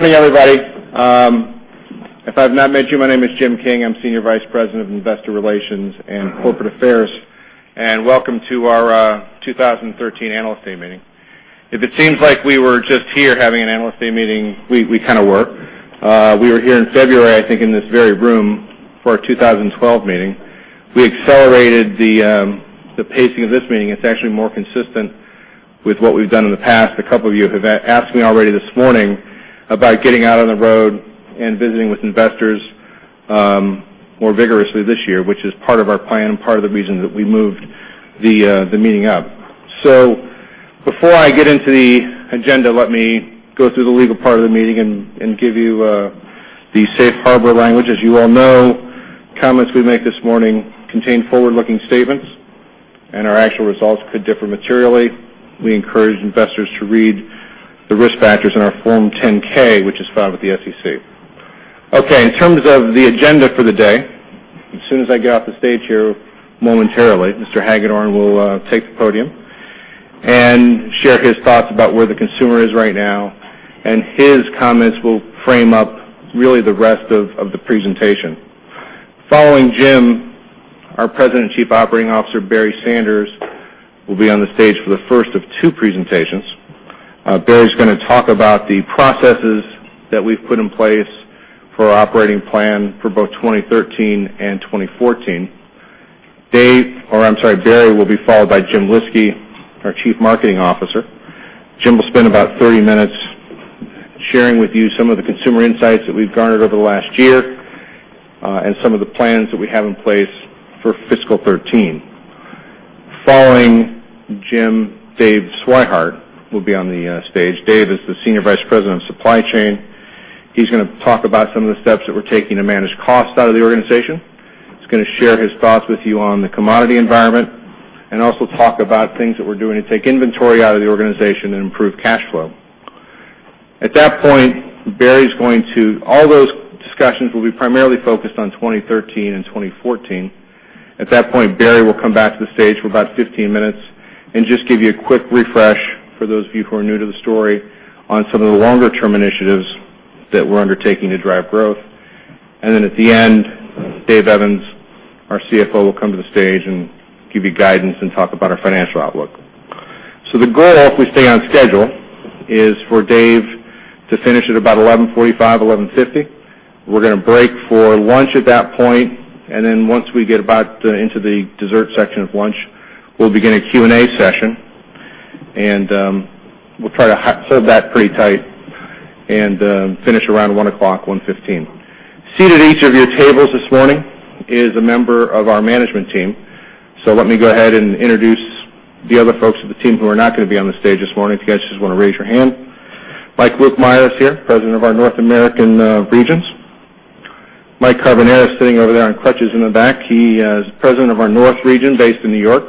Good morning, everybody. If I've not met you, my name is Jim King. I'm Senior Vice President of Investor Relations and Corporate Affairs, welcome to our 2013 Analyst Day meeting. If it seems like we were just here having an Analyst Day meeting, we kind of were. We were here in February, I think, in this very room for our 2012 meeting. We accelerated the pacing of this meeting. It's actually more consistent with what we've done in the past. A couple of you have asked me already this morning about getting out on the road and visiting with investors more vigorously this year, which is part of our plan and part of the reason that we moved the meeting up. Before I get into the agenda, let me go through the legal part of the meeting and give you the safe harbor language. As you all know, comments we make this morning contain forward-looking statements, and our actual results could differ materially. We encourage investors to read the risk factors in our Form 10-K, which is filed with the SEC. In terms of the agenda for the day, as soon as I get off the stage here momentarily, Mr. Hagedorn will take the podium and share his thoughts about where the consumer is right now, and his comments will frame up really the rest of the presentation. Following Jim, our President and Chief Operating Officer, Barry Sanders, will be on the stage for the first of two presentations. Barry's going to talk about the processes that we've put in place for our operating plan for both 2013 and 2014. Barry will be followed by Jim Lyski, our Chief Marketing Officer. Jim will spend about 30 minutes sharing with you some of the consumer insights that we've garnered over the last year, and some of the plans that we have in place for fiscal 2013. Following Jim, Dave Swihart will be on the stage. Dave is the Senior Vice President of Supply Chain. He's going to talk about some of the steps that we're taking to manage cost out of the organization. He's going to share his thoughts with you on the commodity environment and also talk about things that we're doing to take inventory out of the organization and improve cash flow. All those discussions will be primarily focused on 2013 and 2014. At that point, Barry will come back to the stage for about 15 minutes and just give you a quick refresh for those of you who are new to the story on some of the longer-term initiatives that we're undertaking to drive growth. At the end, Dave Evans, our CFO, will come to the stage and give you guidance and talk about our financial outlook. The goal, if we stay on schedule, is for Dave to finish at about 11:45 A.M., 11:50 A.M. We're going to break for lunch at that point, and then once we get about into the dessert section of lunch, we'll begin a Q&A session. We'll try to hold that pretty tight and finish around 1:00 P.M., 1:15 P.M. Seated at each of your tables this morning is a member of our management team. Let me go ahead and introduce the other folks of the team who are not going to be on the stage this morning. If you guys just want to raise your hand. Mike Lukemire is here, President of our North American regions. Mike Carbonara is sitting over there on crutches in the back. He is President of our North region, based in New York.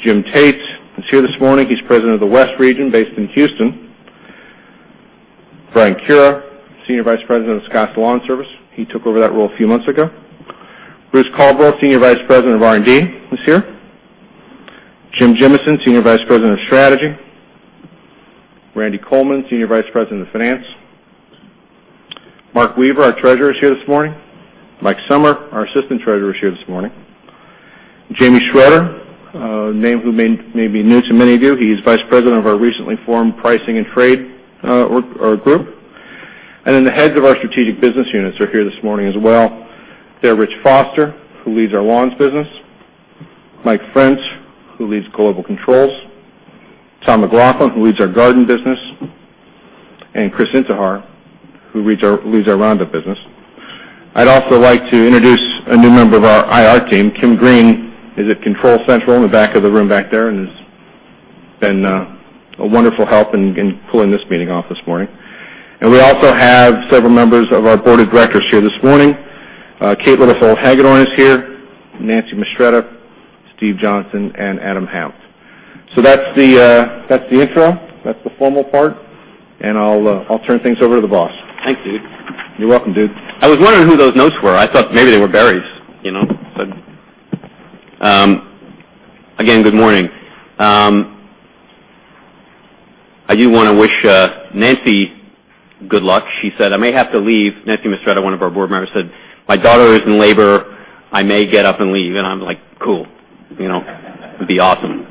Jim Tate is here this morning. He's President of the West region, based in Houston. Frank Cura, Senior Vice President of Scotts LawnService. He took over that role a few months ago. Bruce Caldwell, Senior Vice President of R&D, who's here. Jim Gimeson, Senior Vice President of Strategy. Randy Coleman, Senior Vice President of Finance. Mark Weaver, our Treasurer, is here this morning. Mike Sommer, our Assistant Treasurer, is here this morning. Jamie Schroeder, a name who may be new to many of you. He's Vice President of our recently formed Pricing and Trade group. The heads of our strategic business units are here this morning as well. They're Rich Foster, who leads our Lawns business, Mike French, who leads Global Controls, Tom McLoughlin, who leads our Garden business, and Chris Intihar, who leads our Rhondo business. I'd also like to introduce a new member of our IR team. Kim Green is at control central in the back of the room back there and has been a wonderful help in pulling this meeting off this morning. We also have several members of our Board of Directors here this morning. Caitlin O'Connell Hagedorn is here, Nancy Mistretta, Steve Johnson, and Adam Hanft. That's the intro, that's the formal part, and I'll turn things over to the boss. Thanks, dude. You're welcome, dude. I was wondering who those notes were. I thought maybe they were Barry's. Again, good morning. I do want to wish Nancy good luck. She said, "I may have to leave." Nancy Mistretta, one of our board members, said, "My daughter is in labor. I may get up and leave." I'm like, "Cool." That'd be awesome.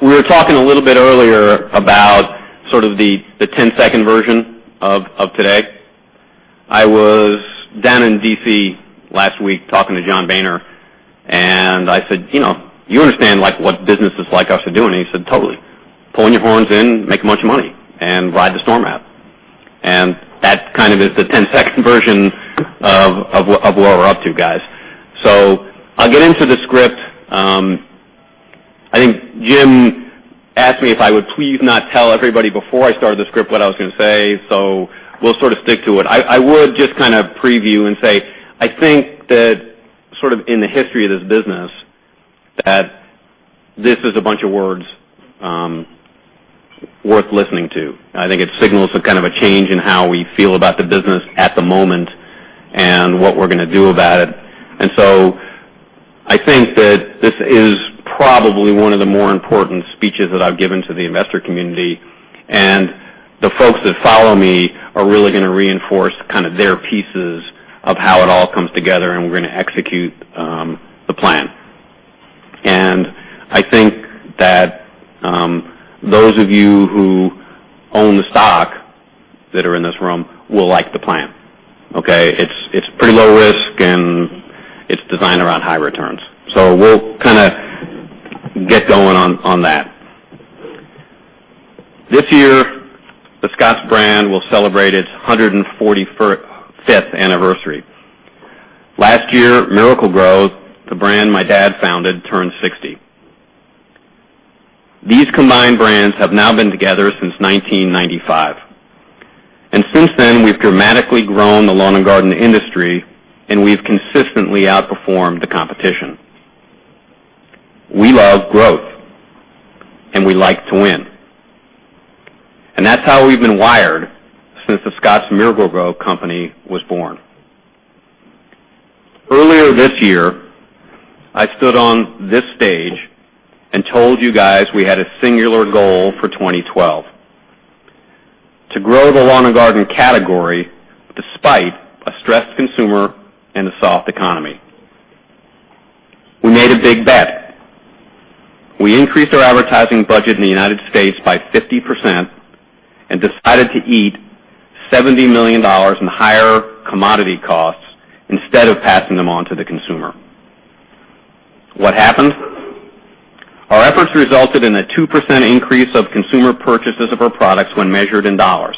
We were talking a little bit earlier about sort of the 10-second version of today. I was down in D.C. last week talking to John Boehner, and I said, "You understand what businesses like us are doing?" He said, "Totally. Pulling your horns in, make a bunch of money, and ride the storm out." That kind of is the 10-second version of what we're up to, guys. I'll get into the script. I think Jim asked me if I would please not tell everybody before I started the script what I was going to say. We'll sort of stick to it. I would just kind of preview and say, I think that sort of in the history of this business, that this is a bunch of words worth listening to. I think it signals a kind of a change in how we feel about the business at the moment and what we're going to do about it. I think that this is probably one of the more important speeches that I've given to the investor community, and the folks that follow me are really going to reinforce their pieces of how it all comes together, and we're going to execute the plan. I think that those of you who own the stock that are in this room will like the plan. Okay? It's pretty low risk, and it's designed around high returns. We'll get going on that. This year, the Scotts brand will celebrate its 145th anniversary. Last year, Miracle-Gro, the brand my dad founded, turned 60. These combined brands have now been together since 1995. Since then, we've dramatically grown the lawn and garden industry, and we've consistently outperformed the competition. We love growth, and we like to win. That's how we've been wired since The Scotts Miracle-Gro Company was born. Earlier this year, I stood on this stage and told you guys we had a singular goal for 2012, to grow the lawn and garden category despite a stressed consumer and a soft economy. We made a big bet. We increased our advertising budget in the United States by 50% and decided to eat $70 million in higher commodity costs instead of passing them on to the consumer. What happened? Our efforts resulted in a 2% increase of consumer purchases of our products when measured in dollars.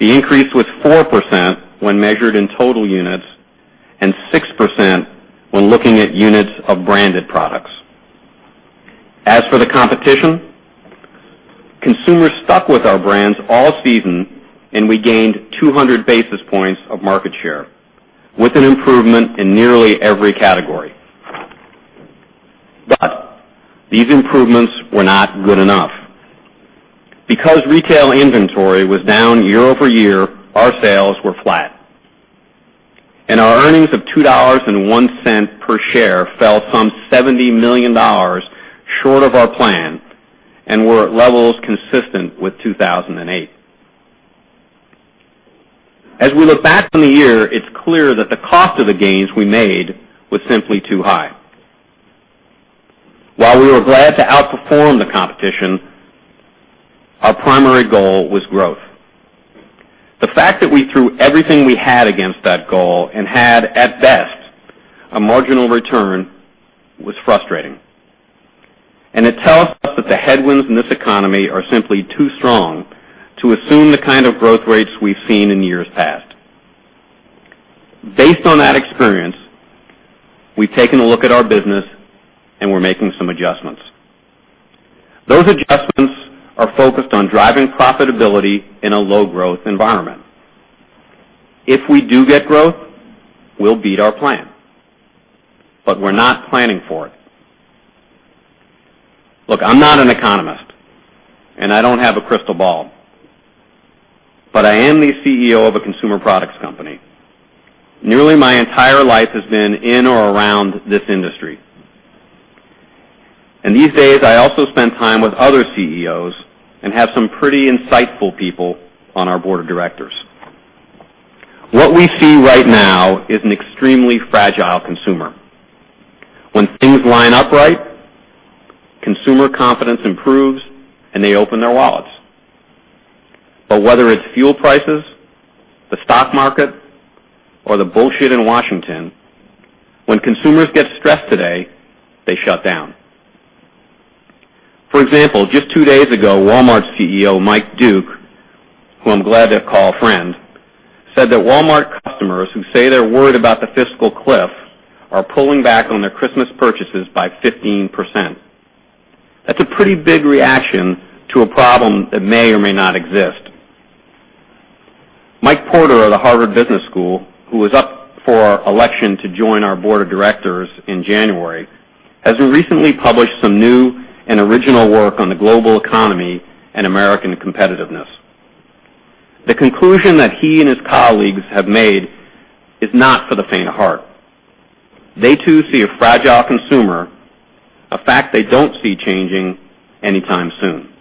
The increase was 4% when measured in total units and 6% when looking at units of branded products. As for the competition, consumers stuck with our brands all season, and we gained 200 basis points of market share with an improvement in nearly every category. These improvements were not good enough. Because retail inventory was down year-over-year, our sales were flat, and our earnings of $2.01 per share fell some $70 million short of our plan and were at levels consistent with 2008. As we look back on the year, it's clear that the cost of the gains we made was simply too high. While we were glad to outperform the competition, our primary goal was growth. The fact that we threw everything we had against that goal and had, at best, a marginal return was frustrating, and it tells us that the headwinds in this economy are simply too strong to assume the kind of growth rates we've seen in years past. Based on that experience, we've taken a look at our business, and we're making some adjustments. Those adjustments are focused on driving profitability in a low-growth environment. If we do get growth, we'll beat our plan. We're not planning for it. Look, I'm not an economist, and I don't have a crystal ball. I am the CEO of a consumer products company. Nearly my entire life has been in or around this industry. These days, I also spend time with other CEOs and have some pretty insightful people on our board of directors. What we see right now is an extremely fragile consumer. When things line up right, consumer confidence improves, and they open their wallets. Whether it's fuel prices, the stock market, or the bullshit in Washington, when consumers get stressed today, they shut down. For example, just two days ago, Walmart CEO, Mike Duke, who I'm glad to call a friend, said that Walmart customers who say they're worried about the fiscal cliff are pulling back on their Christmas purchases by 15%. That's a pretty big reaction to a problem that may or may not exist. Mike Porter of the Harvard Business School, who is up for election to join our board of directors in January, has recently published some new and original work on the global economy and American competitiveness. The conclusion that he and his colleagues have made is not for the faint of heart. They too see a fragile consumer, a fact they don't see changing anytime soon.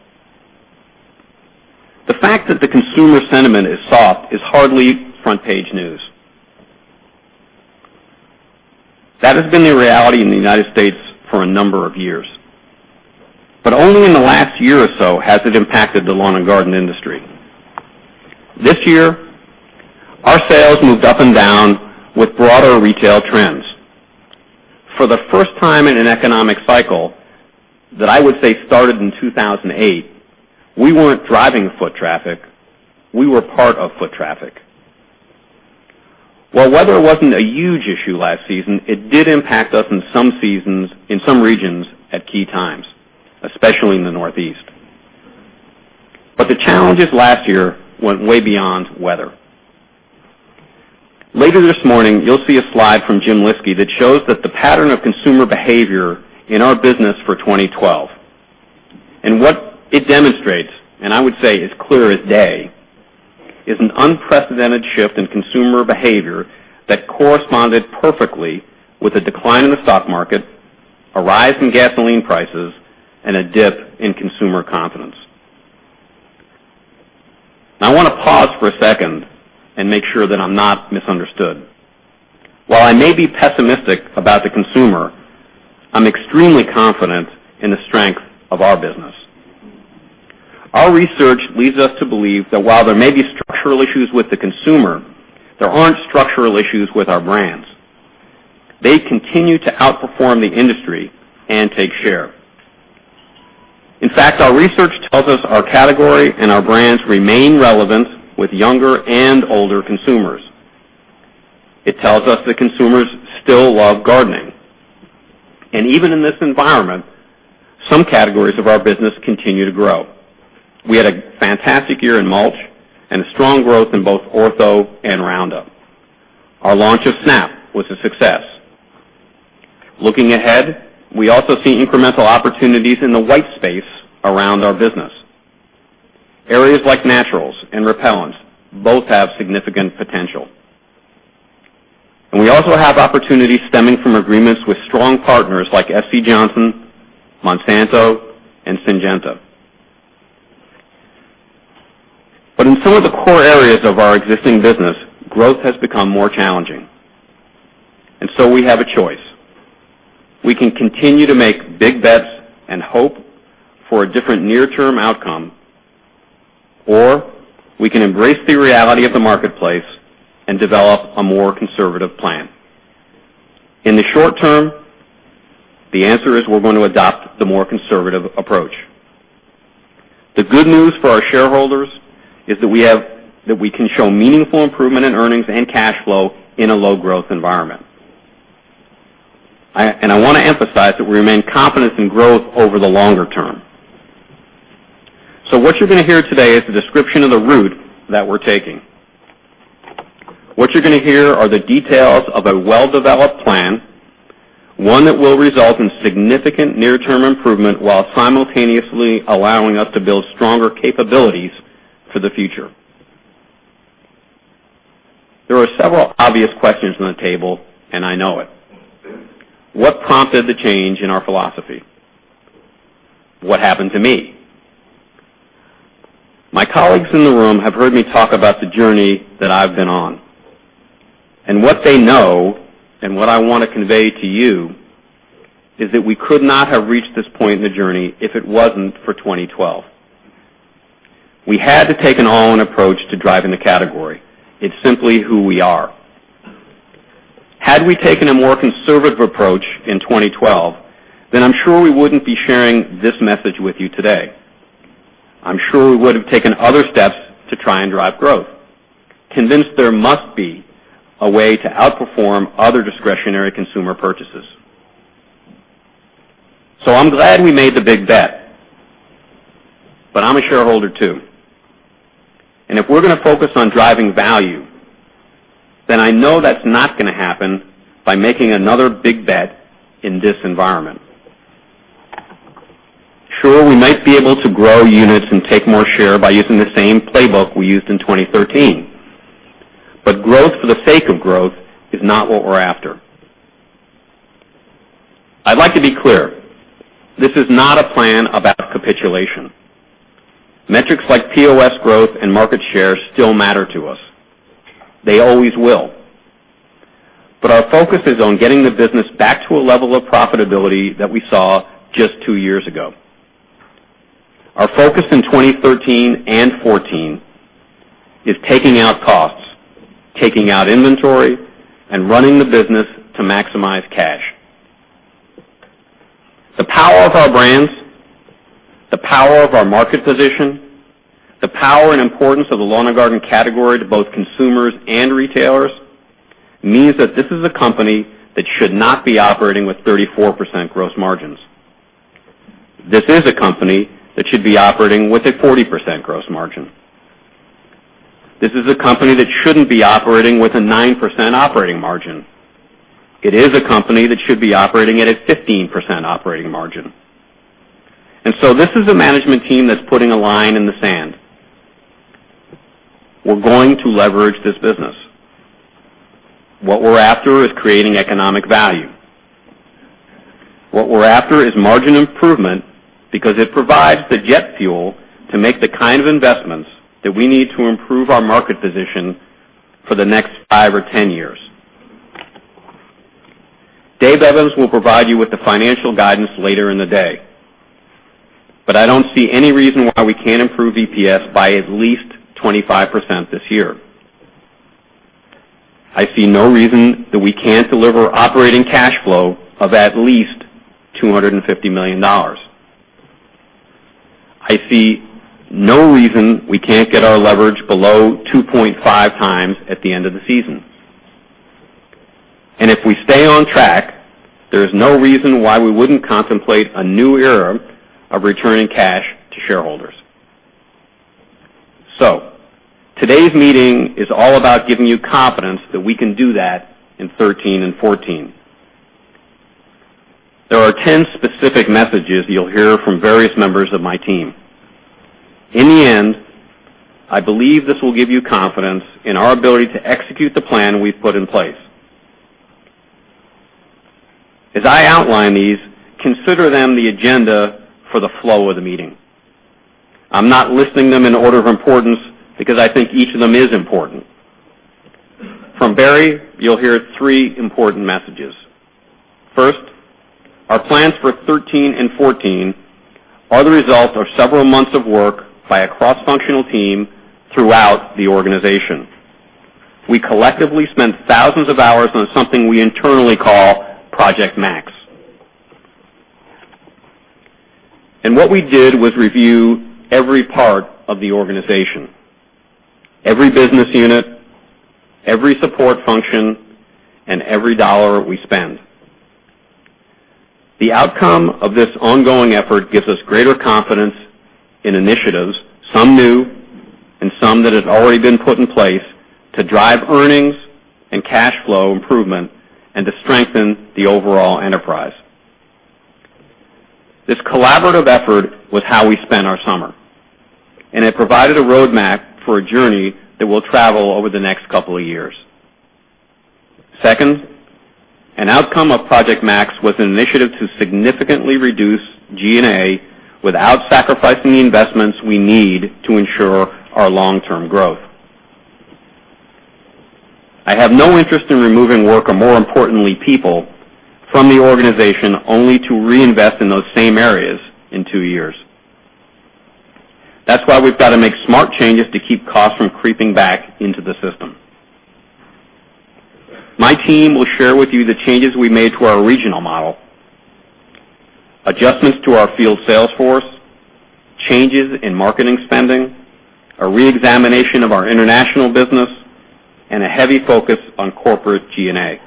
The fact that the consumer sentiment is soft is hardly front-page news. That has been the reality in the U.S. for a number of years. Only in the last year or so has it impacted the lawn and garden industry. This year, our sales moved up and down with broader retail trends. For the first time in an economic cycle that I would say started in 2008, we weren't driving foot traffic, we were part of foot traffic. While weather wasn't a huge issue last season, it did impact us in some seasons, in some regions at key times, especially in the Northeast. The challenges last year went way beyond weather. Later this morning, you'll see a slide from Jim Lyski that shows that the pattern of consumer behavior in our business for 2012. What it demonstrates, and I would say as clear as day, is an unprecedented shift in consumer behavior that corresponded perfectly with a decline in the stock market, a rise in gasoline prices, and a dip in consumer confidence. I want to pause for a second and make sure that I'm not misunderstood. While I may be pessimistic about the consumer, I'm extremely confident in the strength of our business. Our research leads us to believe that while there may be structural issues with the consumer, there aren't structural issues with our brands. They continue to outperform the industry and take share. In fact, our research tells us our category and our brands remain relevant with younger and older consumers. It tells us that consumers still love gardening. Even in this environment, some categories of our business continue to grow. We had a fantastic year in mulch and a strong growth in both Ortho and Roundup. Our launch of Snap was a success. Looking ahead, we also see incremental opportunities in the white space around our business. Areas like Naturals and Repellent both have significant potential. We also have opportunities stemming from agreements with strong partners like SC Johnson, Monsanto, and Syngenta. In some of the core areas of our existing business, growth has become more challenging. We have a choice. We can continue to make big bets and hope for a different near-term outcome, or we can embrace the reality of the marketplace and develop a more conservative plan. In the short term, the answer is we're going to adopt the more conservative approach. The good news for our shareholders is that we can show meaningful improvement in earnings and cash flow in a low-growth environment. I want to emphasize that we remain confident in growth over the longer term. What you're going to hear today is the description of the route that we're taking. What you're going to hear are the details of a well-developed plan, one that will result in significant near-term improvement while simultaneously allowing us to build stronger capabilities for the future. There are several obvious questions on the table, and I know it. What prompted the change in our philosophy? What happened to me? My colleagues in the room have heard me talk about the journey that I've been on. What they know, and what I want to convey to you, is that we could not have reached this point in the journey if it wasn't for 2012. We had to take an all-in approach to driving the category. It's simply who we are. Had we taken a more conservative approach in 2012, then I'm sure we wouldn't be sharing this message with you today. I'm sure we would have taken other steps to try and drive growth, convinced there must be a way to outperform other discretionary consumer purchases. I'm glad we made the big bet. I'm a shareholder too. If we're going to focus on driving value, then I know that's not going to happen by making another big bet in this environment. Sure, we might be able to grow units and take more share by using the same playbook we used in 2013. Growth for the sake of growth is not what we're after. I'd like to be clear. This is not a plan about capitulation. Metrics like POS growth and market share still matter to us. They always will. Our focus is on getting the business back to a level of profitability that we saw just two years ago. Our focus in 2013 and 2014 is taking out costs, taking out inventory, and running the business to maximize cash. The power of our brands, the power of our market position, the power and importance of the lawn and garden category to both consumers and retailers means that this is a company that should not be operating with 34% gross margins. This is a company that should be operating with a 40% gross margin. This is a company that shouldn't be operating with a 9% operating margin. It is a company that should be operating at a 15% operating margin. This is a management team that's putting a line in the sand. We're going to leverage this business. What we're after is creating economic value. What we're after is margin improvement because it provides the jet fuel to make the kind of investments that we need to improve our market position for the next five or 10 years. Dave Evans will provide you with the financial guidance later in the day. I don't see any reason why we can't improve EPS by at least 25% this year. I see no reason that we can't deliver operating cash flow of at least $250 million. I see no reason we can't get our leverage below 2.5 times at the end of the season. If we stay on track, there's no reason why we wouldn't contemplate a new era of returning cash to shareholders. Today's meeting is all about giving you confidence that we can do that in 2013 and 2014. There are 10 specific messages you'll hear from various members of my team. In the end, I believe this will give you confidence in our ability to execute the plan we've put in place. As I outline these, consider them the agenda for the flow of the meeting. I'm not listing them in order of importance because I think each of them is important. From Barry, you'll hear three important messages. First, our plans for 2013 and 2014 are the result of several months of work by a cross-functional team throughout the organization. We collectively spent thousands of hours on something we internally call Project Max. What we did was review every part of the organization, every business unit, every support function, and every dollar we spend. The outcome of this ongoing effort gives us greater confidence in initiatives, some new and some that have already been put in place, to drive earnings and cash flow improvement and to strengthen the overall enterprise. This collaborative effort was how we spent our summer, and it provided a roadmap for a journey that we'll travel over the next couple of years. Second, an outcome of Project Max was an initiative to significantly reduce G&A without sacrificing the investments we need to ensure our long-term growth. I have no interest in removing work, or more importantly, people from the organization only to reinvest in those same areas in two years. That's why we've got to make smart changes to keep costs from creeping back into the system. My team will share with you the changes we made to our regional model, adjustments to our field sales force, changes in marketing spending, a reexamination of our international business, and a heavy focus on corporate G&A.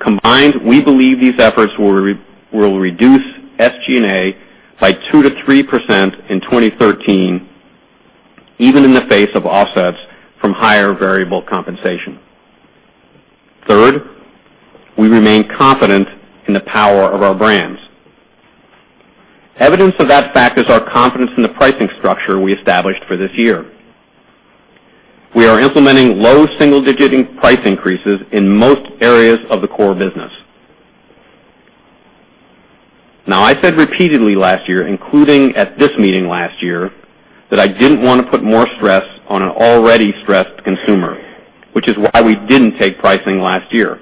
Combined, we believe these efforts will reduce SG&A by 2%-3% in 2013, even in the face of offsets from higher variable compensation. Third, we remain confident in the power of our brands. Evidence of that fact is our confidence in the pricing structure we established for this year. We are implementing low single-digit price increases in most areas of the core business. I said repeatedly last year, including at this meeting last year, that I didn't want to put more stress on an already stressed consumer, which is why we didn't take pricing last year.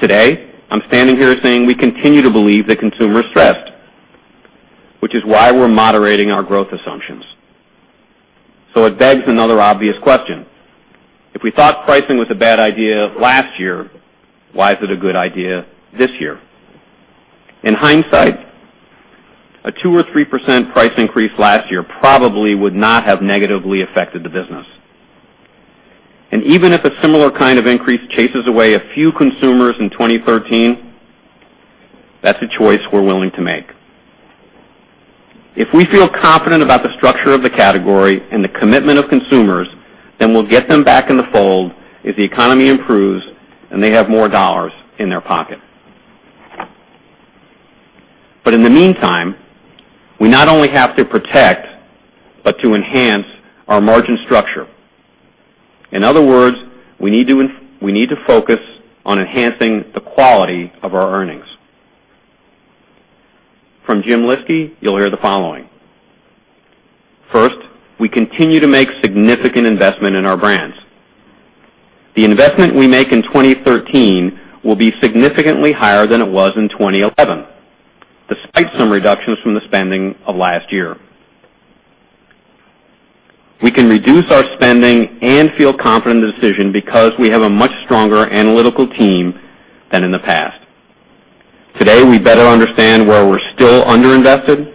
Today, I'm standing here saying we continue to believe the consumer is stressed, which is why we're moderating our growth assumptions. It begs another obvious question. If we thought pricing was a bad idea last year, why is it a good idea this year? In hindsight, a 2% or 3% price increase last year probably would not have negatively affected the business. Even if a similar kind of increase chases away a few consumers in 2013, that's a choice we're willing to make. If we feel confident about the structure of the category and the commitment of consumers, then we'll get them back in the fold as the economy improves and they have more dollars in their pocket. In the meantime, we not only have to protect, but to enhance our margin structure. In other words, we need to focus on enhancing the quality of our earnings. From Jim Lyski, you'll hear the following. First, we continue to make significant investment in our brands. The investment we make in 2013 will be significantly higher than it was in 2011, despite some reductions from the spending of last year. We can reduce our spending and feel confident in the decision because we have a much stronger analytical team than in the past. Today, we better understand where we're still under-invested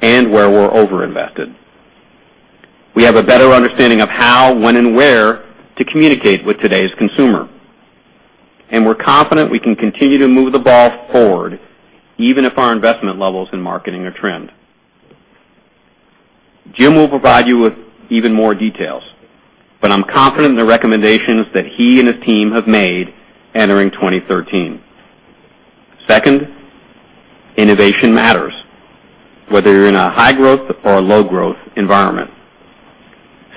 and where we're over-invested. We have a better understanding of how, when, and where to communicate with today's consumer. We're confident we can continue to move the ball forward, even if our investment levels in marketing are trimmed. Jim will provide you with even more details, but I'm confident in the recommendations that he and his team have made entering 2013. Second, innovation matters, whether you're in a high-growth or a low-growth environment.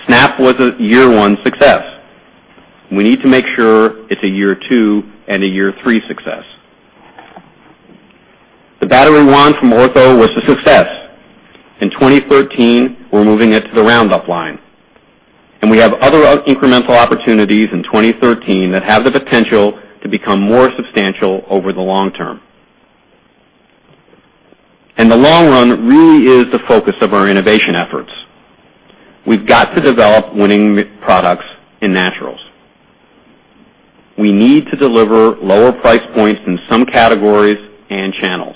Snap was a year 1 success. We need to make sure it's a year 2 and a year 3 success. The Battery Wand from Ortho was a success. In 2013, we're moving it to the Roundup line. We have other incremental opportunities in 2013 that have the potential to become more substantial over the long term. The long run really is the focus of our innovation efforts. We've got to develop winning products in Naturals. We need to deliver lower price points in some categories and channels.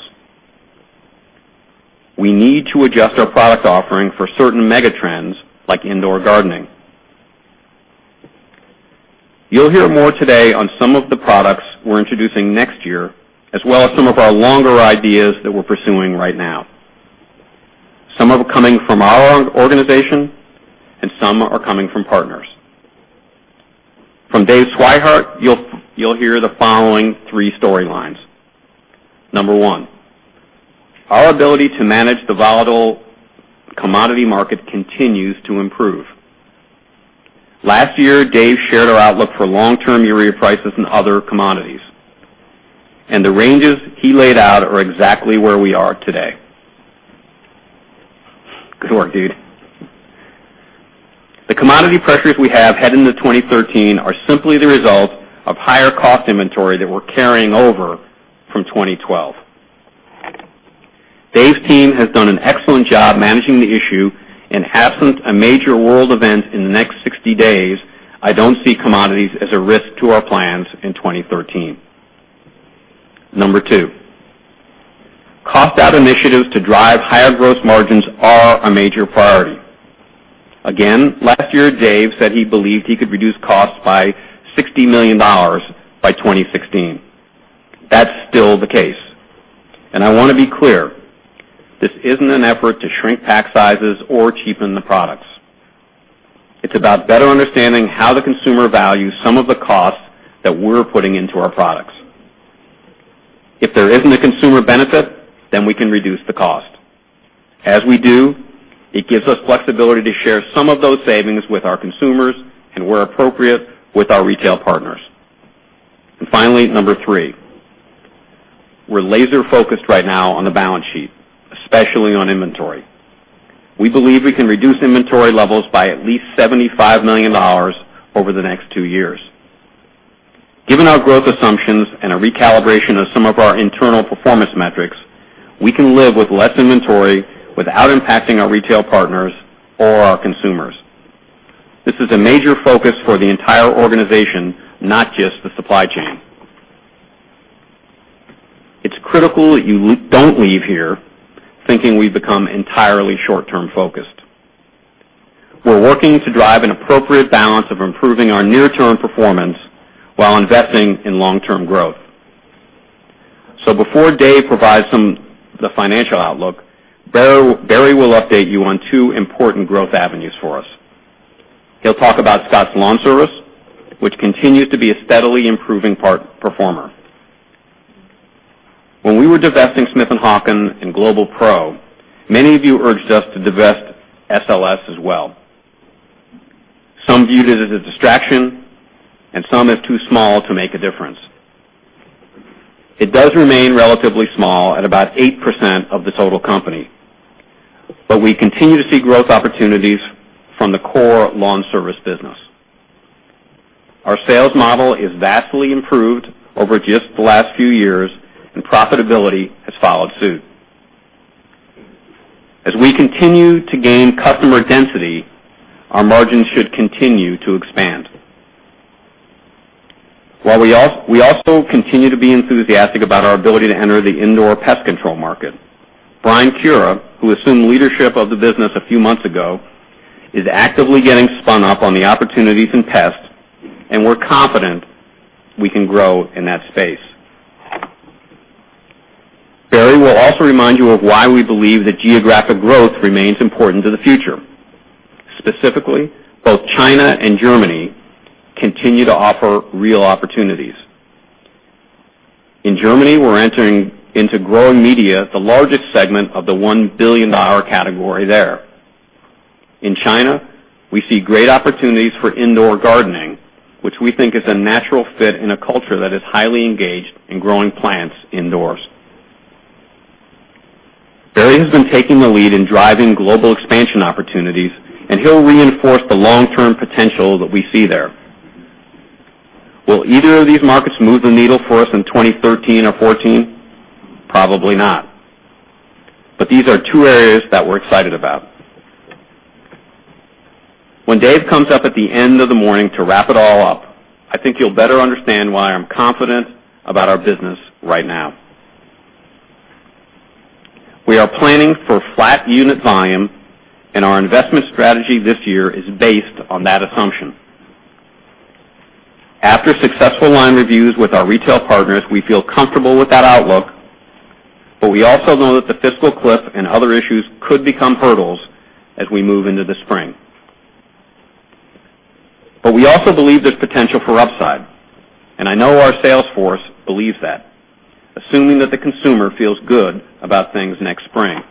We need to adjust our product offering for certain mega trends like indoor gardening. You'll hear more today on some of the products we're introducing next year, as well as some of our longer ideas that we're pursuing right now. Some are coming from our organization, and some are coming from partners. From Dave Swihart, you'll hear the following three storylines. Number 1, our ability to manage the volatile commodity market continues to improve. Last year, Dave shared our outlook for long-term urea prices and other commodities. The ranges he laid out are exactly where we are today. Good work, dude. The commodity pressures we have heading into 2013 are simply the result of higher cost inventory that we're carrying over from 2012. Dave's team has done an excellent job managing the issue. Absent a major world event in the next 60 days, I don't see commodities as a risk to our plans in 2013. Number two, cost-out initiatives to drive higher gross margins are a major priority. Again, last year, Dave said he believed he could reduce costs by $60 million by 2016. That's still the case. I want to be clear, this isn't an effort to shrink pack sizes or cheapen the products. It's about better understanding how the consumer values some of the costs that we're putting into our products. If there isn't a consumer benefit, we can reduce the cost. As we do, it gives us flexibility to share some of those savings with our consumers and where appropriate, with our retail partners. Finally, number three, we're laser-focused right now on the balance sheet, especially on inventory. We believe we can reduce inventory levels by at least $75 million over the next two years. Given our growth assumptions and a recalibration of some of our internal performance metrics, we can live with less inventory without impacting our retail partners or our consumers. This is a major focus for the entire organization, not just the supply chain. It's critical that you don't leave here thinking we've become entirely short-term focused. We're working to drive an appropriate balance of improving our near-term performance while investing in long-term growth. Before Dave provides the financial outlook, Barry will update you on two important growth avenues for us. He'll talk about Scotts LawnService, which continues to be a steadily improving performer. When we were divesting Smith & Hawken and Global Pro, many of you urged us to divest SLS as well. Some viewed it as a distraction, some as too small to make a difference. It does remain relatively small at about 8% of the total company, we continue to see growth opportunities from the core lawn service business. Our sales model is vastly improved over just the last few years, profitability has followed suit. As we continue to gain customer density, our margins should continue to expand. We also continue to be enthusiastic about our ability to enter the indoor pest control market. Brian Cura, who assumed leadership of the business a few months ago, is actively getting spun up on the opportunities in pest, we're confident we can grow in that space. Barry will also remind you of why we believe that geographic growth remains important to the future. Specifically, both China and Germany continue to offer real opportunities. In Germany, we're entering into growing media, the largest segment of the $1 billion category there. In China, we see great opportunities for indoor gardening, which we think is a natural fit in a culture that is highly engaged in growing plants indoors. Barry has been taking the lead in driving global expansion opportunities, he'll reinforce the long-term potential that we see there. Will either of these markets move the needle for us in 2013 or 2014? Probably not. These are two areas that we're excited about. When Dave comes up at the end of the morning to wrap it all up, I think you'll better understand why I'm confident about our business right now. We are planning for flat unit volume, and our investment strategy this year is based on that assumption. After successful line reviews with our retail partners, we feel comfortable with that outlook, but we also know that the fiscal cliff and other issues could become hurdles as we move into the spring. We also believe there's potential for upside, and I know our sales force believes that, assuming that the consumer feels good about things next spring.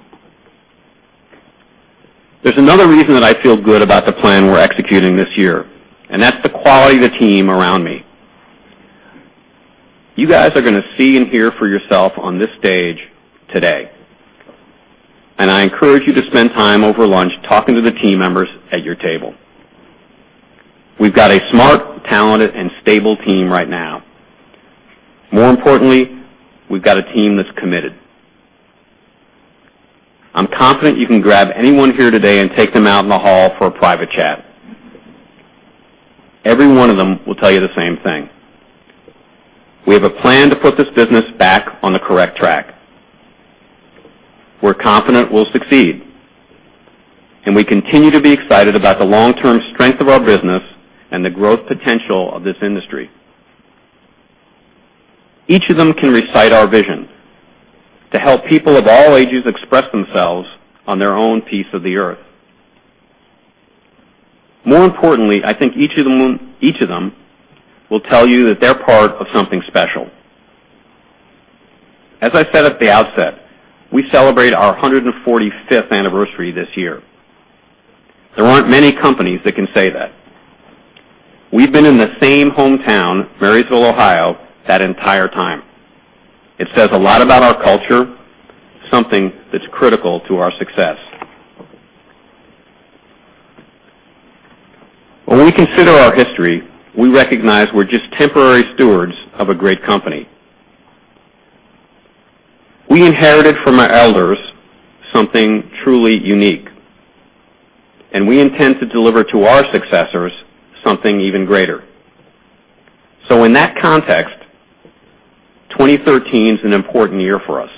There's another reason that I feel good about the plan we're executing this year, and that's the quality of the team around me. You guys are going to see and hear for yourself on this stage today. I encourage you to spend time over lunch talking to the team members at your table. We've got a smart, talented, and stable team right now. More importantly, we've got a team that's committed. I'm confident you can grab anyone here today and take them out in the hall for a private chat. Every one of them will tell you the same thing. We have a plan to put this business back on the correct track. We're confident we'll succeed, and we continue to be excited about the long-term strength of our business and the growth potential of this industry. Each of them can recite our vision to help people of all ages express themselves on their own piece of the earth. More importantly, I think each of them will tell you that they're part of something special. As I said at the outset, we celebrate our 145th anniversary this year. There aren't many companies that can say that. We've been in the same hometown, Marysville, Ohio, that entire time. It says a lot about our culture, something that's critical to our success. When we consider our history, we recognize we're just temporary stewards of a great company. We inherited from our elders something truly unique, and we intend to deliver to our successors something even greater. In that context, 2013 is an important year for us.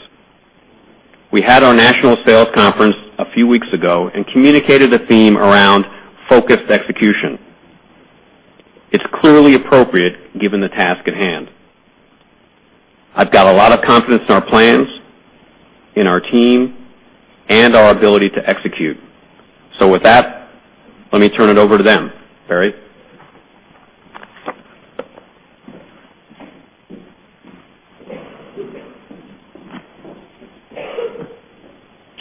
We had our national sales conference a few weeks ago and communicated a theme around focused execution. It's clearly appropriate given the task at hand. I've got a lot of confidence in our plans, in our team, and our ability to execute. With that, let me turn it over to them. Barry?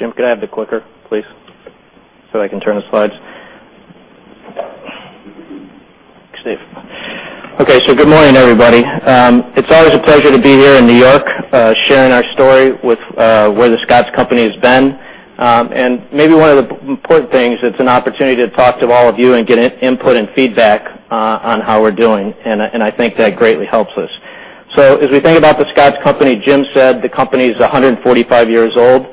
Jim, could I have the clicker, please, so that I can turn the slides? Steve. Okay. Good morning, everybody. It's always a pleasure to be here in New York, sharing our story with where The Scotts Company has been. Maybe one of the important things, it's an opportunity to talk to all of you and get input and feedback on how we're doing, and I think that greatly helps us. As we think about The Scotts Company, Jim said the company is 145 years old.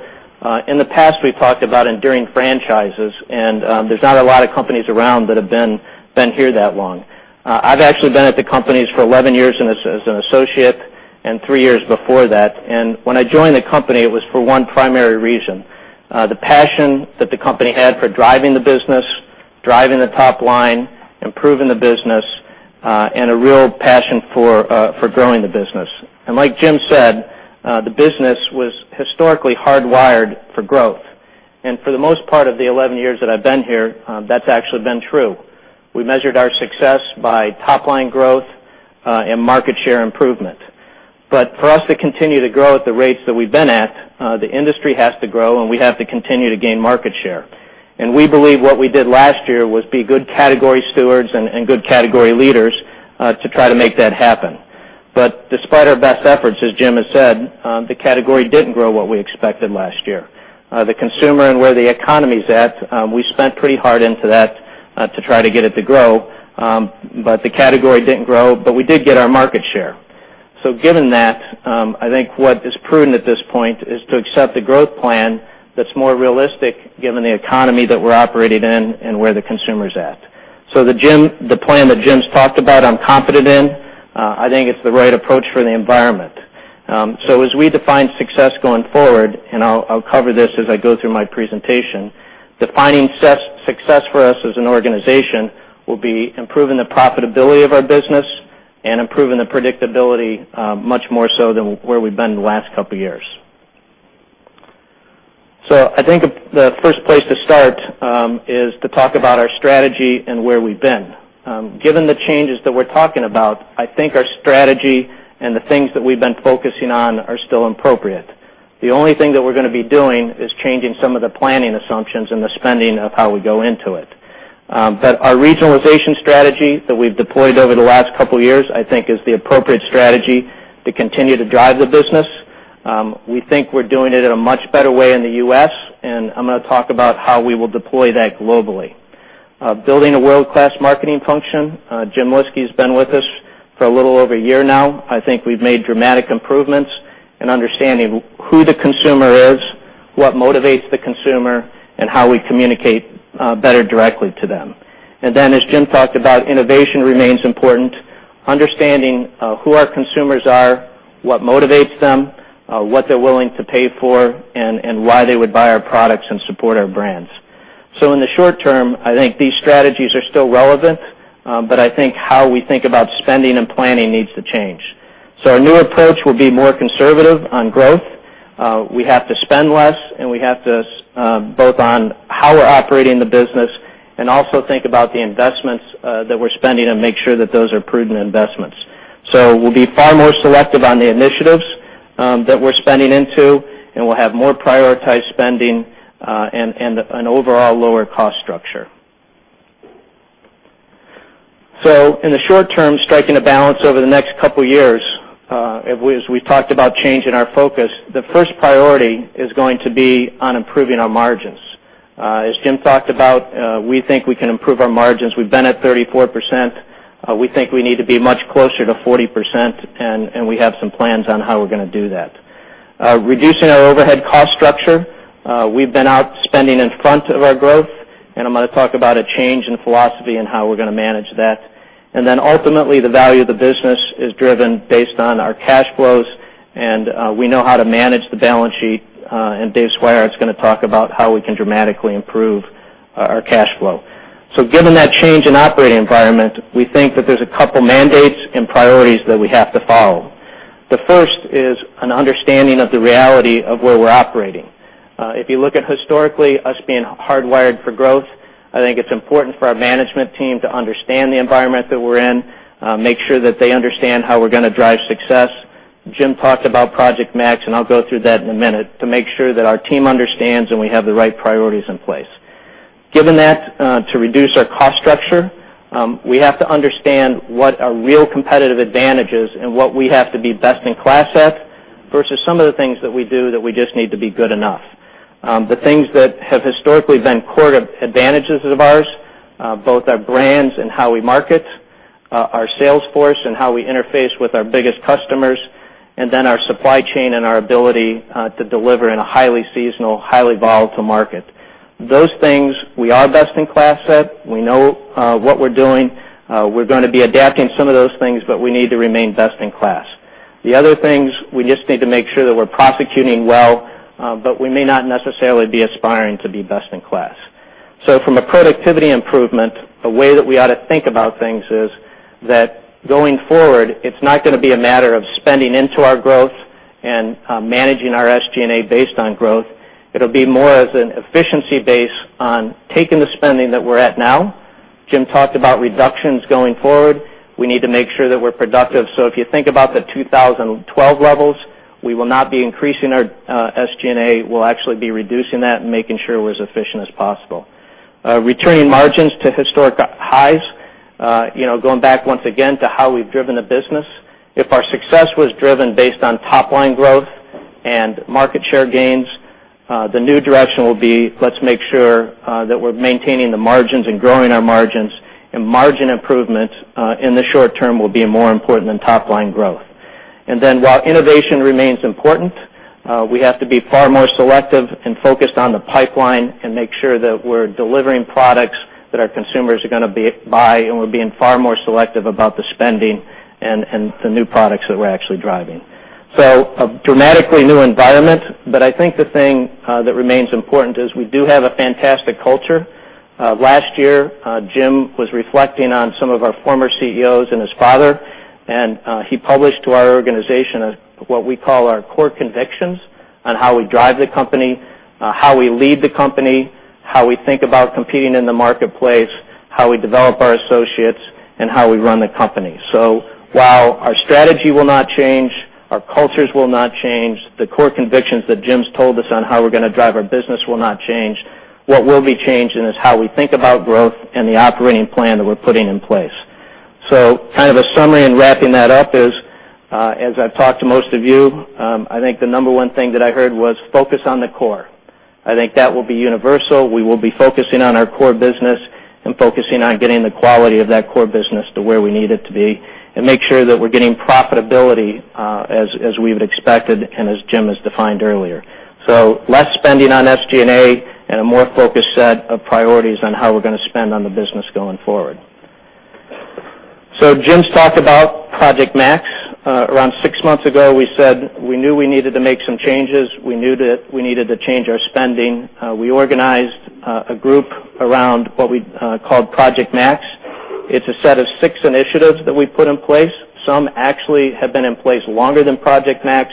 In the past, we've talked about enduring franchises, and there's not a lot of companies around that have been here that long. I've actually been at the company for 11 years as an associate and three years before that. When I joined the company, it was for one primary reason: the passion that the company had for driving the business, driving the top line, improving the business, and a real passion for growing the business. Like Jim said, the business was historically hardwired for growth. For the most part of the 11 years that I've been here, that's actually been true. We measured our success by top-line growth and market share improvement. For us to continue to grow at the rates that we've been at, the industry has to grow, and we have to continue to gain market share. We believe what we did last year was be good category stewards and good category leaders to try to make that happen. Despite our best efforts, as Jim has said, the category didn't grow what we expected last year. The consumer and where the economy's at, we spent pretty hard into that to try to get it to grow, but the category didn't grow, but we did get our market share. Given that, I think what is prudent at this point is to accept a growth plan that's more realistic given the economy that we're operating in and where the consumer's at. The plan that Jim's talked about, I'm confident in. I think it's the right approach for the environment. As we define success going forward, and I'll cover this as I go through my presentation, defining success for us as an organization will be improving the profitability of our business and improving the predictability much more so than where we've been the last couple of years. I think the first place to start is to talk about our strategy and where we've been. Given the changes that we're talking about, I think our strategy and the things that we've been focusing on are still appropriate. The only thing that we're going to be doing is changing some of the planning assumptions and the spending of how we go into it. Our regionalization strategy that we've deployed over the last couple of years, I think is the appropriate strategy to continue to drive the business. We think we're doing it in a much better way in the U.S., and I'm going to talk about how we will deploy that globally. Building a world-class marketing function. Jim Lyski has been with us for a little over a year now. I think we've made dramatic improvements in understanding who the consumer is, what motivates the consumer, and how we communicate better directly to them. As Jim talked about, innovation remains important, understanding who our consumers are, what motivates them, what they're willing to pay for, and why they would buy our products and support our brands. In the short term, I think these strategies are still relevant, but I think how we think about spending and planning needs to change. Our new approach will be more conservative on growth. We have to spend less, and we have to both on how we're operating the business and also think about the investments that we're spending and make sure that those are prudent investments. We'll be far more selective on the initiatives that we're spending into, and we'll have more prioritized spending and an overall lower cost structure. In the short term, striking a balance over the next couple of years, as we've talked about changing our focus, the first priority is going to be on improving our margins. As Jim talked about, we think we can improve our margins. We've been at 34%. We think we need to be much closer to 40%, and we have some plans on how we're going to do that. Reducing our overhead cost structure. We've been out spending in front of our growth, and I'm going to talk about a change in philosophy and how we're going to manage that. Ultimately, the value of the business is driven based on our cash flows, and we know how to manage the balance sheet. Dave Swihart is going to talk about how we can dramatically improve our cash flow. Given that change in operating environment, we think that there's a couple mandates and priorities that we have to follow. The first is an understanding of the reality of where we're operating. If you look at historically us being hardwired for growth, I think it's important for our management team to understand the environment that we're in, make sure that they understand how we're going to drive success. Jim talked about Project Max, and I'll go through that in a minute, to make sure that our team understands and we have the right priorities in place. Given that, to reduce our cost structure, we have to understand what a real competitive advantage is and what we have to be best-in-class at, versus some of the things that we do that we just need to be good enough. The things that have historically been core advantages of ours, both our brands and how we market, our sales force and how we interface with our biggest customers, our supply chain and our ability to deliver in a highly seasonal, highly volatile market. Those things we are best-in-class at. We know what we're doing. We're going to be adapting some of those things, but we need to remain best-in-class. The other things, we just need to make sure that we're prosecuting well, but we may not necessarily be aspiring to be best-in-class. From a productivity improvement, a way that we ought to think about things is that going forward, it's not going to be a matter of spending into our growth and managing our SG&A based on growth. It'll be more as an efficiency based on taking the spending that we're at now. Jim talked about reductions going forward. We need to make sure that we're productive. If you think about the 2012 levels, we will not be increasing our SG&A. We'll actually be reducing that and making sure we're as efficient as possible. Returning margins to historic highs, going back, once again, to how we've driven the business. If our success was driven based on top-line growth and market share gains, the new direction will be, let's make sure that we're maintaining the margins and growing our margins, and margin improvements in the short term will be more important than top-line growth. While innovation remains important, we have to be far more selective and focused on the pipeline and make sure that we're delivering products that our consumers are going to buy, and we're being far more selective about the spending and the new products that we're actually driving. A dramatically new environment, but I think the thing that remains important is we do have a fantastic culture. Last year, Jim was reflecting on some of our former CEOs and his father, and he published to our organization what we call our core convictions on how we drive the company, how we lead the company, how we think about competing in the marketplace, how we develop our associates, and how we run the company. While our strategy will not change, our cultures will not change, the core convictions that Jim's told us on how we're going to drive our business will not change. What will be changing is how we think about growth and the operating plan that we're putting in place. Kind of a summary in wrapping that up is, as I've talked to most of you, I think the number one thing that I heard was focus on the core. I think that will be universal. We will be focusing on our core business and focusing on getting the quality of that core business to where we need it to be and make sure that we're getting profitability, as we've expected and as Jim has defined earlier. Less spending on SG&A and a more focused set of priorities on how we're going to spend on the business going forward. Jim's talked about Project Max. Around six months ago, we said we knew we needed to make some changes. We knew that we needed to change our spending. We organized a group around what we called Project Max. It's a set of six initiatives that we put in place. Some actually have been in place longer than Project Max,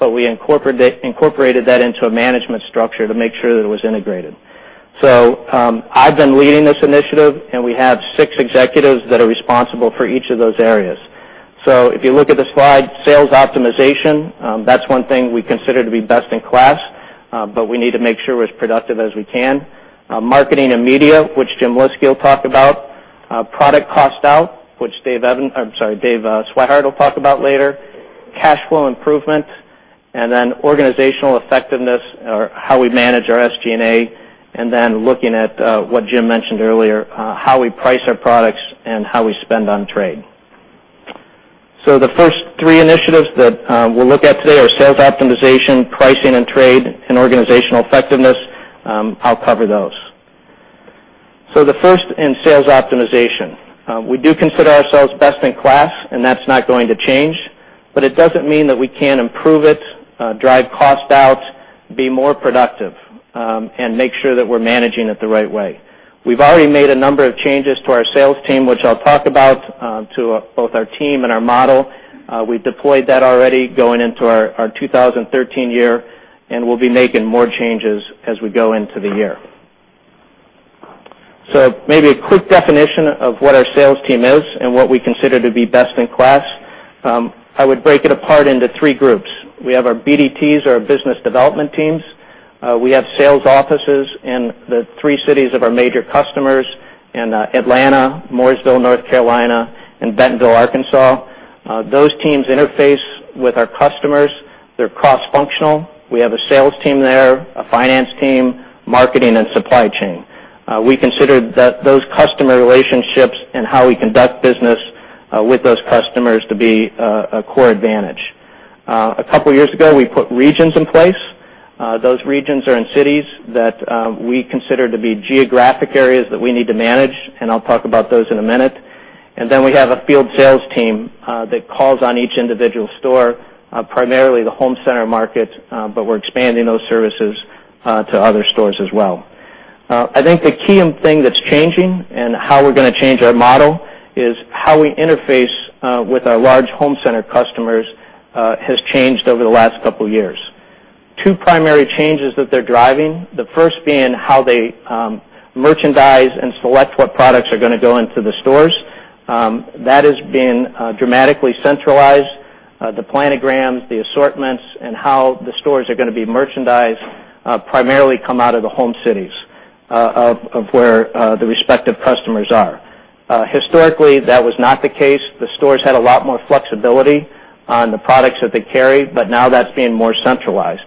but we incorporated that into a management structure to make sure that it was integrated. I've been leading this initiative, and we have six executives that are responsible for each of those areas. If you look at the slide, sales optimization, that's one thing we consider to be best in class. We need to make sure we're as productive as we can. Marketing and media, which Jim Lyski will talk about. Product cost out, which Dave Swihart will talk about later. Cash flow improvement, and then organizational effectiveness or how we manage our SG&A, and then looking at what Jim mentioned earlier, how we price our products and how we spend on trade. The first three initiatives that we'll look at today are sales optimization, pricing and trade, and organizational effectiveness. I'll cover those. The first in sales optimization. We do consider ourselves best in class, and that's not going to change, but it doesn't mean that we can't improve it, drive cost out, be more productive, and make sure that we're managing it the right way. We've already made a number of changes to our sales team, which I'll talk about, to both our team and our model. We deployed that already going into our 2013 year, and we'll be making more changes as we go into the year. Maybe a quick definition of what our sales team is and what we consider to be best in class. I would break it apart into three groups. We have our BDTs, our business development teams. We have sales offices in the three cities of our major customers in Atlanta, Mooresville, North Carolina, and Bentonville, Arkansas. Those teams interface with our customers. They're cross-functional. We have a sales team there, a finance team, marketing, and supply chain. We consider those customer relationships and how we conduct business with those customers to be a core advantage. A couple of years ago, we put regions in place. Those regions are in cities that we consider to be geographic areas that we need to manage, and I'll talk about those in a minute. We have a field sales team that calls on each individual store, primarily the Home Center market, but we're expanding those services to other stores as well. I think the key thing that's changing and how we're going to change our model is how we interface with our large Home Center customers has changed over the last couple of years. Two primary changes that they're driving, the first being how they merchandise and select what products are going to go into the stores. That has been dramatically centralized. The planograms, the assortments, and how the stores are going to be merchandised primarily come out of the home cities of where the respective customers are. Historically, that was not the case. The stores had a lot more flexibility on the products that they carried, but now that's being more centralized.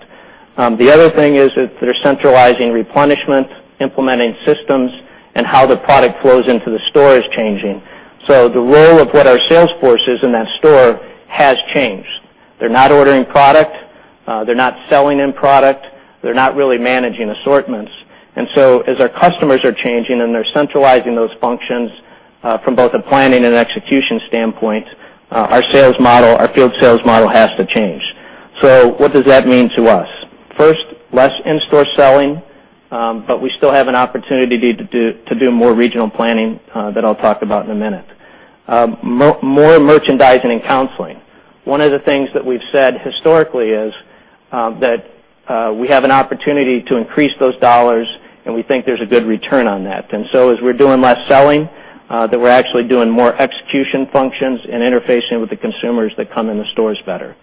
The other thing is that they're centralizing replenishment, implementing systems, and how the product flows into the store is changing. The role of what our sales force is in that store has changed. They're not ordering product, they're not selling any product, they're not really managing assortments. As our customers are changing and they're centralizing those functions from both a planning and execution standpoint, our field sales model has to change. What does that mean to us? First, less in-store selling, but we still have an opportunity to do more regional planning that I'll talk about in a minute. More merchandising and counseling. One of the things that we've said historically is that we have an opportunity to increase those dollars, and we think there's a good return on that. As we're doing less selling, that we're actually doing more execution functions and interfacing with the consumers that come in the stores better.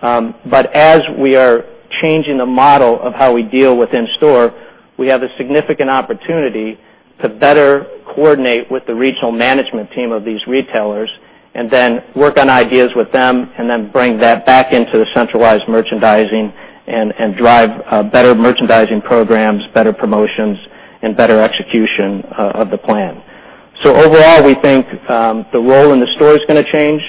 As we are changing the model of how we deal with in-store, we have a significant opportunity to better coordinate with the regional management team of these retailers and then work on ideas with them and then bring that back into the centralized merchandising and drive better merchandising programs, better promotions, and better execution of the plan. Overall, we think the role in the store is going to change.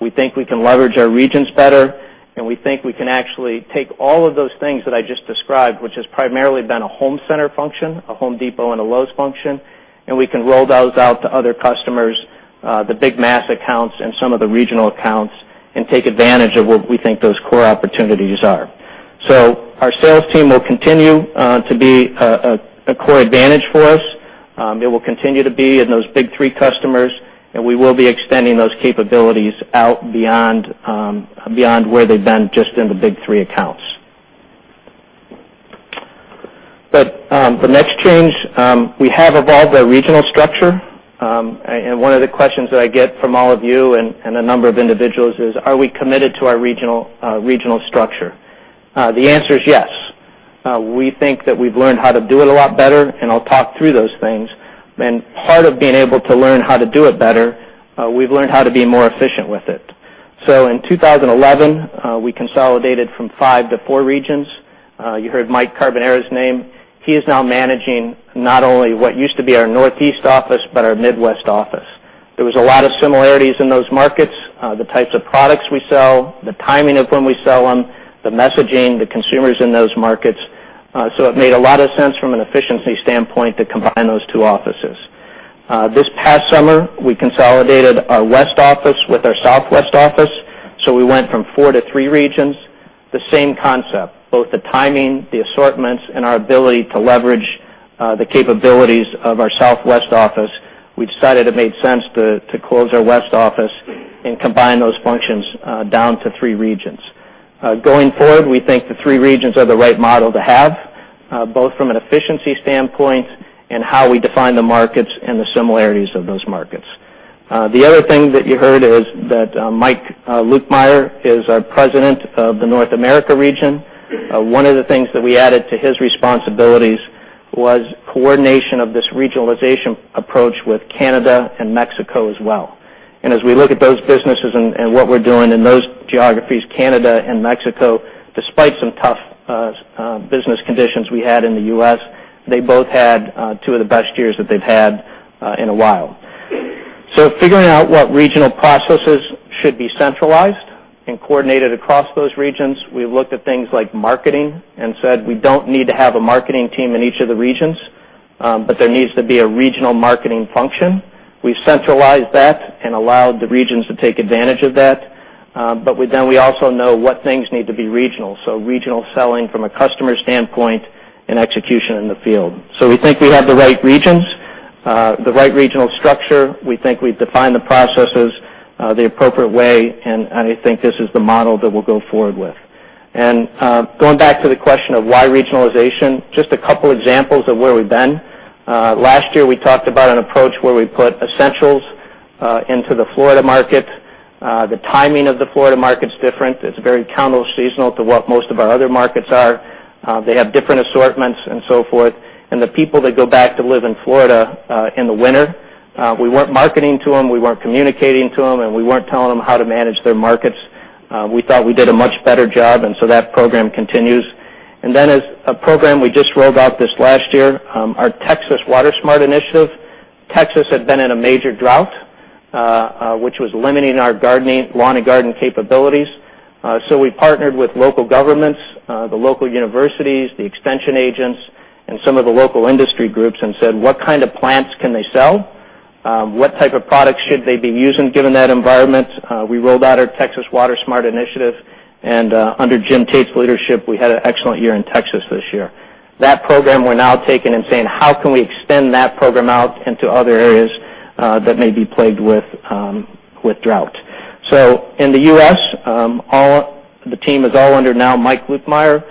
We think we can leverage our regions better, and we think we can actually take all of those things that I just described, which has primarily been a Home Center function, a Home Depot and a Lowe's function, and we can roll those out to other customers, the big mass accounts and some of the regional accounts, and take advantage of what we think those core opportunities are. Our sales team will continue to be a core advantage for us. It will continue to be in those big three customers, we will be extending those capabilities out beyond where they've been just in the big three accounts. The next change, we have evolved our regional structure. One of the questions that I get from all of you and a number of individuals is, are we committed to our regional structure? The answer is yes. We think that we've learned how to do it a lot better, I'll talk through those things. Part of being able to learn how to do it better, we've learned how to be more efficient with it. In 2011, we consolidated from five to four regions. You heard Mike Carbonaro's name. He is now managing not only what used to be our Northeast office, but our Midwest office. There was a lot of similarities in those markets, the types of products we sell, the timing of when we sell them, the messaging, the consumers in those markets. It made a lot of sense from an efficiency standpoint to combine those two offices. This past summer, we consolidated our West office with our Southwest office. We went from four to three regions. The same concept, both the timing, the assortments, and our ability to leverage the capabilities of our Southwest office. We decided it made sense to close our West office and combine those functions down to three regions. Going forward, we think the three regions are the right model to have, both from an efficiency standpoint and how we define the markets and the similarities of those markets. The other thing that you heard is that Mike Lukemire is our President of the North America region. One of the things that we added to his responsibilities was coordination of this regionalization approach with Canada and Mexico as well. As we look at those businesses and what we're doing in those geographies, Canada and Mexico, despite some tough business conditions we had in the U.S., they both had two of the best years that they've had in a while. Figuring out what regional processes should be centralized and coordinated across those regions, we looked at things like marketing and said, we don't need to have a marketing team in each of the regions, but there needs to be a regional marketing function. We've centralized that and allowed the regions to take advantage of that. We also know what things need to be regional. Regional selling from a customer standpoint and execution in the field. We think we have the right regions, the right regional structure. We think we've defined the processes the appropriate way, I think this is the model that we'll go forward with. Going back to the question of why regionalization, just a couple examples of where we've been. Last year, we talked about an approach where we put essentials into the Florida market. The timing of the Florida market is different. It's very counter seasonal to what most of our other markets are. They have different assortments and so forth, the people that go back to live in Florida in the winter, we weren't marketing to them, we weren't communicating to them, we weren't telling them how to manage their markets. We thought we did a much better job, that program continues. As a program we just rolled out this last year, our Texas Water Smart initiative. Texas had been in a major drought, which was limiting our lawn and garden capabilities. We partnered with local governments, the local universities, the extension agents, and some of the local industry groups and said, "What kind of plants can they sell? What type of products should they be using given that environment?" We rolled out our Texas Water Smart initiative, and under Jim Tate's leadership, we had an excellent year in Texas this year. That program we are now taking and saying, how can we extend that program out into other areas that may be plagued with drought? In the U.S., the team is all under now Mike Lukemire.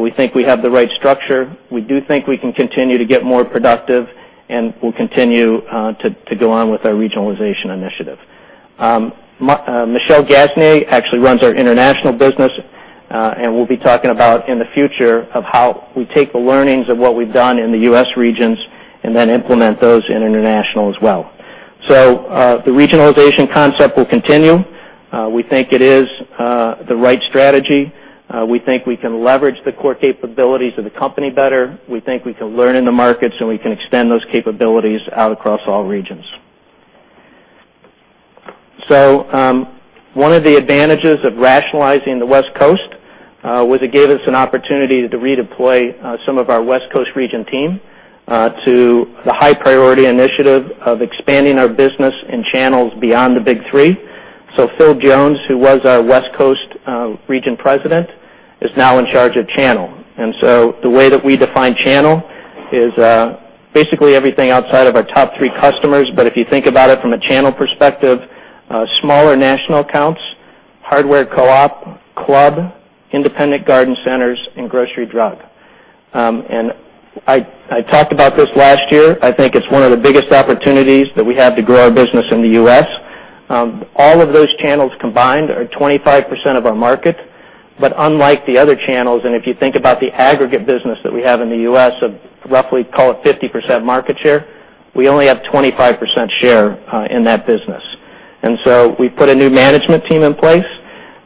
We think we have the right structure. We do think we can continue to get more productive, and we will continue to go on with our regionalization initiative. Michel Gascoigne actually runs our international business, and we will be talking about in the future of how we take the learnings of what we have done in the U.S. regions and then implement those in international as well. The regionalization concept will continue. We think it is the right strategy. We think we can leverage the core capabilities of the company better. We think we can learn in the markets, and we can extend those capabilities out across all regions. One of the advantages of rationalizing the West Coast was it gave us an opportunity to redeploy some of our West Coast region team to the high-priority initiative of expanding our business and channels beyond the big three. Phil Jones, who was our West Coast region president, is now in charge of channel. The way that we define channel is basically everything outside of our top three customers. If you think about it from a channel perspective, smaller national accounts, hardware co-op, club, independent garden centers, and grocery drug. I talked about this last year. I think it is one of the biggest opportunities that we have to grow our business in the U.S. All of those channels combined are 25% of our market. Unlike the other channels, and if you think about the aggregate business that we have in the U.S. of roughly, call it 50% market share, we only have 25% share in that business. We put a new management team in place.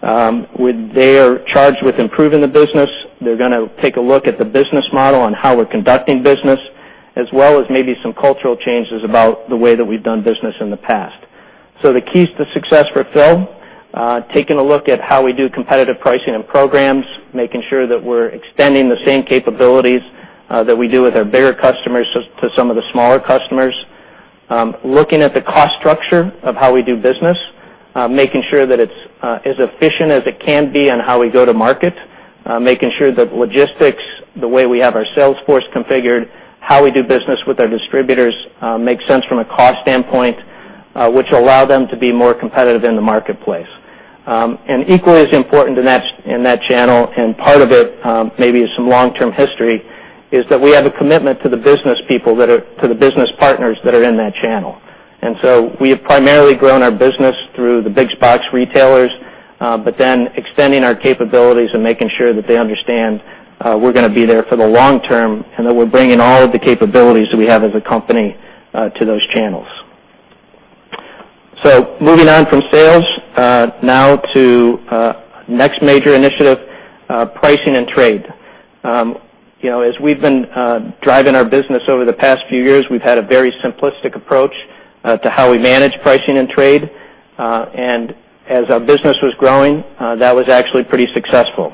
They are charged with improving the business. They are going to take a look at the business model and how we are conducting business, as well as maybe some cultural changes about the way that we have done business in the past. The keys to success for Phil, taking a look at how we do competitive pricing and programs, making sure that we are extending the same capabilities that we do with our bigger customers to some of the smaller customers. Looking at the cost structure of how we do business, making sure that it is as efficient as it can be on how we go to market, making sure that logistics, the way we have our sales force configured, how we do business with our distributors makes sense from a cost standpoint, which allow them to be more competitive in the marketplace. Equally as important in that channel, part of it maybe is some long-term history, is that we have a commitment to the business partners that are in that channel. We have primarily grown our business through the big box retailers, extending our capabilities and making sure that they understand we're going to be there for the long term and that we're bringing all of the capabilities that we have as a company to those channels. Moving on from sales now to next major initiative, pricing and trade. As we've been driving our business over the past few years, we've had a very simplistic approach to how we manage pricing and trade. As our business was growing, that was actually pretty successful.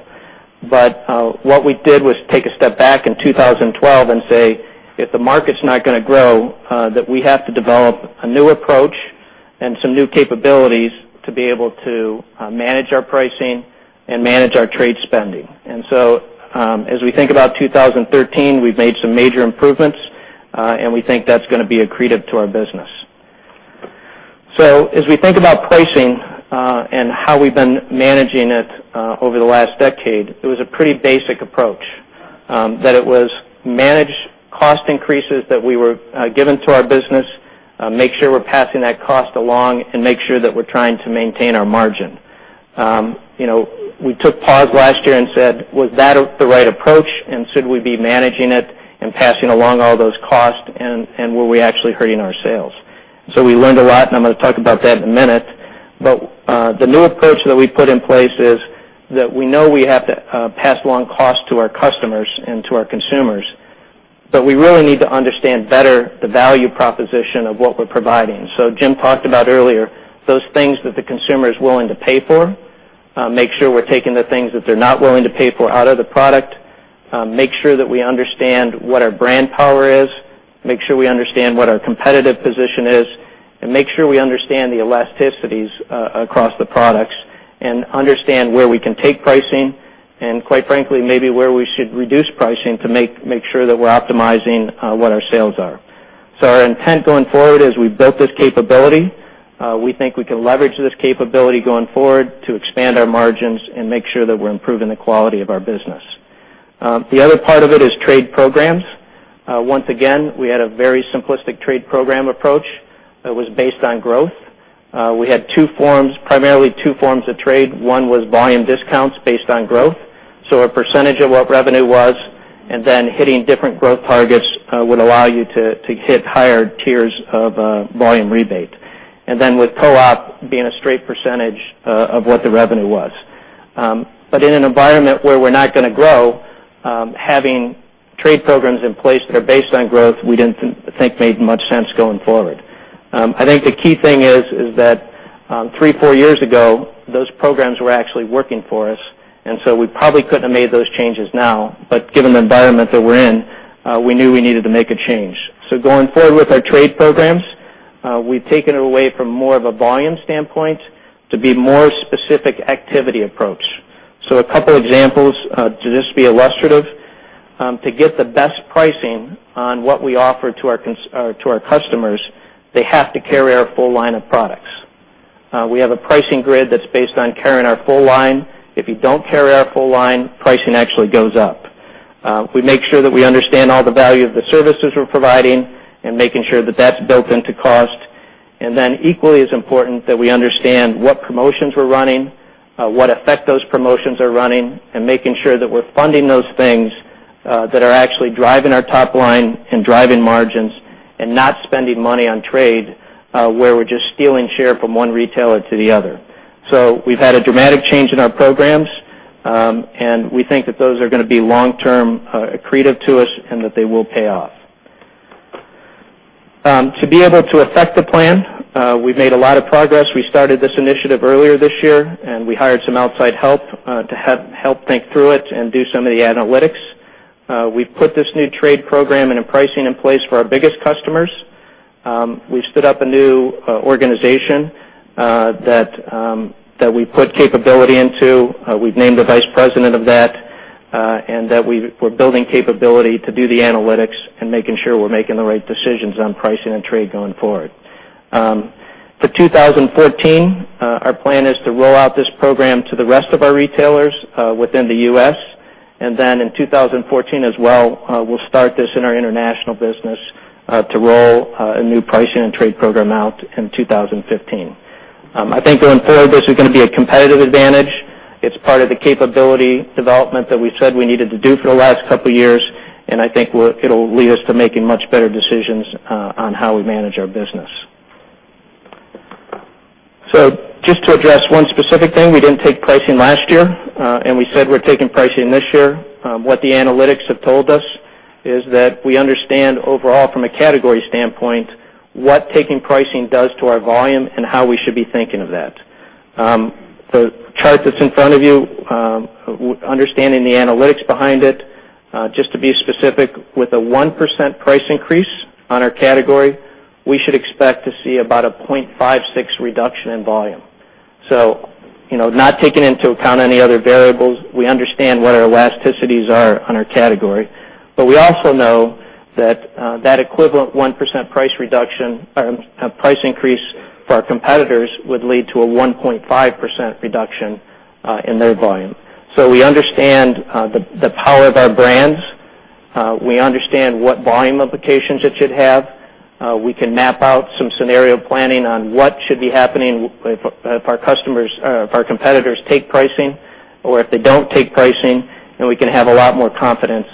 What we did was take a step back in 2012 and say, if the market's not going to grow, that we have to develop a new approach and some new capabilities to be able to manage our pricing and manage our trade spending. As we think about 2013, we've made some major improvements, we think that's going to be accretive to our business. As we think about pricing and how we've been managing it over the last decade, it was a pretty basic approach, that it was manage cost increases that we were given to our business, make sure we're passing that cost along, and make sure that we're trying to maintain our margin. We took pause last year and said, was that the right approach, and should we be managing it and passing along all those costs, and were we actually hurting our sales? We learned a lot, I'm going to talk about that in a minute. The new approach that we put in place is that we know we have to pass along cost to our customers and to our consumers, but we really need to understand better the value proposition of what we're providing. Jim talked about earlier, those things that the consumer is willing to pay for, make sure we're taking the things that they're not willing to pay for out of the product, make sure that we understand what our brand power is, make sure we understand what our competitive position is, and make sure we understand the elasticities across the products and understand where we can take pricing, and quite frankly, maybe where we should reduce pricing to make sure that we're optimizing what our sales are. Our intent going forward is we built this capability. We think we can leverage this capability going forward to expand our margins and make sure that we're improving the quality of our business. The other part of it is trade programs. Once again, we had a very simplistic trade program approach that was based on growth. We had primarily 2 forms of trade. One was volume discounts based on growth. A percentage of what revenue was, hitting different growth targets would allow you to hit higher tiers of volume rebate. With co-op being a straight percentage of what the revenue was. In an environment where we're not going to grow, having trade programs in place that are based on growth, we didn't think made much sense going forward. I think the key thing is that three, four years ago, those programs were actually working for us, we probably couldn't have made those changes now. Given the environment that we're in, we knew we needed to make a change. Going forward with our trade programs, we've taken it away from more of a volume standpoint to be more specific activity approach. A couple examples to just be illustrative. To get the best pricing on what we offer to our customers, they have to carry our full line of products. We have a pricing grid that's based on carrying our full line. If you don't carry our full line, pricing actually goes up. We make sure that we understand all the value of the services we're providing and making sure that that's built into cost. Equally as important that we understand what promotions we're running, what effect those promotions are running, and making sure that we're funding those things that are actually driving our top line and driving margins and not spending money on trade, where we're just stealing share from one retailer to the other. We've had a dramatic change in our programs, and we think that those are going to be long-term accretive to us and that they will pay off. To be able to affect the plan, we've made a lot of progress. We started this initiative earlier this year, and we hired some outside help to help think through it and do some of the analytics. We've put this new trade program and pricing in place for our biggest customers. We've stood up a new organization that we put capability into. We've named a vice president of that, and that we're building capability to do the analytics and making sure we're making the right decisions on pricing and trade going forward. For 2014, our plan is to roll out this program to the rest of our retailers within the U.S. In 2014 as well, we'll start this in our international business to roll a new pricing and trade program out in 2015. I think going forward, this is going to be a competitive advantage. It's part of the capability development that we said we needed to do for the last couple of years, and I think it'll lead us to making much better decisions on how we manage our business. Just to address one specific thing, we didn't take pricing last year, and we said we're taking pricing this year. What the analytics have told us is that we understand overall, from a category standpoint, what taking pricing does to our volume and how we should be thinking of that. The chart that's in front of you, understanding the analytics behind it, just to be specific, with a 1% price increase on our category, we should expect to see about a 0.56 reduction in volume. Not taking into account any other variables, we understand what our elasticities are on our category. We also know that that equivalent 1% price increase for our competitors would lead to a 1.5% reduction in their volume. We understand the power of our brands. We understand what volume implications it should have. We can map out some scenario planning on what should be happening if our competitors take pricing or if they don't take pricing, we can have a lot more confidence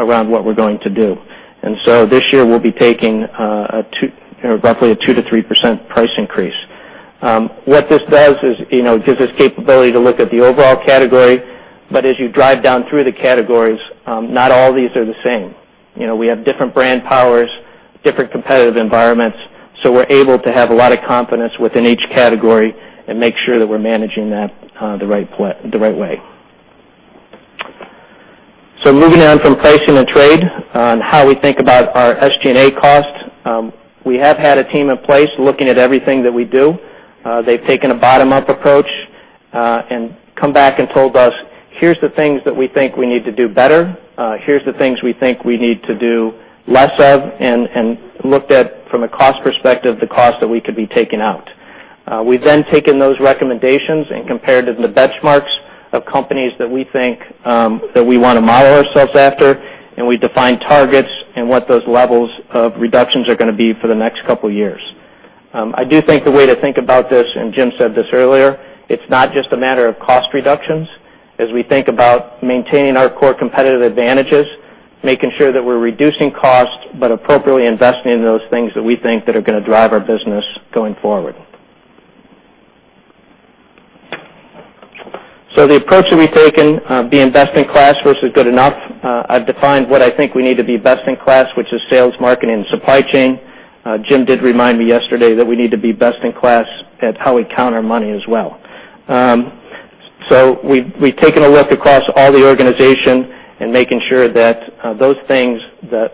around what we're going to do. This year, we'll be taking roughly a 2%-3% price increase. What this does is it gives us capability to look at the overall category, but as you drive down through the categories, not all these are the same. We have different brand powers, different competitive environments. We're able to have a lot of confidence within each category and make sure that we're managing that the right way. Moving on from pricing and trade on how we think about our SG&A cost. We have had a team in place looking at everything that we do. They've taken a bottom-up approach, come back and told us, "Here's the things that we think we need to do better. Here's the things we think we need to do less of," and looked at from a cost perspective, the cost that we could be taking out. We've taken those recommendations and compared them to benchmarks of companies that we think that we want to model ourselves after, we define targets and what those levels of reductions are going to be for the next couple of years. I do think the way to think about this, Jim said this earlier, it's not just a matter of cost reductions as we think about maintaining our core competitive advantages, making sure that we're reducing costs, appropriately investing in those things that we think that are going to drive our business going forward. The approach that we've taken, be best in class versus good enough. I've defined what I think we need to be best in class, which is sales, marketing, and supply chain. Jim did remind me yesterday that we need to be best in class at how we count our money as well. We've taken a look across all the organization and making sure that those things that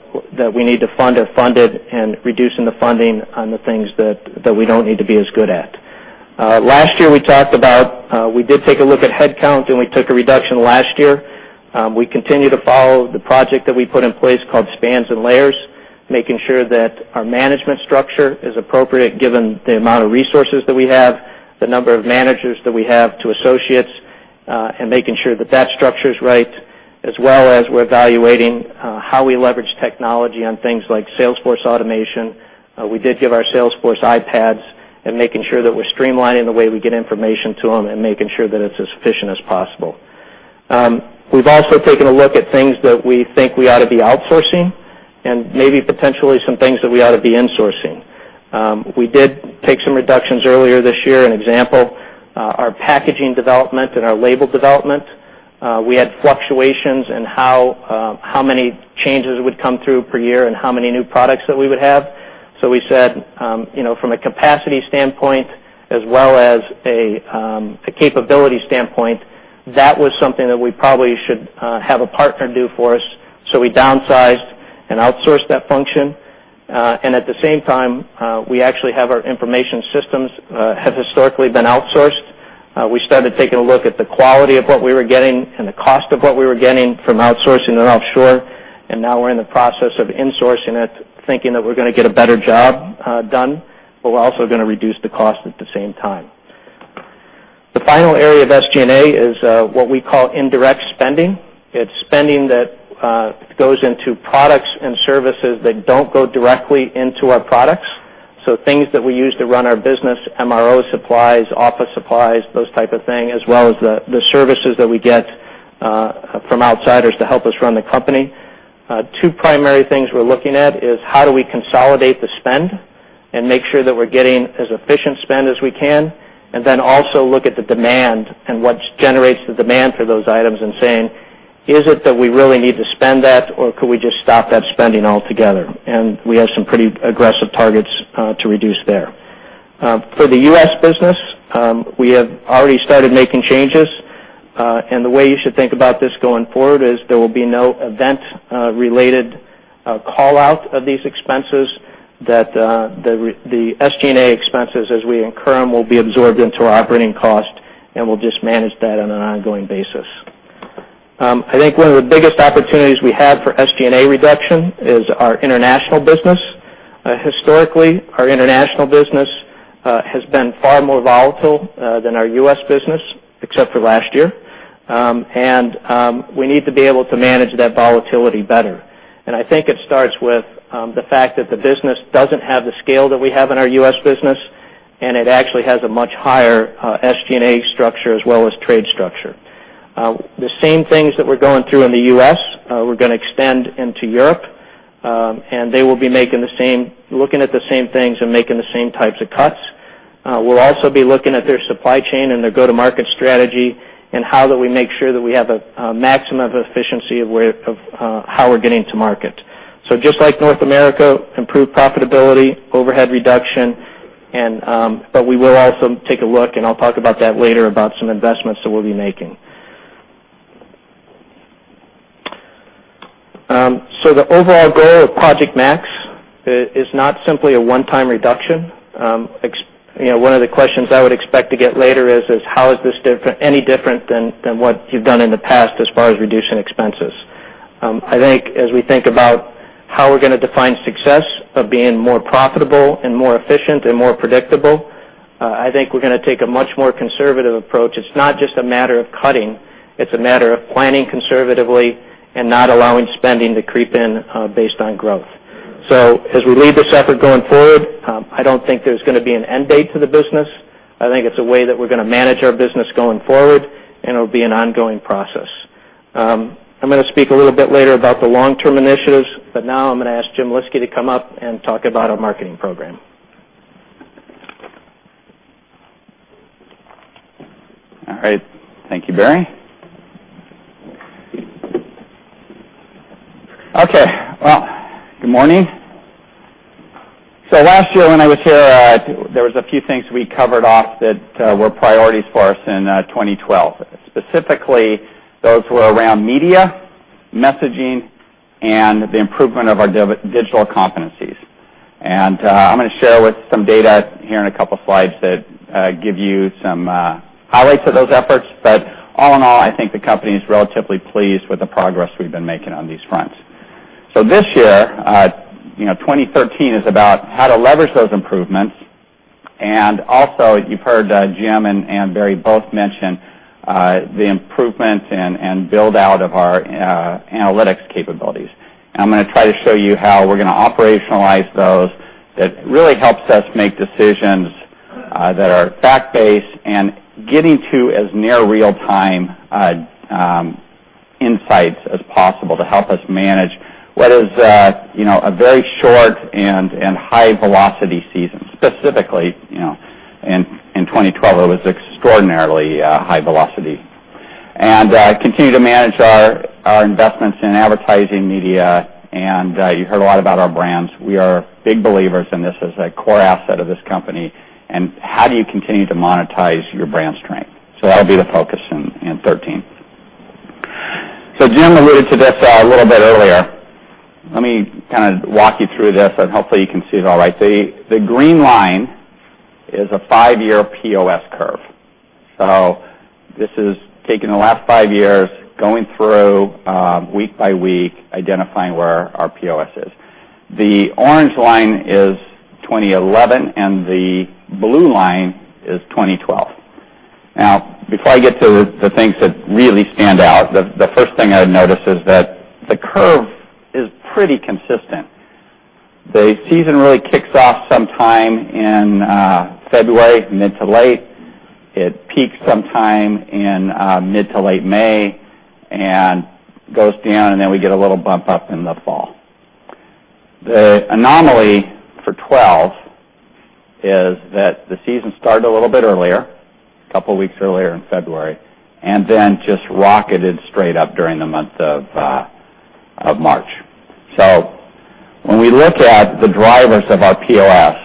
we need to fund are funded and reducing the funding on the things that we don't need to be as good at. Last year, we talked about we did take a look at headcount, we took a reduction last year. We continue to follow the project that we put in place called Spans and Layers, making sure that our management structure is appropriate given the amount of resources that we have, the number of managers that we have to associates, making sure that that structure is right, as well as we're evaluating how we leverage technology on things like sales force automation. We did give our sales force iPads making sure that we're streamlining the way we get information to them making sure that it's as efficient as possible. We've also taken a look at things that we think we ought to be outsourcing maybe potentially some things that we ought to be insourcing. We did take some reductions earlier this year. An example, our packaging development and our label development. We had fluctuations in how many changes would come through per year and how many new products that we would have. We said from a capacity standpoint as well as a capability standpoint, that was something that we probably should have a partner do for us. We downsized and outsourced that function. At the same time, we actually have our information systems have historically been outsourced. We started taking a look at the quality of what we were getting and the cost of what we were getting from outsourcing it offshore, and now we're in the process of insourcing it, thinking that we're going to get a better job done. We're also going to reduce the cost at the same time. The final area of SG&A is what we call indirect spending. It's spending that goes into products and services that don't go directly into our products. Things that we use to run our business, MRO supplies, office supplies, those type of thing, as well as the services that we get from outsiders to help us run the company. Two primary things we're looking at is how do we consolidate the spend and make sure that we're getting as efficient spend as we can, and then also look at the demand and what generates the demand for those items and saying, "Is it that we really need to spend that, or could we just stop that spending altogether?" We have some pretty aggressive targets to reduce there. For the U.S. business, we have already started making changes. The way you should think about this going forward is there will be no event-related call-out of these expenses, that the SG&A expenses, as we incur them, will be absorbed into our operating cost, and we'll just manage that on an ongoing basis. I think one of the biggest opportunities we have for SG&A reduction is our international business. Historically, our international business has been far more volatile than our U.S. business, except for last year. We need to be able to manage that volatility better. I think it starts with the fact that the business doesn't have the scale that we have in our U.S. business, and it actually has a much higher SG&A structure as well as trade structure. The same things that we're going through in the U.S., we're going to extend into Europe, they will be looking at the same things and making the same types of cuts. We'll also be looking at their supply chain and their go-to-market strategy and how do we make sure that we have a maximum efficiency of how we're getting to market. Just like North America, improved profitability, overhead reduction, we will also take a look, and I'll talk about that later, about some investments that we'll be making. The overall goal of Project Max is not simply a one-time reduction. One of the questions I would expect to get later is, how is this any different than what you've done in the past as far as reducing expenses? I think as we think about how we're going to define success of being more profitable and more efficient and more predictable, I think we're going to take a much more conservative approach. It's not just a matter of cutting, it's a matter of planning conservatively and not allowing spending to creep in based on growth. As we lead this effort going forward, I don't think there's going to be an end date to the business. I think it's a way that we're going to manage our business going forward, and it'll be an ongoing process. I'm going to speak a little bit later about the long-term initiatives. Now I'm going to ask Jim Lyski to come up and talk about our marketing program. All right. Thank you, Barry. Okay. Good morning. Last year when I was here, there was a few things we covered off that were priorities for us in 2012. Specifically, those were around media, messaging, and the improvement of our digital competencies. I'm going to share with some data here in a couple slides that give you some highlights of those efforts. All in all, I think the company is relatively pleased with the progress we've been making on these fronts. This year, 2013, is about how to leverage those improvements. You've heard Jim and Barry both mention the improvements and build-out of our analytics capabilities. I'm going to try to show you how we're going to operationalize those. That really helps us make decisions that are fact-based and getting to as near real-time insights as possible to help us manage what is a very short and high-velocity season. Specifically, in 2012, it was extraordinarily high velocity. Continue to manage our investments in advertising media, you heard a lot about our brands. We are big believers in this as a core asset of this company. How do you continue to monetize your brand strength? That'll be the focus in 2013. Jim alluded to this a little bit earlier. Let me kind of walk you through this, and hopefully, you can see it all right. The green line is a 5-year POS curve. This is taking the last five years, going through week by week, identifying where our POS is. The orange line is 2011, and the blue line is 2012. Before I get to the things that really stand out, the first thing I notice is that the curve is pretty consistent. The season really kicks off sometime in February, mid to late. It peaks sometime in mid to late May, goes down, we get a little bump up in the fall. The anomaly for 2012 is that the season started a little bit earlier, a couple of weeks earlier in February, just rocketed straight up during the month of March. When we look at the drivers of our POS,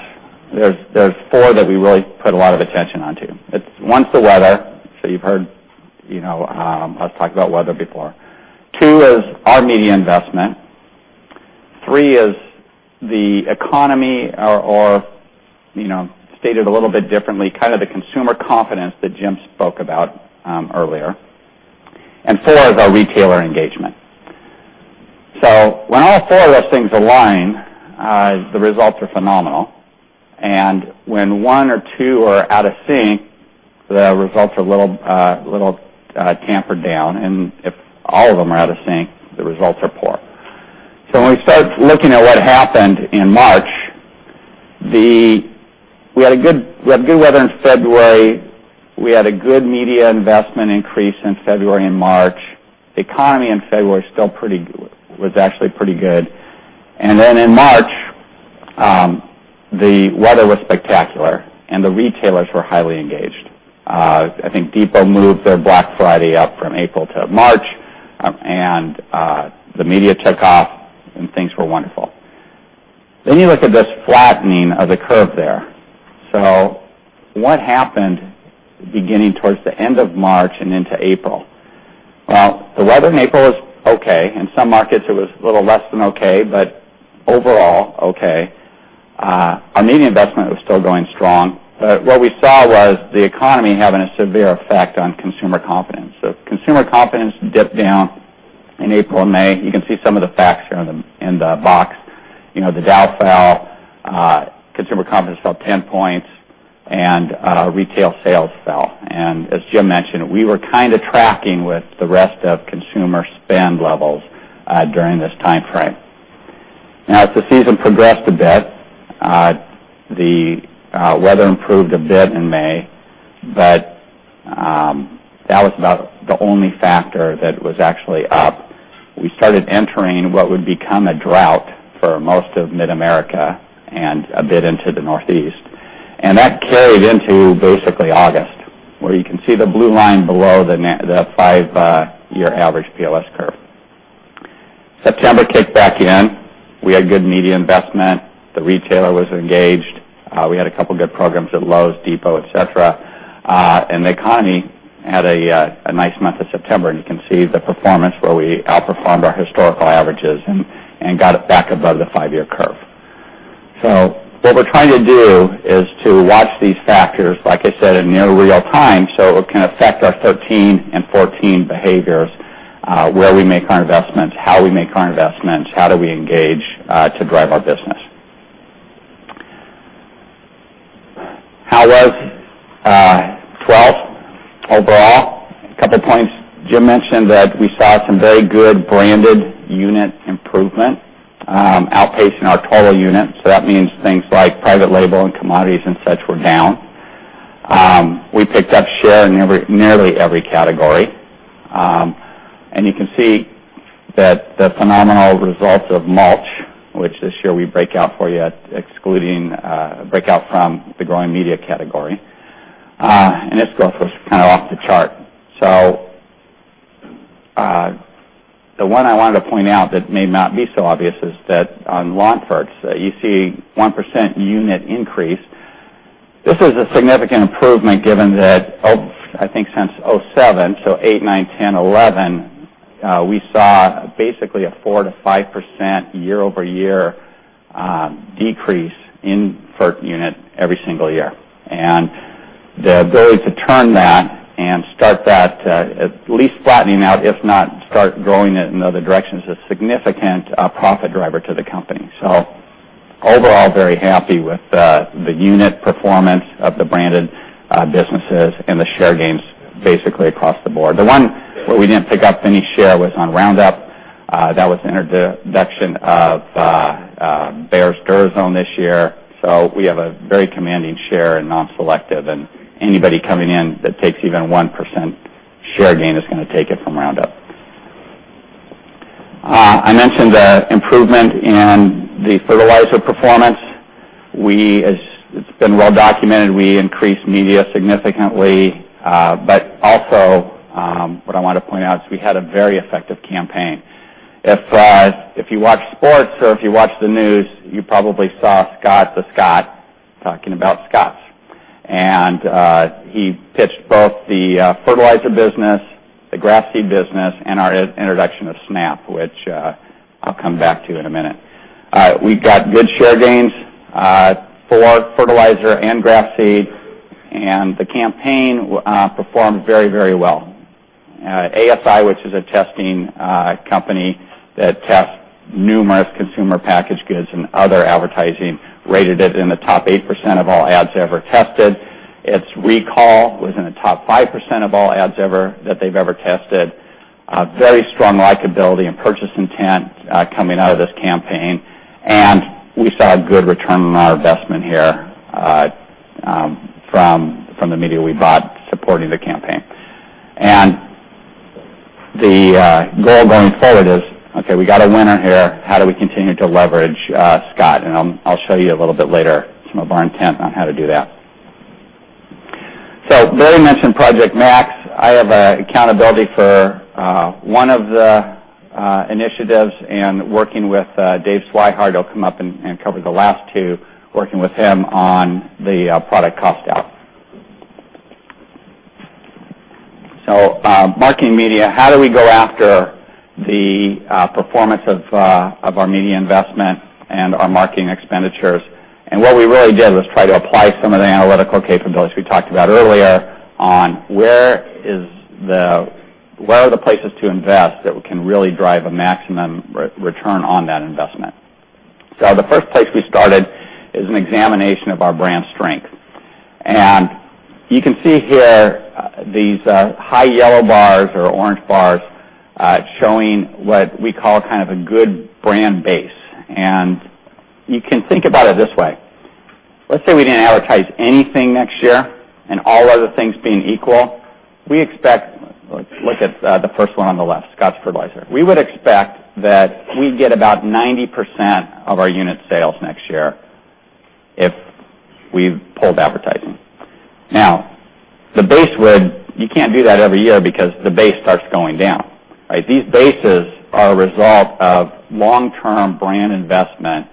there's four that we really put a lot of attention on to. One is the weather. You've heard us talk about weather before. Two is our media investment. Three is the economy or, stated a little bit differently, the consumer confidence that Jim spoke about earlier. Four is our retailer engagement. When all four of those things align, the results are phenomenal. When one or two are out of sync, the results are a little tampered down. If all of them are out of sync, the results are poor. When we start looking at what happened in March, we had good weather in February. We had a good media investment increase in February and March. The economy in February was actually pretty good. In March, the weather was spectacular, and the retailers were highly engaged. I think The Home Depot moved their Black Friday up from April to March, and the media took off, and things were wonderful. You look at this flattening of the curve there. What happened beginning towards the end of March and into April? The weather in April was okay. In some markets, it was a little less than okay, but overall okay. Our media investment was still going strong. What we saw was the economy having a severe effect on consumer confidence. Consumer confidence dipped down in April and May. You can see some of the facts here in the box. The Dow fell, consumer confidence fell 10 points, and retail sales fell. As Jim mentioned, we were kind of tracking with the rest of consumer spend levels during this timeframe. As the season progressed a bit, the weather improved a bit in May, but that was about the only factor that was actually up. We started entering what would become a drought for most of Mid-America and a bit into the Northeast. That carried into basically August, where you can see the blue line below the 5-year average POS curve. September kicked back in. We had good media investment. The retailer was engaged. We had a couple of good programs at Lowe's, The Home Depot, et cetera. The economy had a nice month of September, and you can see the performance where we outperformed our historical averages and got it back above the 5-year curve. What we're trying to do is to watch these factors, like I said, in near real time, so it can affect our 2013 and 2014 behaviors, where we make our investments, how we make our investments, how do we engage to drive our business. How was 2012 overall? A couple of points. Jim mentioned that we saw some very good branded unit improvement outpacing our total units. That means things like private label and commodities and such were down. We picked up share in nearly every category. You can see that the phenomenal results of mulch, which this year we break out from the growing media category, and this growth was kind of off the chart. The one I wanted to point out that may not be so obvious is that on lawn ferts, you see 1% unit increase. This is a significant improvement given that I think since 2007, 2008, 2009, 2010, 2011, we saw basically a 4%-5% year-over-year decrease in fert unit every single year. The ability to turn that and start that at least flattening out, if not start growing it in other directions, is a significant profit driver to the company. Overall, very happy with the unit performance of the branded businesses and the share gains basically across the board. The one where we didn't pick up any share was on Roundup. That was the introduction of Bayer's Diazinon this year. We have a very commanding share in non-selective, and anybody coming in that takes even 1% share gain is going to take it from Roundup. I mentioned the improvement in the fertilizer performance. It's been well documented, we increased media significantly. Also what I want to point out is we had a very effective campaign. If you watch sports or if you watch the news, you probably saw Scott the Scot talking about Scotts, and he pitched both the fertilizer business, the grass seed business, and our introduction of Snap, which I'll come back to in a minute. We got good share gains for fertilizer and grass seed. The campaign performed very well. ASI, which is a testing company that tests numerous consumer packaged goods and other advertising, rated it in the top 8% of all ads ever tested. Its recall was in the top 5% of all ads that they've ever tested. Very strong likability and purchase intent coming out of this campaign. We saw a good return on our investment here from the media we bought supporting the campaign. The goal going forward is, okay, we got a winner here. How do we continue to leverage Scott? I'll show you a little bit later some of our intent on how to do that. Barry mentioned Project Max. I have accountability for one of the initiatives and working with Dave Swihart, who will come up and cover the last two, working with him on the product cost out. Marketing media, how do we go after the performance of our media investment and our marketing expenditures? What we really did was try to apply some of the analytical capabilities we talked about earlier on where are the places to invest that can really drive a maximum return on that investment. The first place we started is an examination of our brand strength. You can see here these high yellow bars or orange bars showing what we call kind of a good brand base. You can think about it this way. Let's say we didn't advertise anything next year, and all other things being equal. Look at the first one on the left, Scotts Fertilizer. We would expect that we'd get about 90% of our unit sales next year if we pulled advertising. You can't do that every year because the base starts going down, right? These bases are a result of long-term brand investment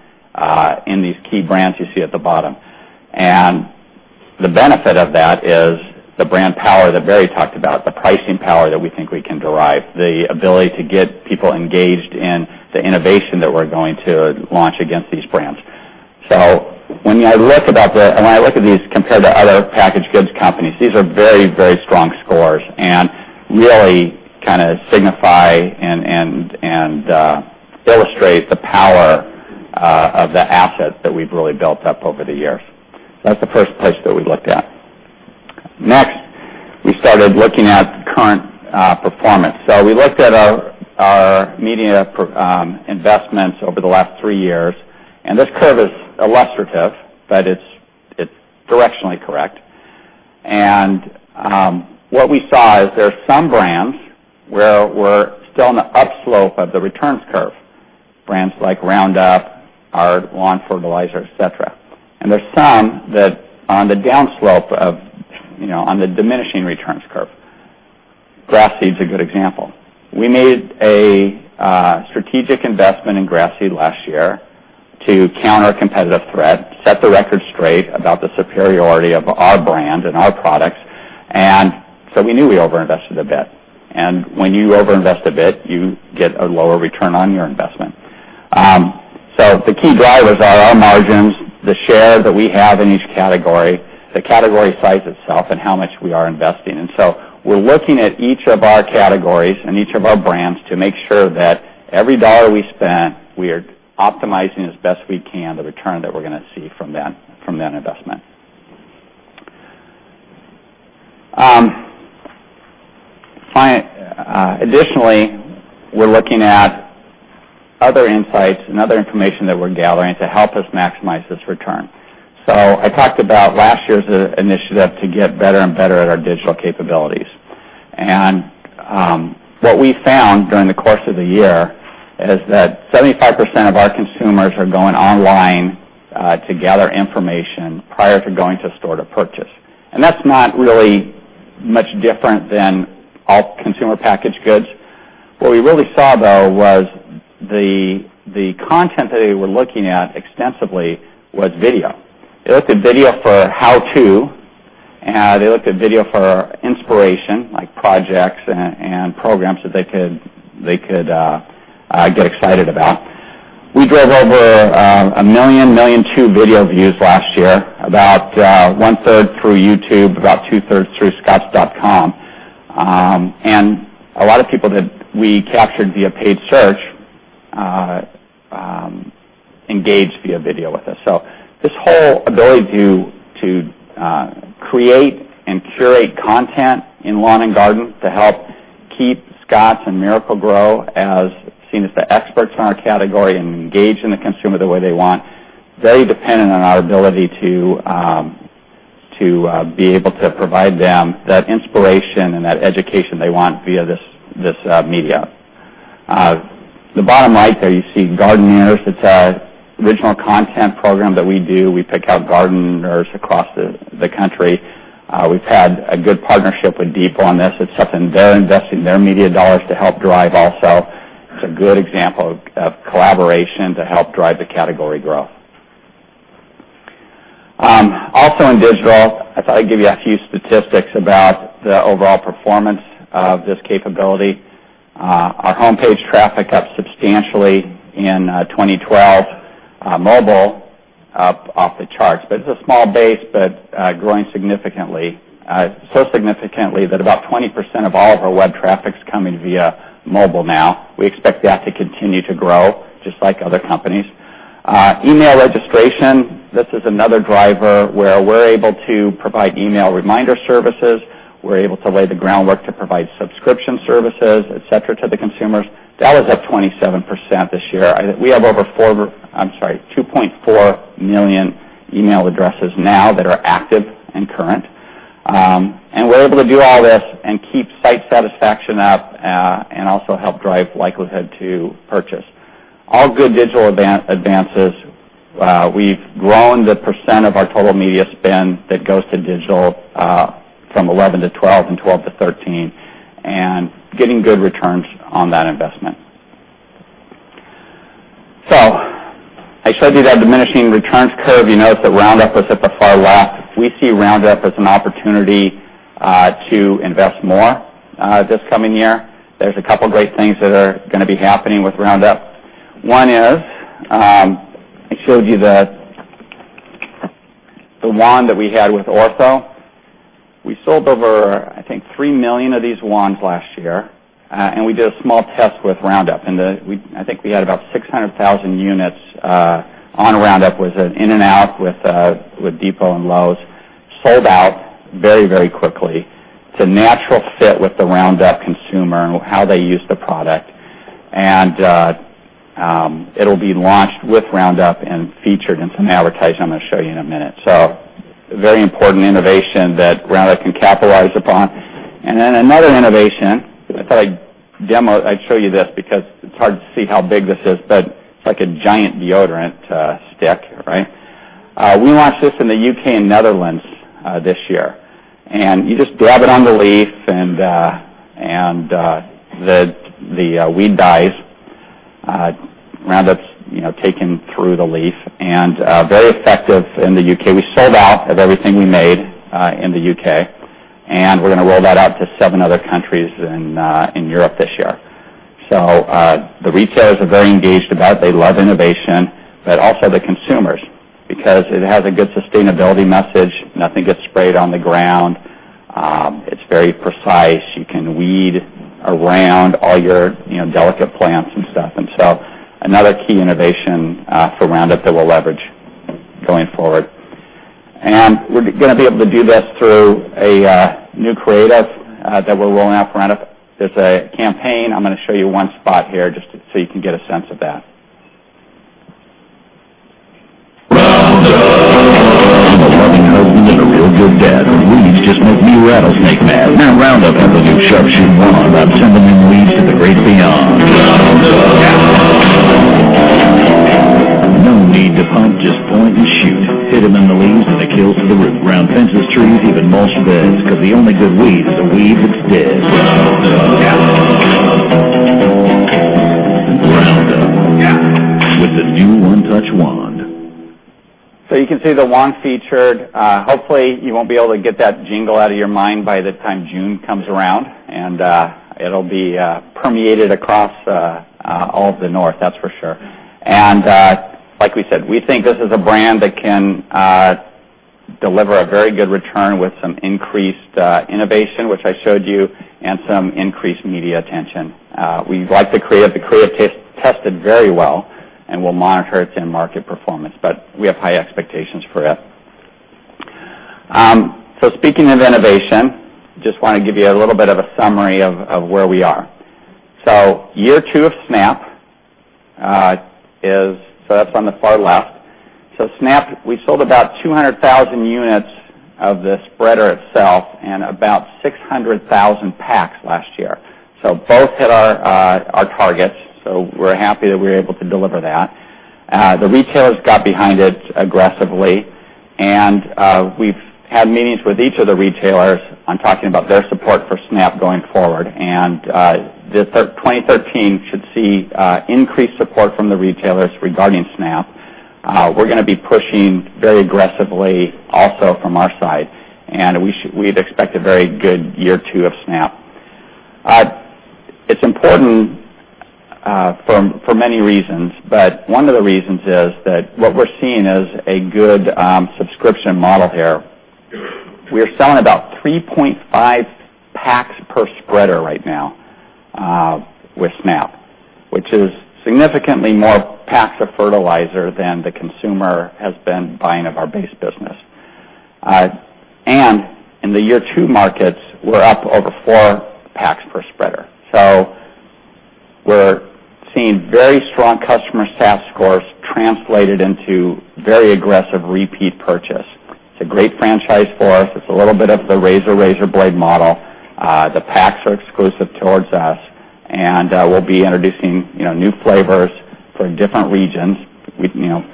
in these key brands you see at the bottom. The benefit of that is the brand power that Barry talked about, the pricing power that we think we can derive, the ability to get people engaged in the innovation that we're going to launch against these brands. When I look at these compared to other packaged goods companies, these are very, very strong scores and really kind of signify and illustrate the power of the assets that we've really built up over the years. That's the first place that we looked at. Next, we started looking at current performance. We looked at our media investments over the last three years. This curve is illustrative, but it's directionally correct. What we saw is there are some brands where we're still on the up slope of the returns curve, brands like Roundup, our lawn fertilizer, et cetera. There's some that are on the down slope of the diminishing returns curve. Grass seed is a good example. We made a strategic investment in grass seed last year to counter competitive threat, set the record straight about the superiority of our brand and our products. We knew we over-invested a bit. When you over-invest a bit, you get a lower return on your investment. The key drivers are our margins, the share that we have in each category, the category size itself, and how much we are investing. We're looking at each of our categories and each of our brands to make sure that every dollar we spend, we are optimizing as best as we can the return that we're going to see from that investment. Additionally, we're looking at other insights and other information that we're gathering to help us maximize this return. I talked about last year's initiative to get better and better at our digital capabilities. What we found during the course of the year is that 75% of our consumers are going online to gather information prior to going to a store to purchase. That's not really much different than all consumer packaged goods. What we really saw, though, was the content that they were looking at extensively was video. They looked at video for how-to, and they looked at video for inspiration, like projects and programs that they could get excited about. We drove over 1.2 million video views last year, about one-third through YouTube, about two-thirds through scotts.com. A lot of people that we captured via paid search engaged via video with us. This whole ability to create and curate content in lawn and garden to help keep Scotts and Miracle-Gro as seen as the experts in our category and engage in the consumer the way they want, very dependent on our ability to be able to provide them that inspiration and that education they want via this media. The bottom right there, you see Gardeniers. It's an original content program that we do. We pick out gardeners across the country. We've had a good partnership with Depot on this. It's something they're investing their media dollars to help drive also. It's a good example of collaboration to help drive the category growth. Also in digital, I thought I'd give you a few statistics about the overall performance of this capability. Our homepage traffic up substantially in 2012. Mobile up off the charts, but it's a small base, but growing significantly. So significantly that about 20% of all of our web traffic is coming via mobile now. We expect that to continue to grow, just like other companies. Email registration. This is another driver where we're able to provide email reminder services. We're able to lay the groundwork to provide subscription services, et cetera, to the consumers. That was up 27% this year. We have over 2.4 million email addresses now that are active and current. We're able to do all this and keep site satisfaction up, and also help drive likelihood to purchase. All good digital advances. We've grown the percent of our total media spend that goes to digital from 2011 to 2012 and 2012 to 2013, getting good returns on that investment. I showed you that diminishing returns curve. You note that Roundup was at the far left. We see Roundup as an opportunity to invest more this coming year. There's a couple of great things that are going to be happening with Roundup. One is, I showed you the wand that we had with Ortho. We sold over, I think, 3 million of these wands last year. We did a small test with Roundup, and I think we had about 600,000 units on Roundup with an in and out with Depot and Lowe's. Sold out very quickly. It's a natural fit with the Roundup consumer and how they use the product. It'll be launched with Roundup and featured in some advertising I'm going to show you in a minute. A very important innovation that Roundup can capitalize upon. Another innovation. I thought I'd show you this because it's hard to see how big this is, but it's like a giant deodorant stick, right? We launched this in the U.K. and Netherlands this year, and you just dab it on the leaf and the weed dies. Roundup's taken through the leaf and very effective in the U.K. We sold out of everything we made in the U.K., and we're going to roll that out to seven other countries in Europe this year. The retailers are very engaged about it. They love innovation, but also the consumers because it has a good sustainability message. Nothing gets sprayed on the ground. It's very precise. You can weed around all your delicate plants and stuff. Another key innovation for Roundup that we'll leverage going forward. We're going to be able to do this through a new creative that we're rolling out for Roundup. There's a campaign. I'm going to show you one spot here just so you can get a sense of that. Roundup. I'm a loving husband and a real good dad, but weeds just make me rattlesnake mad. Roundup has a new sharp shooting wand. I'm sending them weeds to the great beyond. Roundup. No need to pump, just point and shoot. Hit them in the leaves, and it kills to the root. Round fences, trees, even mulch beds, because the only good weed is a weed that's dead. Roundup. Roundup with the new one-touch wand. You can see the wand featured. Hopefully you won't be able to get that jingle out of your mind by the time June comes around, it'll be permeated across all of the North, that's for sure. Like we said, we think this is a brand that can deliver a very good return with some increased innovation, which I showed you, and some increased media attention. We like the creative. The creative tested very well, and we'll monitor its end market performance, but we have high expectations for it. Speaking of innovation, just want to give you a little bit of a summary of where we are. Year two of Snap. That's on the far left. Snap, we sold about 200,000 units of the spreader itself and about 600,000 packs last year. Both hit our targets. We're happy that we were able to deliver that. The retailers got behind it aggressively, and we've had meetings with each of the retailers on talking about their support for Snap going forward. 2013 should see increased support from the retailers regarding Snap. We're going to be pushing very aggressively also from our side, and we'd expect a very good year two of Snap. It's important for many reasons, but one of the reasons is that what we're seeing is a good subscription model here. We are selling about 3.5 packs per spreader right now with Snap, which is significantly more packs of fertilizer than the consumer has been buying of our base business. In the year two markets, we're up over four packs per spreader. We're seeing very strong customer sat scores translated into very aggressive repeat purchase. It's a great franchise for us. It's a little bit of the razor blade model. The packs are exclusive towards us, and we'll be introducing new flavors for different regions.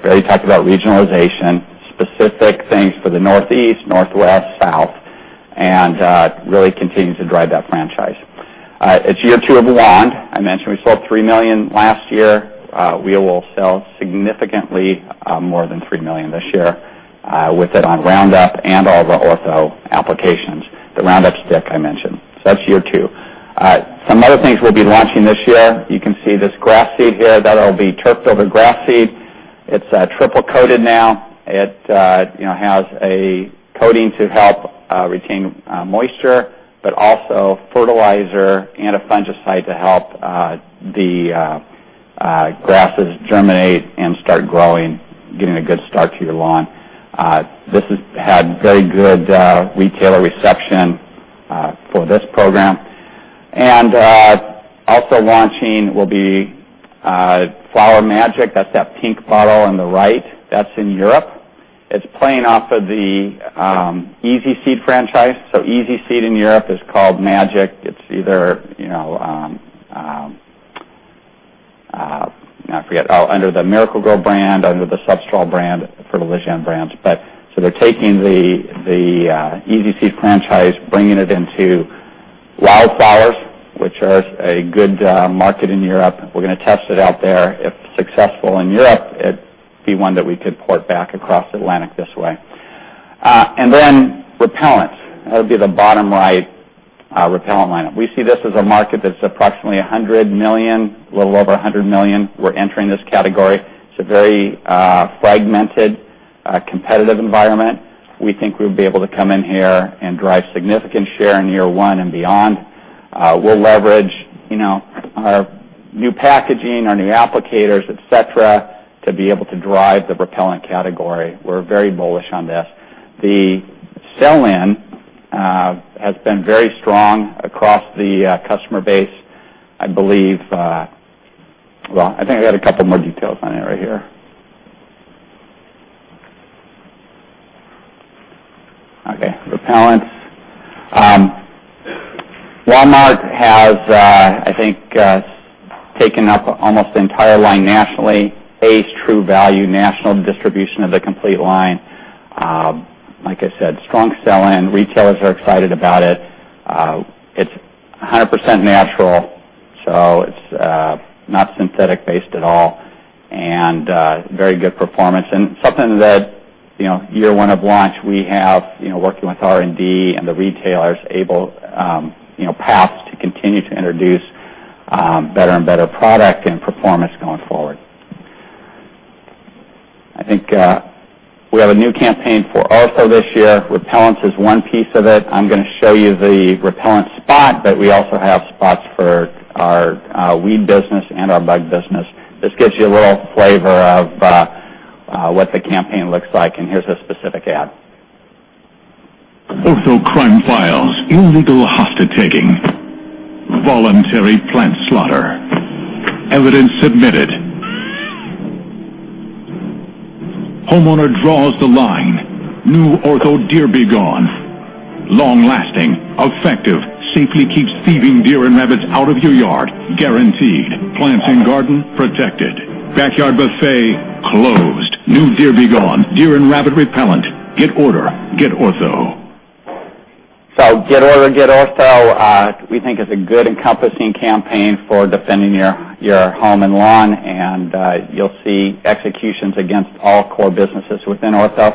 Barry talked about regionalization, specific things for the Northeast, Northwest, South, and really continues to drive that franchise. It's year two of wand. I mentioned we sold 3 million last year. We will sell significantly more than 3 million this year with it on Roundup and all the Ortho applications, the Roundup stick I mentioned. That's year two. Some other things we'll be launching this year. You can see this grass seed here that'll be Turf Builder Grass Seed. It's triple coated now. It has a coating to help retain moisture, also fertilizer and a fungicide to help the grasses germinate and start growing, getting a good start to your lawn. This has had very good retailer reception for this program. Also launching will be Flower Magic. That's that pink bottle on the right. That's in Europe. It's playing off of the EZ Seed franchise. EZ Seed in Europe is called Magic. It's either Now, I forget. Under the Miracle-Gro brand, under the Substral brand or the Alsatian brands. They're taking the EZ Seed franchise, bringing it into wildflowers, which are a good market in Europe. We're going to test it out there. If successful in Europe, it'd be one that we could port back across Atlantic this way. Then repellents. That would be the bottom right, repellent lineup. We see this as a market that's approximately $100 million, a little over $100 million. We're entering this category. It's a very fragmented, competitive environment. We think we'll be able to come in here and drive significant share in year one and beyond. We'll leverage our new packaging, our new applicators, et cetera, to be able to drive the repellent category. We're very bullish on this. The sell-in has been very strong across the customer base. I believe I think I got a couple more details on it right here. Okay. Repellents. Walmart has, I think, taken up almost the entire line nationally. Ace, True Value, national distribution of the complete line. Like I said, strong sell-in. Retailers are excited about it. It's 100% natural, so it's not synthetic-based at all, and very good performance. And something that year one of launch, we have, working with R&D and the retailers, able perhaps to continue to introduce better and better product and performance going forward. I think we have a new campaign for Ortho this year. Repellents is one piece of it. I'm going to show you the repellent spot, but we also have spots for our weed business and our bug business. This gives you a little flavor of what the campaign looks like, and here's a specific ad. Ortho Crime Files. Illegal hostage-taking. Voluntary plant slaughter. Evidence submitted. Homeowner draws the line. New Ortho Deer B Gone. Long-lasting, effective, safely keeps thieving deer and rabbits out of your yard, guaranteed. Plants and garden, protected. Backyard buffet, closed. New Deer B Gone. Deer and rabbit repellent. Get order. Get Ortho. Get order, get Ortho, we think is a good encompassing campaign for defending your home and lawn, and you'll see executions against all core businesses within Ortho.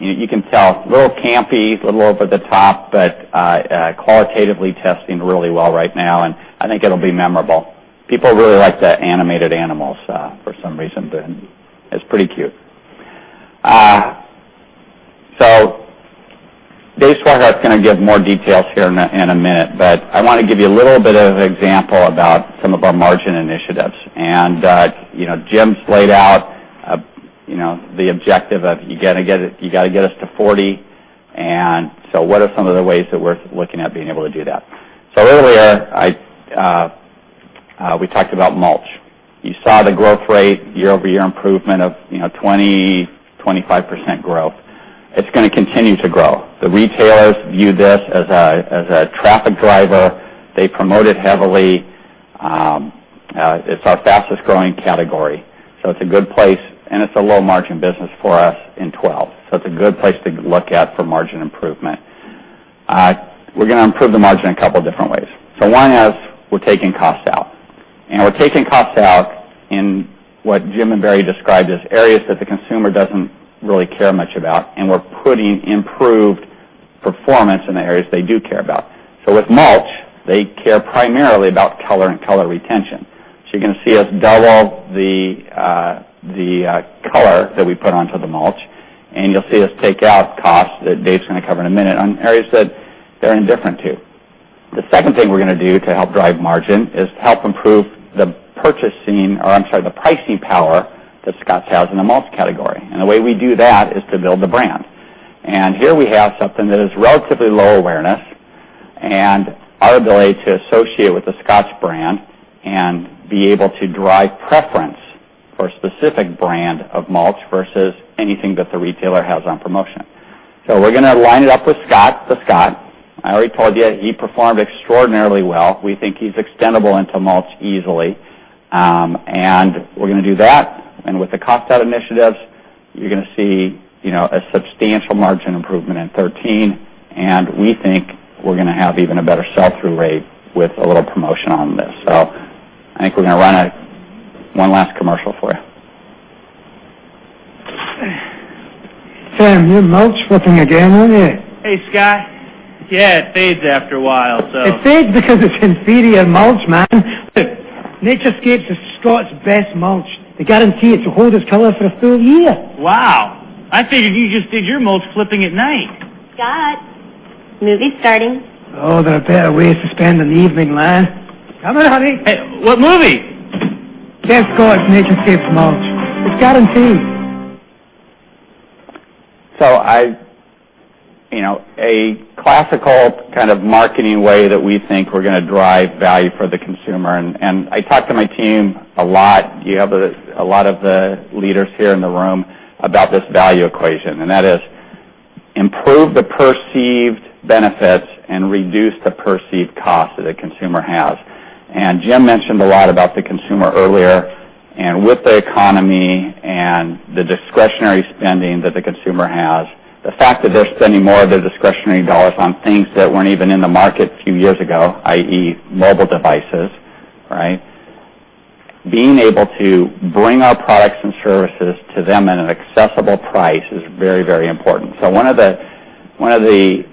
You can tell, a little campy, a little over the top, but qualitatively testing really well right now, and I think it'll be memorable. People really like the animated animals for some reason. It's pretty cute. Dave Swihart's going to give more details here in a minute, but I want to give you a little bit of an example about some of our margin initiatives. And Jim's laid out the objective of you got to get us to 40, and so what are some of the ways that we're looking at being able to do that? Earlier, we talked about mulch. You saw the growth rate year-over-year improvement of 20%, 25% growth. It's going to continue to grow. The retailers view this as a traffic driver. They promote it heavily. It's our fastest-growing category. It's a good place, and it's a low margin business for us in 2012. It's a good place to look at for margin improvement. We're going to improve the margin a couple different ways. One is we're taking costs out, and we're taking costs out in what Jim and Barry described as areas that the consumer doesn't really care much about, and we're putting improved performance in the areas they do care about. With mulch, they care primarily about color and color retention. You're going to see us double the color that we put onto the mulch, and you'll see us take out costs that Dave's going to cover in a minute on areas that they're indifferent to. The second thing we're going to do to help drive margin is to help improve the pricing power that Scotts has in the mulch category. The way we do that is to build the brand. Here we have something that is relatively low awareness, and our ability to associate with the Scotts brand and be able to drive preference for a specific brand of mulch versus anything that the retailer has on promotion. We're going to line it up with Scott the Scot. I already told you he performed extraordinarily well. We think he's extendable into mulch easily. We're going to do that. With the cost-out initiatives, you're going to see a substantial margin improvement in 2013, and we think we're going to have even a better sell-through rate with a little promotion on this. I think we're going to run one last commercial for you. Sam, you're mulch flipping again, aren't you? Hey, Scott. Yeah, it fades after a while. It's fade because it's inferior mulch, man. Nature Scapes is Scotts' best mulch. They guarantee it to hold its color for a full year. Wow. I figured you just did your mulch flipping at night. Scott, movie's starting. Oh, there are better ways to spend an evening, lad. Coming, honey. Hey, what movie? Best Choice Nature Scapes mulch. It's guaranteed. A classical kind of marketing way that we think we're going to drive value for the consumer, and I talk to my team a lot, you have a lot of the leaders here in the room, about this value equation, and that is improve the perceived benefits and reduce the perceived cost that a consumer has. Jim mentioned a lot about the consumer earlier, with the economy and the discretionary spending that the consumer has, the fact that they're spending more of their discretionary dollars on things that weren't even in the market a few years ago, i.e., mobile devices. Being able to bring our products and services to them at an accessible price is very important. One of the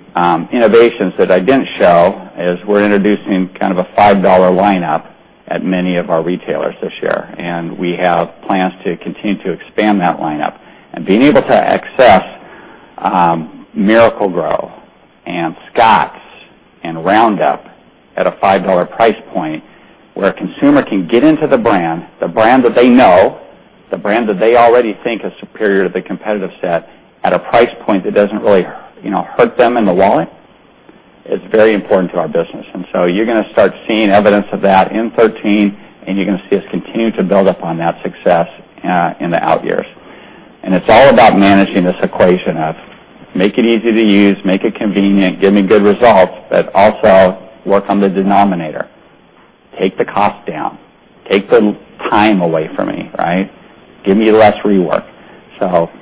innovations that I didn't show is we're introducing kind of a $5 lineup at many of our retailers this year, and we have plans to continue to expand that lineup. And being able to access Miracle-Gro and Scotts and Roundup at a $5 price point where a consumer can get into the brand, the brand that they know, the brand that they already think is superior to the competitive set, at a price point that doesn't really hurt them in the wallet, is very important to our business. And you're going to start seeing evidence of that in 2013, and you're going to see us continue to build up on that success in the out years. And it's all about managing this equation of make it easy to use, make it convenient, give me good results, but also work on the denominator. Take the cost down. Take the time away from me. Give me less rework.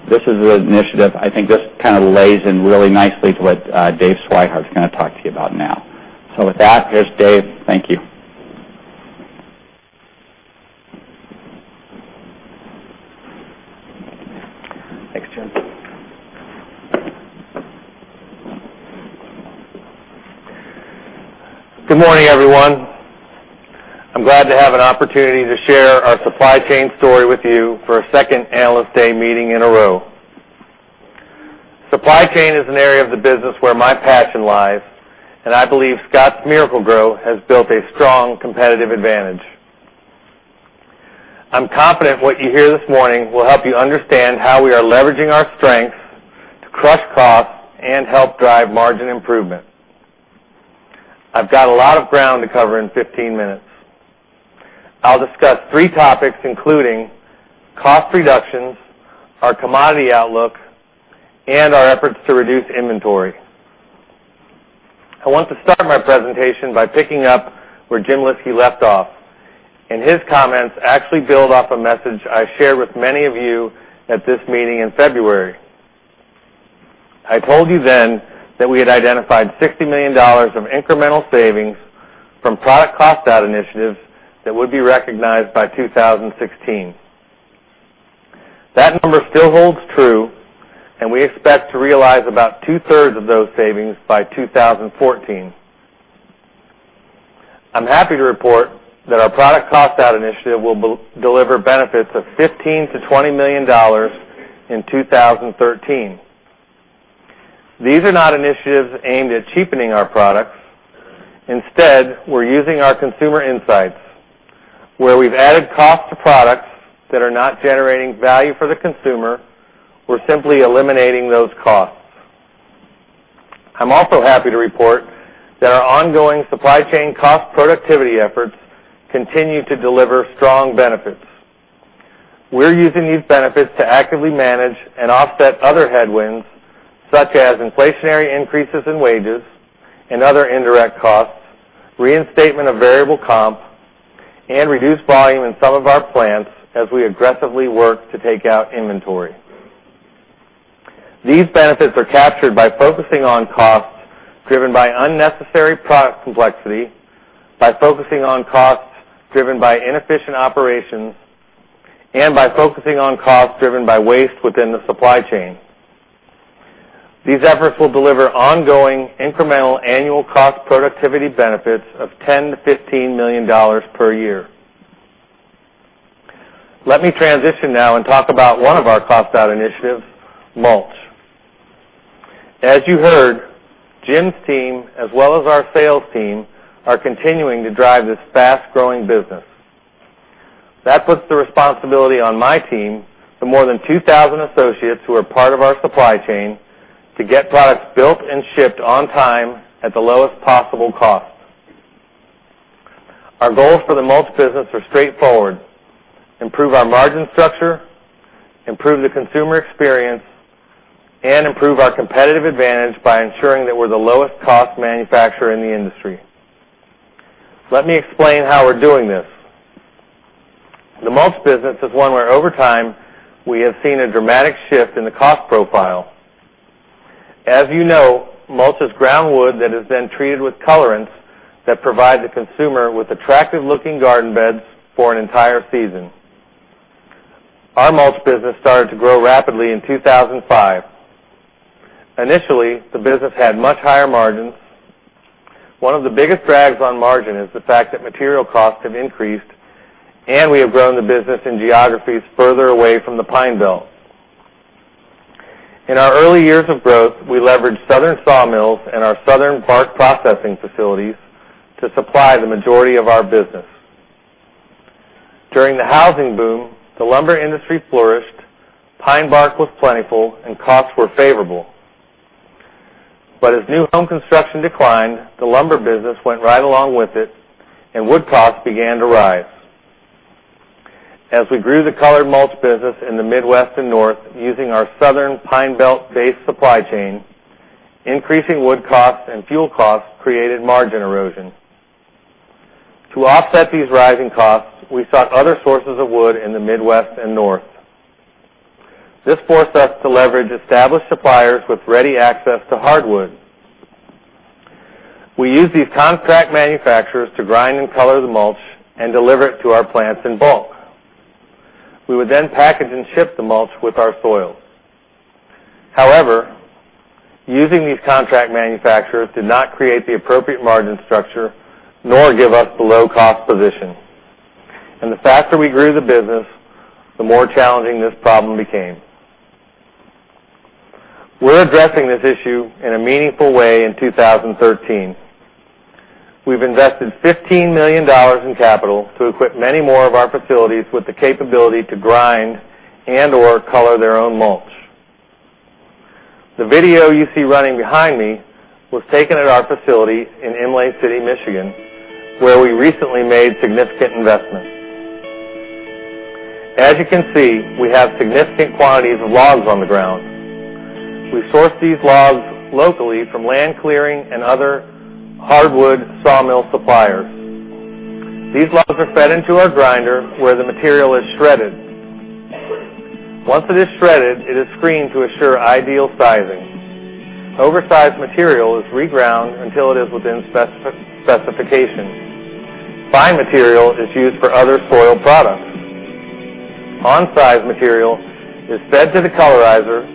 This is the initiative. I think this kind of lays in really nicely to what Dave Swihart is going to talk to you about now. With that, here's Dave. Thank you. Thanks, Jim. Good morning, everyone. I'm glad to have an opportunity to share our supply chain story with you for a second Analyst Day meeting in a row. Supply chain is an area of the business where my passion lies, and I believe Scotts Miracle-Gro has built a strong competitive advantage. I'm confident what you hear this morning will help you understand how we are leveraging our strengths to crush costs and help drive margin improvement. I've got a lot of ground to cover in 15 minutes. I'll discuss three topics, including cost reductions, our commodity outlook, and our efforts to reduce inventory. I want to start my presentation by picking up where Jim Lyski left off, and his comments actually build off a message I shared with many of you at this meeting in February. I told you then that we had identified $60 million of incremental savings from product cost-out initiatives that would be recognized by 2016. That number still holds true, and we expect to realize about two-thirds of those savings by 2014. I'm happy to report that our product cost-out initiative will deliver benefits of $15 million-$20 million in 2013. These are not initiatives aimed at cheapening our products. Instead, we're using our consumer insights. Where we've added cost to products that are not generating value for the consumer, we're simply eliminating those costs. I'm also happy to report that our ongoing supply chain cost productivity efforts continue to deliver strong benefits. We're using these benefits to actively manage and offset other headwinds, such as inflationary increases in wages and other indirect costs, reinstatement of variable comp, and reduced volume in some of our plants as we aggressively work to take out inventory. These benefits are captured by focusing on costs driven by unnecessary product complexity, by focusing on costs driven by inefficient operations, and by focusing on costs driven by waste within the supply chain. These efforts will deliver ongoing incremental annual cost productivity benefits of $10 million-$15 million per year. Let me transition now and talk about one of our cost-out initiatives, mulch. As you heard, Jim's team, as well as our sales team, are continuing to drive this fast-growing business. That puts the responsibility on my team, the more than 2,000 associates who are part of our supply chain, to get products built and shipped on time at the lowest possible cost. Our goals for the mulch business are straightforward: improve our margin structure, improve the consumer experience, and improve our competitive advantage by ensuring that we're the lowest cost manufacturer in the industry. Let me explain how we're doing this. The mulch business is one where over time we have seen a dramatic shift in the cost profile. As you know, mulch is ground wood that is then treated with colorants that provide the consumer with attractive-looking garden beds for an entire season. Our mulch business started to grow rapidly in 2005. Initially, the business had much higher margins. One of the biggest drags on margin is the fact that material costs have increased, and we have grown the business in geographies further away from the Pine Belt. In our early years of growth, we leveraged Southern sawmills and our southern bark processing facilities to supply the majority of our business. During the housing boom, the lumber industry flourished, pine bark was plentiful, and costs were favorable. As new home construction declined, the lumber business went right along with it, and wood costs began to rise. As we grew the colored mulch business in the Midwest and North using our Southern Pine Belt-based supply chain, increasing wood costs and fuel costs created margin erosion. To offset these rising costs, we sought other sources of wood in the Midwest and North. This forced us to leverage established suppliers with ready access to hardwood. We used these contract manufacturers to grind and color the mulch and deliver it to our plants in bulk. We would then package and ship the mulch with our soils. However, using these contract manufacturers did not create the appropriate margin structure nor give us the low-cost position. The faster we grew the business, the more challenging this problem became. We're addressing this issue in a meaningful way in 2013. We've invested $15 million in capital to equip many more of our facilities with the capability to grind and/or color their own mulch. The video you see running behind me was taken at our facility in Imlay City, Michigan, where we recently made significant investments. As you can see, we have significant quantities of logs on the ground. We source these logs locally from land clearing and other hardwood sawmill suppliers. These logs are fed into our grinder, where the material is shredded. Once it is shredded, it is screened to assure ideal sizing. Oversized material is reground until it is within specification. Fine material is used for other soil products. On-size material is fed to the colorizer,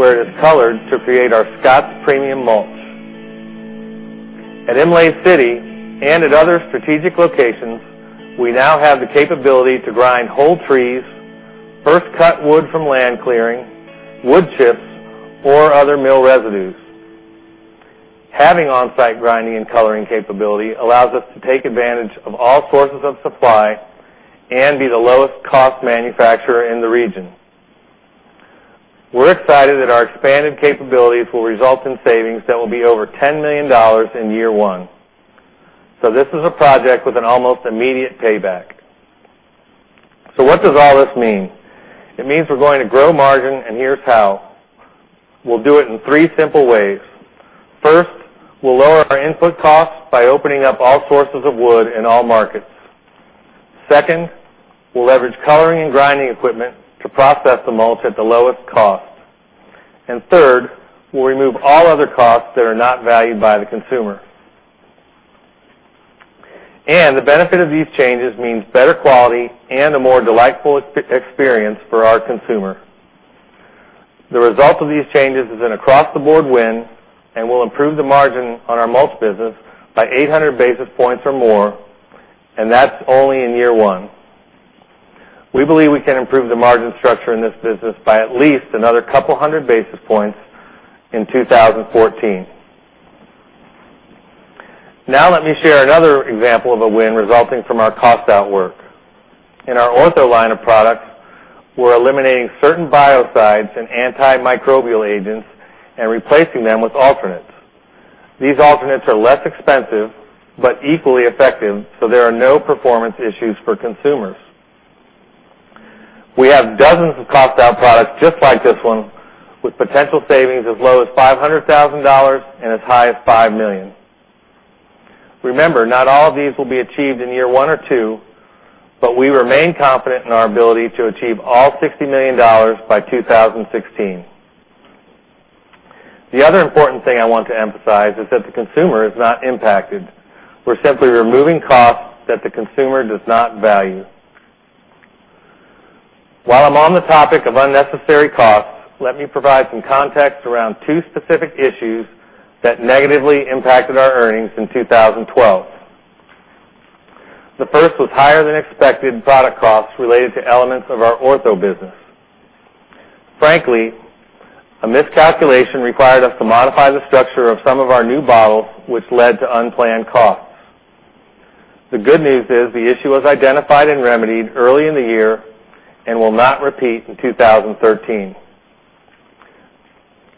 where it is colored to create our Scotts Premium Mulch. At Imlay City and at other strategic locations, we now have the capability to grind whole trees, fresh cut wood from land clearing, wood chips, or other mill residues. Having on-site grinding and coloring capability allows us to take advantage of all sources of supply and be the lowest cost manufacturer in the region. We're excited that our expanded capabilities will result in savings that will be over $10 million in year one. This is a project with an almost immediate payback. What does all this mean? It means we're going to grow margin, here's how. We'll do it in three simple ways. First, we'll lower our input costs by opening up all sources of wood in all markets. Second, we'll leverage coloring and grinding equipment to process the mulch at the lowest cost. Third, we'll remove all other costs that are not valued by the consumer. The benefit of these changes means better quality and a more delightful experience for our consumer. The result of these changes is an across-the-board win and will improve the margin on our mulch business by 800 basis points or more, and that's only in year one. We believe we can improve the margin structure in this business by at least another couple of hundred basis points in 2014. Now let me share another example of a win resulting from our cost out work. In our Ortho line of products, we're eliminating certain biocides and antimicrobial agents and replacing them with alternates. These alternates are less expensive but equally effective, so there are no performance issues for consumers. We have dozens of cost-out products just like this one with potential savings as low as $500,000 and as high as $5 million. Remember, not all of these will be achieved in year one or two, but we remain confident in our ability to achieve all $60 million by 2016. The other important thing I want to emphasize is that the consumer is not impacted. We're simply removing costs that the consumer does not value. While I'm on the topic of unnecessary costs, let me provide some context around two specific issues that negatively impacted our earnings in 2012. The first was higher-than-expected product costs related to elements of our Ortho business. Frankly, a miscalculation required us to modify the structure of some of our new bottles, which led to unplanned costs. The good news is the issue was identified and remedied early in the year and will not repeat in 2013.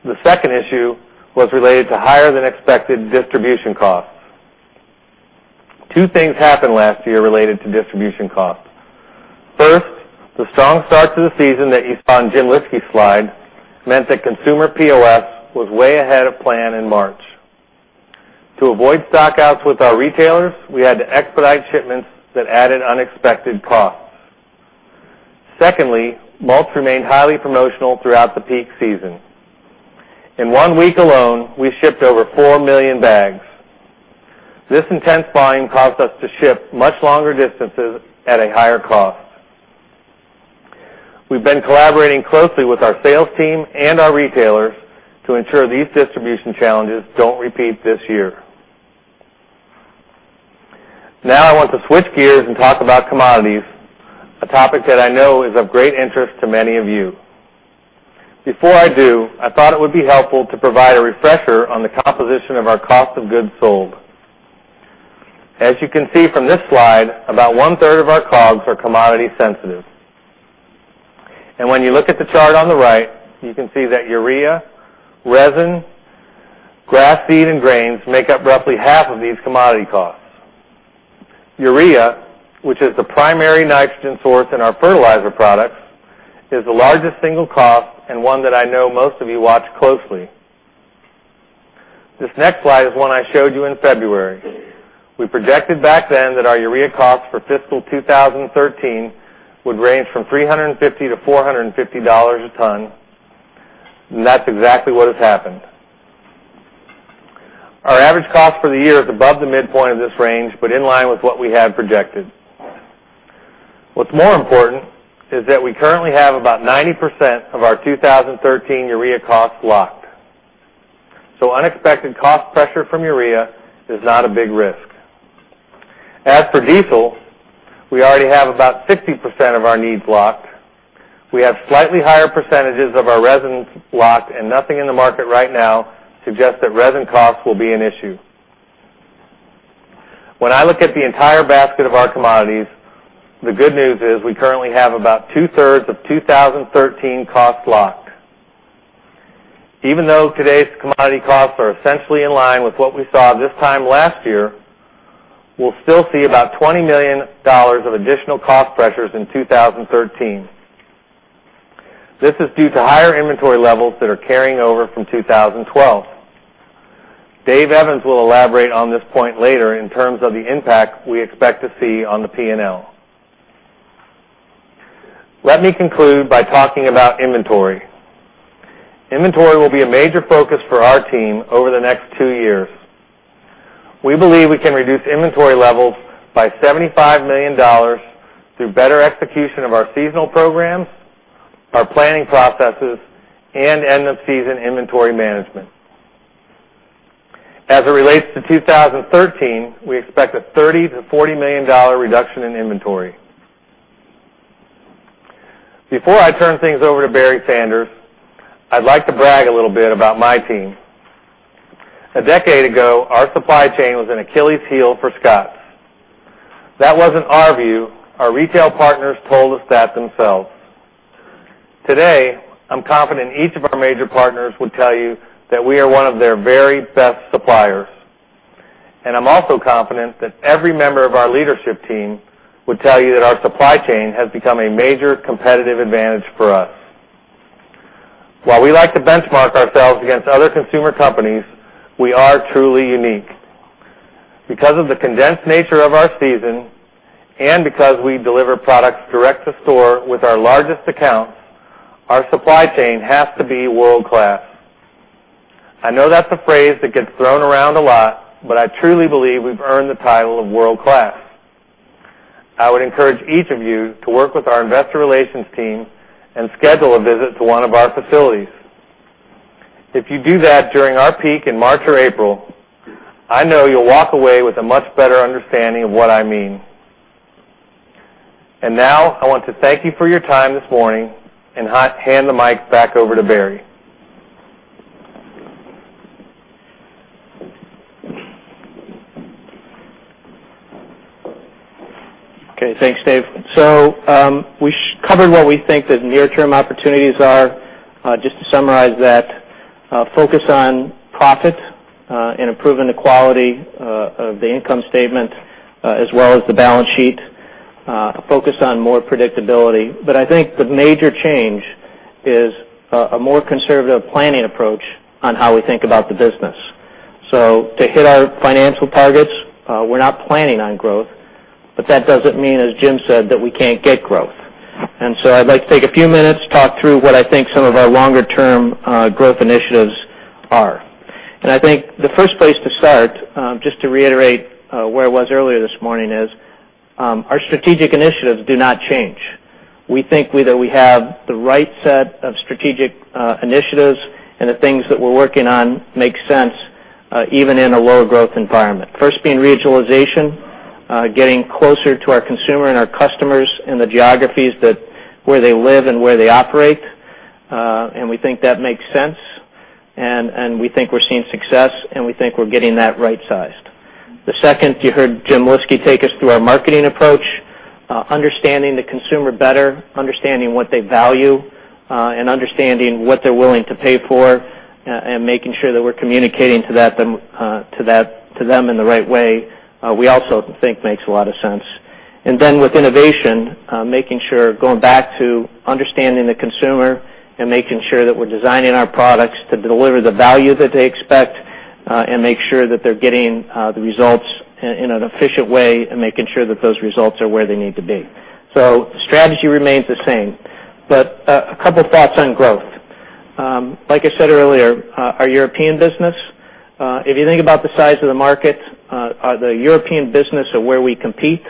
The second issue was related to higher-than-expected distribution costs. Two things happened last year related to distribution costs. First, the strong start to the season that you saw on Jim Lyski's slide meant that consumer POS was way ahead of plan in March. To avoid stockouts with our retailers, we had to expedite shipments that added unexpected costs. Secondly, mulch remained highly promotional throughout the peak season. In one week alone, we shipped over 4 million bags. This intense volume caused us to ship much longer distances at a higher cost. We've been collaborating closely with our sales team and our retailers to ensure these distribution challenges don't repeat this year. Now I want to switch gears and talk about commodities, a topic that I know is of great interest to many of you. Before I do, I thought it would be helpful to provide a refresher on the composition of our cost of goods sold. As you can see from this slide, about one-third of our COGS are commodity sensitive. When you look at the chart on the right, you can see that urea, resin, grass seed, and grains make up roughly half of these commodity costs. Urea, which is the primary nitrogen source in our fertilizer products, is the largest single cost and one that I know most of you watch closely. This next slide is one I showed you in February. We projected back then that our urea cost for fiscal 2013 would range from $350-$450 a ton, and that's exactly what has happened. Our average cost for the year is above the midpoint of this range, but in line with what we had projected. What's more important is that we currently have about 90% of our 2013 urea costs locked. Unexpected cost pressure from urea is not a big risk. As for diesel, we already have about 60% of our needs locked. We have slightly higher percentages of our resin locked, and nothing in the market right now suggests that resin costs will be an issue. When I look at the entire basket of our commodities, the good news is we currently have about two-thirds of 2013 costs locked. Even though today's commodity costs are essentially in line with what we saw this time last year, we'll still see about $20 million of additional cost pressures in 2013. This is due to higher inventory levels that are carrying over from 2012. David Evans will elaborate on this point later in terms of the impact we expect to see on the P&L. Let me conclude by talking about inventory. Inventory will be a major focus for our team over the next two years. We believe we can reduce inventory levels by $75 million through better execution of our seasonal programs, our planning processes, and end-of-season inventory management. As it relates to 2013, we expect a $30 million-$40 million reduction in inventory. Before I turn things over to Barry Sanders, I'd like to brag a little bit about my team. A decade ago, our supply chain was an Achilles heel for Scotts. That wasn't our view, our retail partners told us that themselves. Today, I'm confident each of our major partners would tell you that we are one of their very best suppliers, and I'm also confident that every member of our leadership team would tell you that our supply chain has become a major competitive advantage for us. While we like to benchmark ourselves against other consumer companies, we are truly unique. Because of the condensed nature of our season and because we deliver products direct to store with our largest accounts, our supply chain has to be world-class. I know that's a phrase that gets thrown around a lot, but I truly believe we've earned the title of world-class. I would encourage each of you to work with our Investor Relations team and schedule a visit to one of our facilities. If you do that during our peak in March or April, I know you'll walk away with a much better understanding of what I mean. Now I want to thank you for your time this morning and hand the mic back over to Barry. Thanks, Dave. We covered what we think the near-term opportunities are. Just to summarize that, focus on profit and improving the quality of the income statement as well as the balance sheet. A focus on more predictability. I think the major change is a more conservative planning approach on how we think about the business. To hit our financial targets, we're not planning on growth, but that doesn't mean, as Jim said, that we can't get growth. I'd like to take a few minutes to talk through what I think some of our longer-term growth initiatives are. I think the first place to start, just to reiterate where I was earlier this morning, is our strategic initiatives do not change. We think that we have the right set of strategic initiatives, the things that we're working on make sense even in a lower growth environment. First being regionalization, getting closer to our consumer and our customers in the geographies where they live and where they operate, we think that makes sense, we think we're seeing success, we think we're getting that right-sized. The second, you heard Jim Lyski take us through our marketing approach, understanding the consumer better, understanding what they value, understanding what they're willing to pay for, making sure that we're communicating to them in the right way we also think makes a lot of sense. With innovation, making sure going back to understanding the consumer making sure that we're designing our products to deliver the value that they expect make sure that they're getting the results in an efficient way making sure that those results are where they need to be. Strategy remains the same, a couple of thoughts on growth. Like I said earlier, our European business, if you think about the size of the market, the European business of where we compete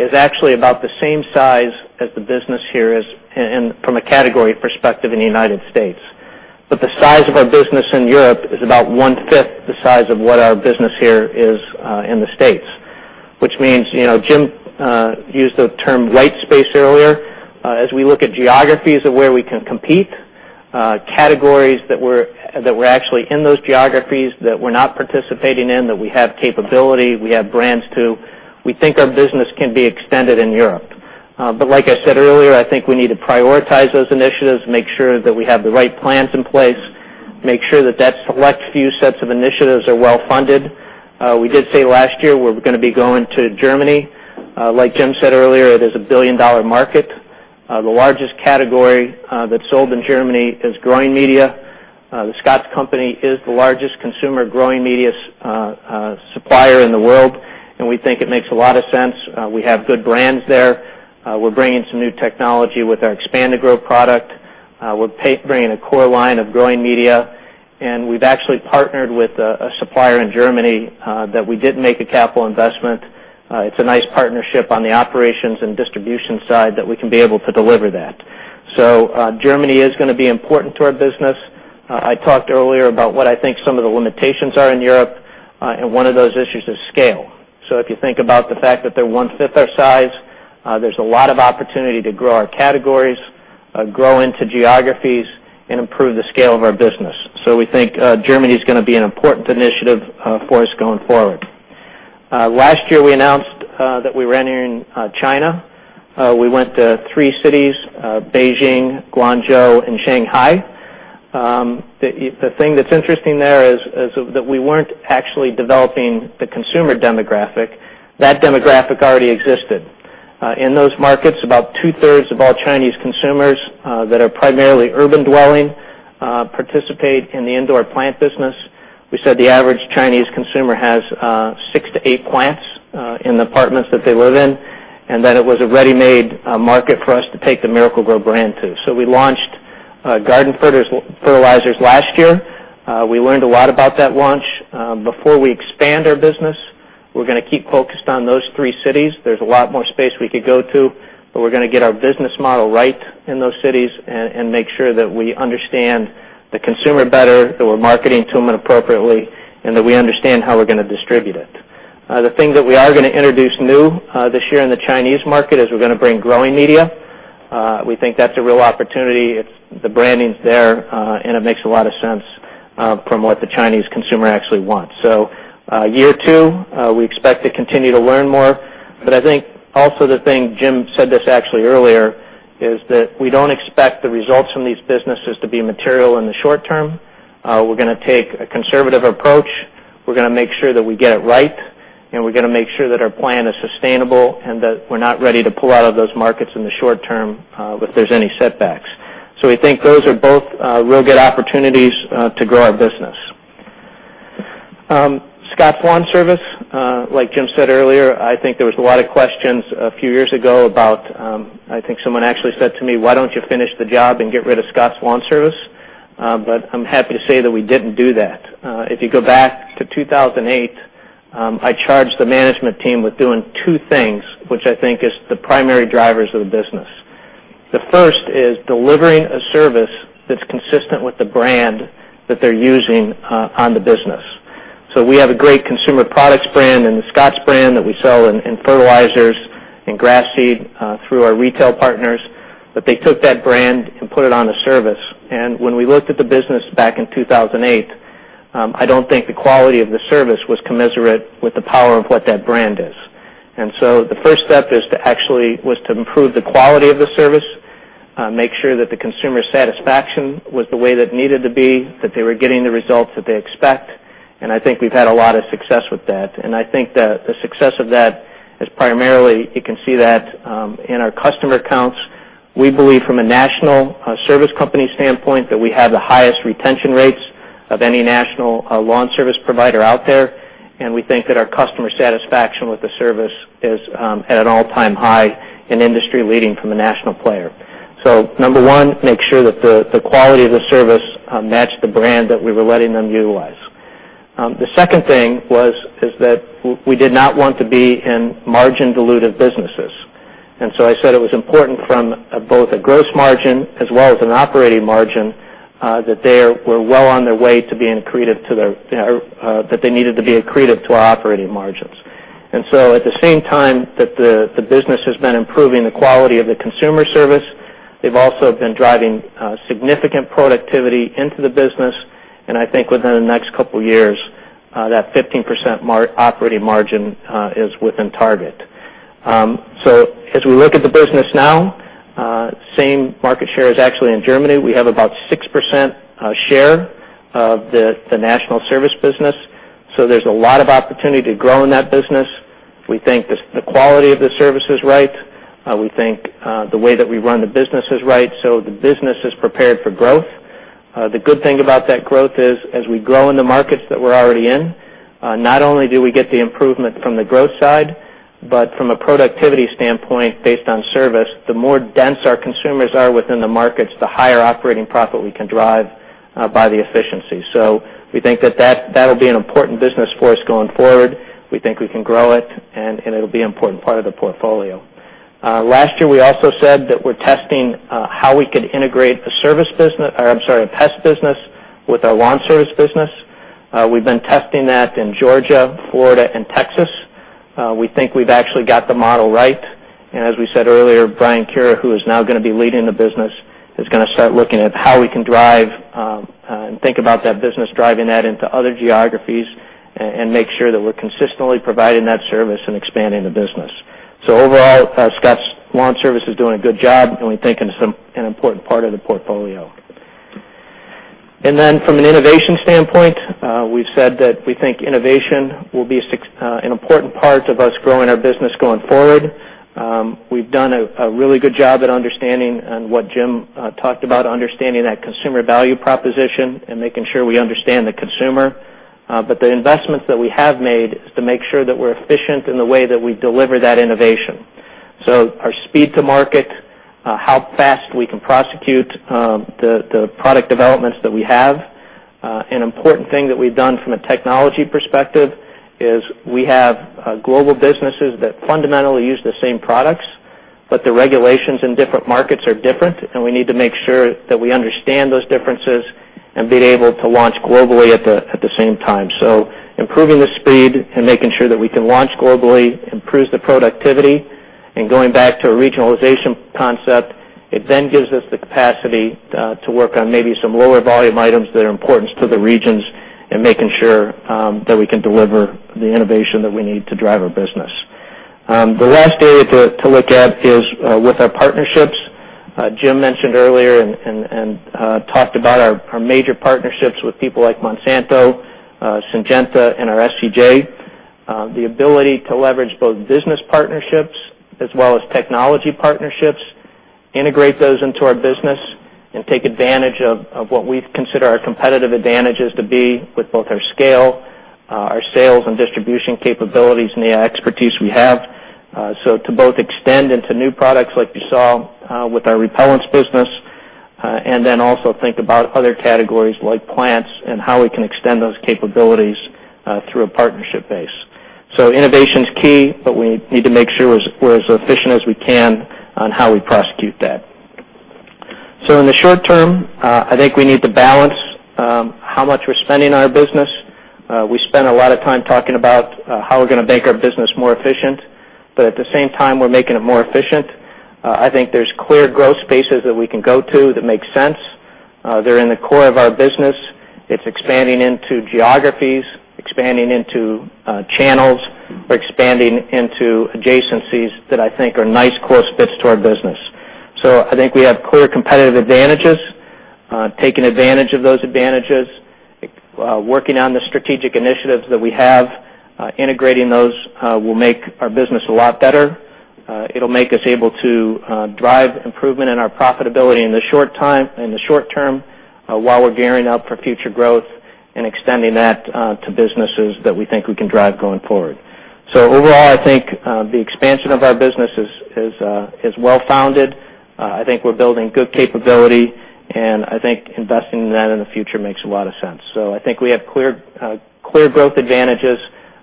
is actually about the same size as the business here is from a category perspective in the United States. The size of our business in Europe is about one-fifth the size of what our business here is in the States, which means Jim used the term white space earlier. As we look at geographies of where we can compete, categories that were actually in those geographies that we're not participating in, that we have capability, we have brands too. We think our business can be extended in Europe. Like I said earlier, I think we need to prioritize those initiatives, make sure that we have the right plans in place, make sure that that select few sets of initiatives are well-funded. We did say last year we're going to be going to Germany. Like Jim said earlier, it is a billion-dollar market. The largest category that's sold in Germany is growing media. The Scotts Company is the largest consumer growing media supplier in the world, and we think it makes a lot of sense. We have good brands there. We're bringing some new technology with our Expand 'n Gro product. We're bringing a core line of growing media, and we've actually partnered with a supplier in Germany that we did make a capital investment. It's a nice partnership on the operations and distribution side that we can be able to deliver that. Germany is going to be important to our business. I talked earlier about what I think some of the limitations are in Europe, and one of those issues is scale. If you think about the fact that they're one-fifth our size, there's a lot of opportunity to grow our categories, grow into geographies, and improve the scale of our business. We think Germany is going to be an important initiative for us going forward. Last year, we announced that we ran in China. We went to three cities, Beijing, Guangzhou, and Shanghai. The thing that's interesting there is that we weren't actually developing the consumer demographic. That demographic already existed. In those markets, about two-thirds of all Chinese consumers that are primarily urban-dwelling participate in the indoor plant business. We said the average Chinese consumer has six to eight plants in the apartments that they live in, and that it was a ready-made market for us to take the Miracle-Gro brand to. We launched garden fertilizers last year. We learned a lot about that launch. Before we expand our business, we're going to keep focused on those three cities. There's a lot more space we could go to, but we're going to get our business model right in those cities and make sure that we understand the consumer better, that we're marketing to them appropriately, and that we understand how we're going to distribute it. The thing that we are going to introduce new this year in the Chinese market is we're going to bring growing media. We think that's a real opportunity. The branding is there, and it makes a lot of sense from what the Chinese consumer actually wants. Year two, we expect to continue to learn more. I think also the thing, Jim said this actually earlier, is that we don't expect the results from these businesses to be material in the short term. We're going to take a conservative approach. We're going to make sure that we get it right, and we're going to make sure that our plan is sustainable and that we're not ready to pull out of those markets in the short term if there's any setbacks. We think those are both real good opportunities to grow our business. Scotts Lawn Service, like Jim said earlier, there was a lot of questions a few years ago about, someone actually said to me, "Why don't you finish the job and get rid of Scotts Lawn Service?" I'm happy to say that we didn't do that. If you go back to 2008, I charged the management team with doing two things, which I think is the primary drivers of the business. The first is delivering a service that's consistent with the brand that they're using on the business. We have a great consumer products brand and the Scotts brand that we sell in fertilizers and grass seed through our retail partners. They took that brand and put it on a service. When we looked at the business back in 2008, I don't think the quality of the service was commensurate with the power of what that brand is. The first step was to improve the quality of the service, make sure that the consumer satisfaction was the way that it needed to be, that they were getting the results that they expect, and I think we've had a lot of success with that. I think the success of that is primarily, you can see that in our customer accounts. We believe from a national service company standpoint, that we have the highest retention rates of any national lawn service provider out there, and we think that our customer satisfaction with the service is at an all-time high and industry-leading from a national player. Number 1, make sure that the quality of the service matched the brand that we were letting them utilize. The second thing is that we did not want to be in margin-dilutive businesses. I said it was important from both a gross margin as well as an operating margin, that they needed to be accretive to our operating margins. At the same time that the business has been improving the quality of the consumer service, they've also been driving significant productivity into the business, and I think within the next couple of years, that 15% operating margin is within target. As we look at the business now, same market share as actually in Germany. We have about 6% share of the national service business. There's a lot of opportunity to grow in that business. We think the quality of the service is right. We think the way that we run the business is right. The business is prepared for growth. The good thing about that growth is, as we grow in the markets that we're already in, not only do we get the improvement from the growth side. From a productivity standpoint, based on service, the more dense our consumers are within the markets, the higher operating profit we can drive by the efficiency. We think that will be an important business for us going forward. We think we can grow it, and it'll be important part of the portfolio. Last year, we also said that we're testing how we could integrate the pest business with our lawn service business. We've been testing that in Georgia, Florida, and Texas. We think we've actually got the model right. As we said earlier, Brian Kura, who is now going to be leading the business, is going to start looking at how we can drive and think about that business, driving that into other geographies, and make sure that we're consistently providing that service and expanding the business. Overall, Scotts LawnService is doing a good job, and we think it's an important part of the portfolio. From an innovation standpoint, we've said that we think innovation will be an important part of us growing our business going forward. We've done a really good job at understanding and what Jim talked about, understanding that consumer value proposition and making sure we understand the consumer. The investments that we have made is to make sure that we're efficient in the way that we deliver that innovation. Our speed to market, how fast we can prosecute the product developments that we have. An important thing that we've done from a technology perspective is we have global businesses that fundamentally use the same products, but the regulations in different markets are different, and we need to make sure that we understand those differences and being able to launch globally at the same time. Improving the speed and making sure that we can launch globally improves the productivity. Going back to a regionalization concept, it then gives us the capacity to work on maybe some lower volume items that are important to the regions and making sure that we can deliver the innovation that we need to drive our business. The last area to look at is with our partnerships. Jim mentioned earlier and talked about our major partnerships with people like Monsanto, Syngenta, and our SCJ. The ability to leverage both business partnerships as well as technology partnerships, integrate those into our business, and take advantage of what we consider our competitive advantages to be with both our scale, our sales and distribution capabilities, and the expertise we have. To both extend into new products like you saw with our repellents business, and then also think about other categories like plants and how we can extend those capabilities through a partnership base. Innovation is key, but we need to make sure we're as efficient as we can on how we prosecute that. In the short term, I think we need to balance how much we're spending on our business. We spend a lot of time talking about how we're going to make our business more efficient, but at the same time, we're making it more efficient. I think there's clear growth spaces that we can go to that make sense. They're in the core of our business. It's expanding into geographies, expanding into channels. We're expanding into adjacencies that I think are nice close fits to our business. I think we have clear competitive advantages. Taking advantage of those advantages, working on the strategic initiatives that we have, integrating those will make our business a lot better. It'll make us able to drive improvement in our profitability in the short term, while we're gearing up for future growth and extending that to businesses that we think we can drive going forward. Overall, I think the expansion of our business is well-founded. I think we're building good capability, and I think investing in that in the future makes a lot of sense. I think we have clear growth advantages.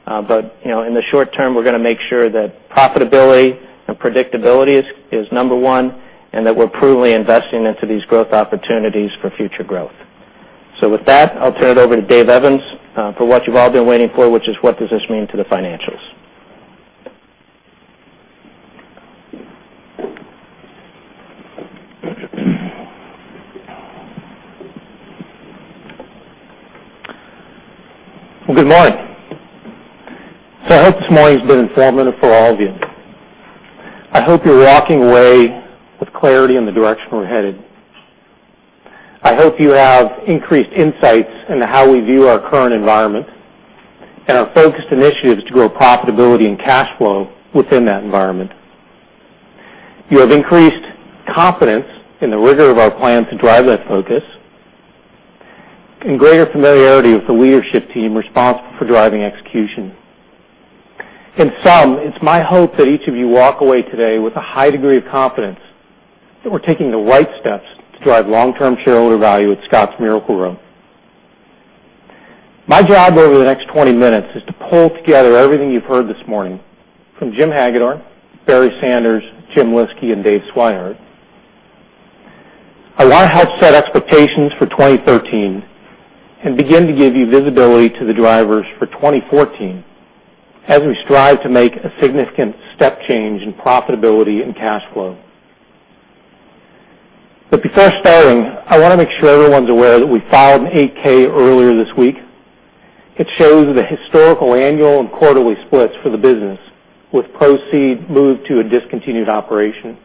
In the short term, we're going to make sure that profitability and predictability is number one and that we're prudently investing into these growth opportunities for future growth. With that, I'll turn it over to Dave Evans for what you've all been waiting for, which is what does this mean to the financials? Good morning. I hope this morning has been informative for all of you. I hope you're walking away with clarity in the direction we're headed. I hope you have increased insights into how we view our current environment and our focused initiatives to grow profitability and cash flow within that environment. You have increased confidence in the rigor of our plan to drive that focus and greater familiarity with the leadership team responsible for driving execution. In sum, it's my hope that each of you walk away today with a high degree of confidence that we're taking the right steps to drive long-term shareholder value at Scotts Miracle-Gro. My job over the next 20 minutes is to pull together everything you've heard this morning from Jim Hagedorn, Barry Sanders, Jim Lyski, and Dave Swihart. I want to help set expectations for 2013 and begin to give you visibility to the drivers for 2014 as we strive to make a significant step change in profitability and cash flow. Before starting, I want to make sure everyone's aware that we filed an 8-K earlier this week. It shows the historical annual and quarterly splits for the business, with Proseed moved to a discontinued operation.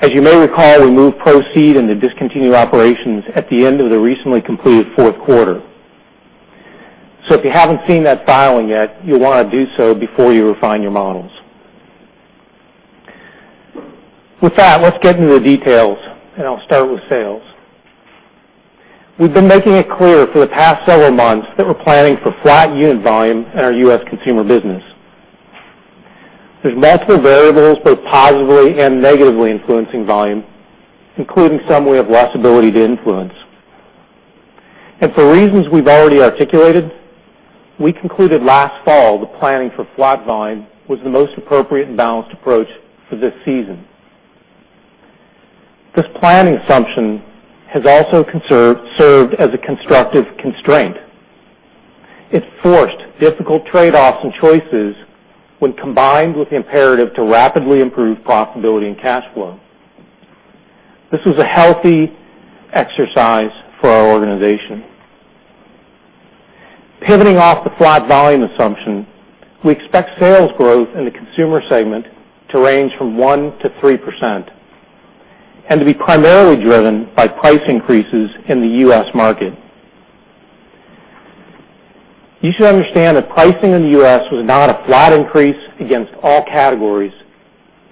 As you may recall, we moved Proseed in the discontinued operations at the end of the recently completed fourth quarter. If you haven't seen that filing yet, you'll want to do so before you refine your models. With that, let's get into the details, and I'll start with sales. We've been making it clear for the past several months that we're planning for flat unit volume in our U.S. consumer business. There's multiple variables, both positively and negatively influencing volume, including some we have less ability to influence. For reasons we've already articulated, we concluded last fall that planning for flat volume was the most appropriate and balanced approach for this season. This planning assumption has also served as a constructive constraint. It forced difficult trade-offs and choices when combined with the imperative to rapidly improve profitability and cash flow. This was a healthy exercise for our organization. Pivoting off the flat volume assumption, we expect sales growth in the consumer segment to range from 1%-3% and to be primarily driven by price increases in the U.S. market. You should understand that pricing in the U.S. was not a flat increase against all categories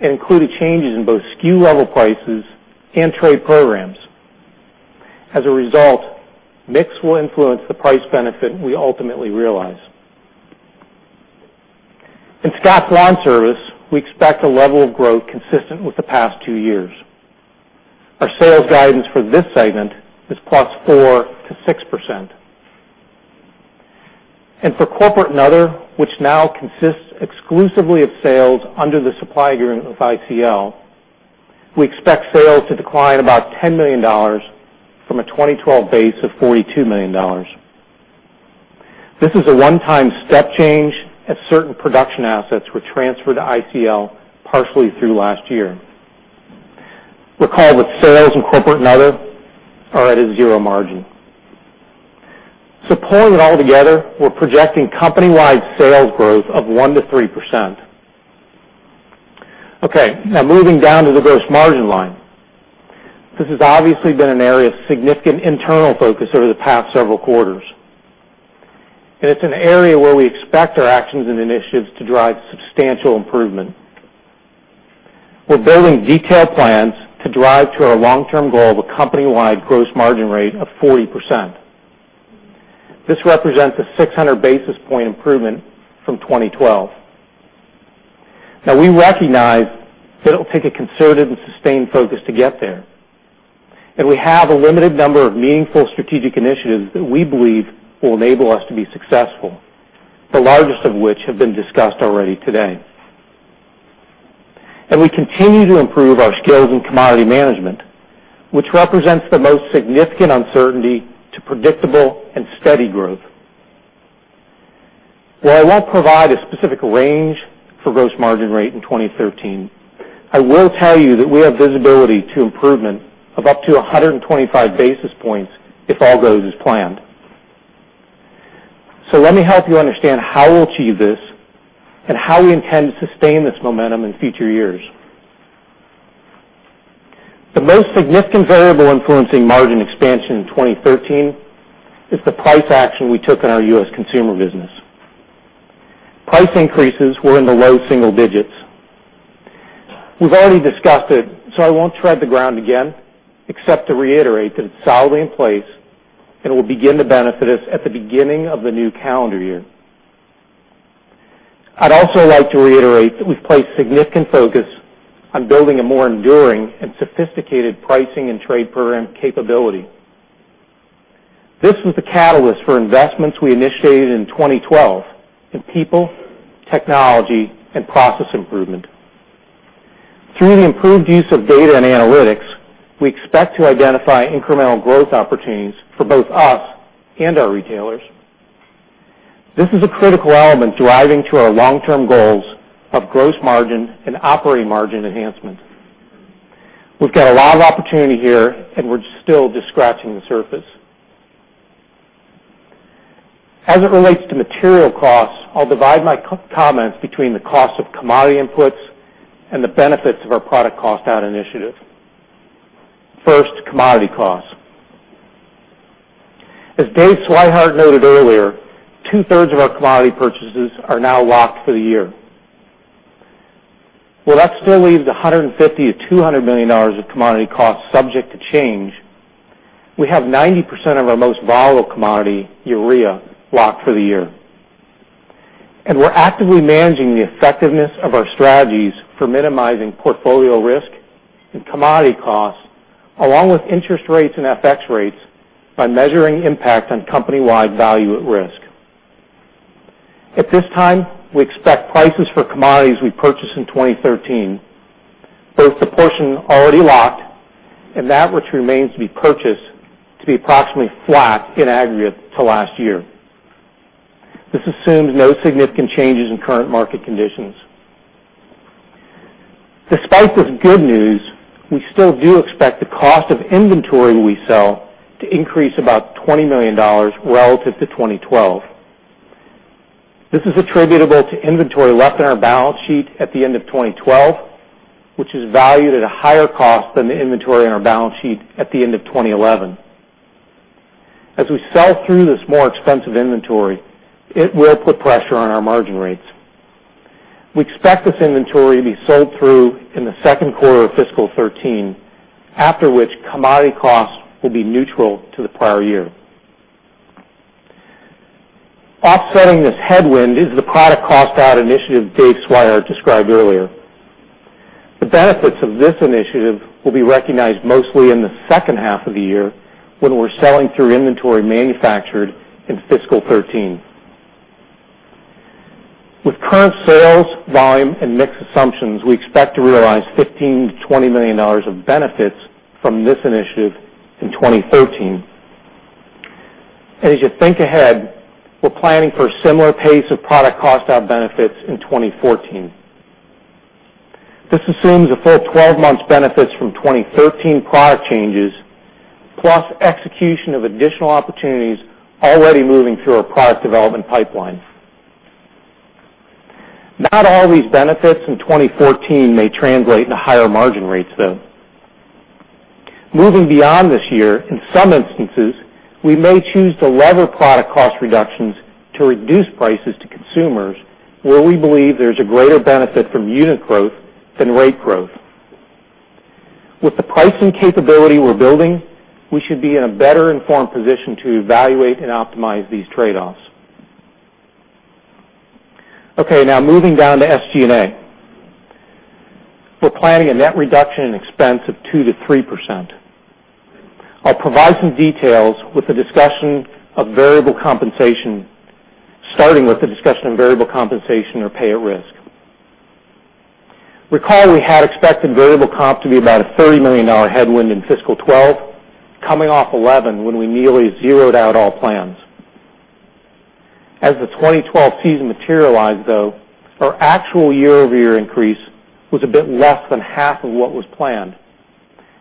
and included changes in both SKU-level prices and trade programs. As a result, mix will influence the price benefit we ultimately realize. In Scotts LawnService, we expect a level of growth consistent with the past two years. Our sales guidance for this segment is +4% to +6%. For corporate and other, which now consists exclusively of sales under the supply agreement with ICL, we expect sales to decline about $10 million from a 2012 base of $42 million. This is a one-time step change as certain production assets were transferred to ICL partially through last year. Recall that sales in corporate and other are at a zero margin. Pulling it all together, we're projecting company-wide sales growth of +1% to +3%. Moving down to the gross margin line. This has obviously been an area of significant internal focus over the past several quarters, and it's an area where we expect our actions and initiatives to drive substantial improvement. We're building detailed plans to drive to our long-term goal of a company-wide gross margin rate of 40%. This represents a 600-basis-point improvement from 2012. We recognize that it'll take a concerted and sustained focus to get there, and we have a limited number of meaningful strategic initiatives that we believe will enable us to be successful, the largest of which have been discussed already today. We continue to improve our skills in commodity management, which represents the most significant uncertainty to predictable and steady growth. I won't provide a specific range for gross margin rate in 2013, I will tell you that we have visibility to improvement of up to 125 basis points if all goes as planned. Let me help you understand how we'll achieve this and how we intend to sustain this momentum in future years. The most significant variable influencing margin expansion in 2013 is the price action we took in our U.S. consumer business. Price increases were in the low single digits. We've already discussed it, so I won't tread the ground again, except to reiterate that it's solidly in place and it will begin to benefit us at the beginning of the new calendar year. I'd also like to reiterate that we've placed significant focus on building a more enduring and sophisticated pricing and trade program capability. This was the catalyst for investments we initiated in 2012 in people, technology, and process improvement. Through the improved use of data and analytics, we expect to identify incremental growth opportunities for both us and our retailers. This is a critical element to driving to our long-term goals of gross margin and operating margin enhancement. We've got a lot of opportunity here, and we're still just scratching the surface. As it relates to material costs, I'll divide my comments between the cost of commodity inputs and the benefits of our product cost-down initiative. First, commodity costs. As Dave Swihart noted earlier, two-thirds of our commodity purchases are now locked for the year. That still leaves $150 million-$200 million of commodity costs subject to change, we have 90% of our most volatile commodity, urea, locked for the year. We're actively managing the effectiveness of our strategies for minimizing portfolio risk and commodity costs, along with interest rates and FX rates, by measuring impact on company-wide value at risk. At this time, we expect prices for commodities we purchase in 2013, both the portion already locked and that which remains to be purchased, to be approximately flat in aggregate to last year. This assumes no significant changes in current market conditions. Despite this good news, we still do expect the cost of inventory we sell to increase about $20 million relative to 2012. This is attributable to inventory left on our balance sheet at the end of 2012, which is valued at a higher cost than the inventory on our balance sheet at the end of 2011. As we sell through this more expensive inventory, it will put pressure on our margin rates. We expect this inventory to be sold through in the second quarter of fiscal 2013, after which commodity costs will be neutral to the prior year. Offsetting this headwind is the product cost-out initiative Dave Swihart described earlier. The benefits of this initiative will be recognized mostly in the second half of the year when we're selling through inventory manufactured in fiscal 2013. With current sales volume and mix assumptions, we expect to realize $15 million-$20 million of benefits from this initiative in 2013. As you think ahead, we're planning for a similar pace of product cost-out benefits in 2014. This assumes a full 12 months benefits from 2013 product changes, plus execution of additional opportunities already moving through our product development pipeline. Not all these benefits in 2014 may translate into higher margin rates, though. Moving beyond this year, in some instances, we may choose to lever product cost reductions to reduce prices to consumers where we believe there's a greater benefit from unit growth than rate growth. With the pricing capability we're building, we should be in a better-informed position to evaluate and optimize these trade-offs. Okay. Now moving down to SG&A. We're planning a net reduction in expense of 2%-3%. I'll provide some details with a discussion of variable compensation, starting with the discussion of variable compensation or pay at risk. Recall we had expected variable comp to be about a $30 million headwind in fiscal 2012, coming off 2011, when we nearly zeroed out all plans. As the 2012 season materialized, though, our actual year-over-year increase was a bit less than half of what was planned,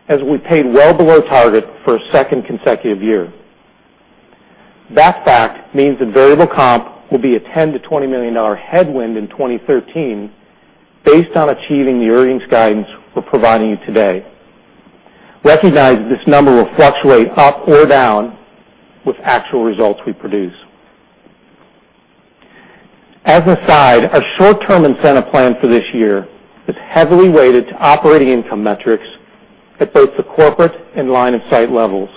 as we paid well below target for a second consecutive year. That fact means that variable comp will be a $10 million-$20 million headwind in 2013 based on achieving the earnings guidance we're providing you today. Recognize that this number will fluctuate up or down with actual results we produce. As a side, our short-term incentive plan for this year is heavily weighted to operating income metrics at both the corporate and line-of-sight levels.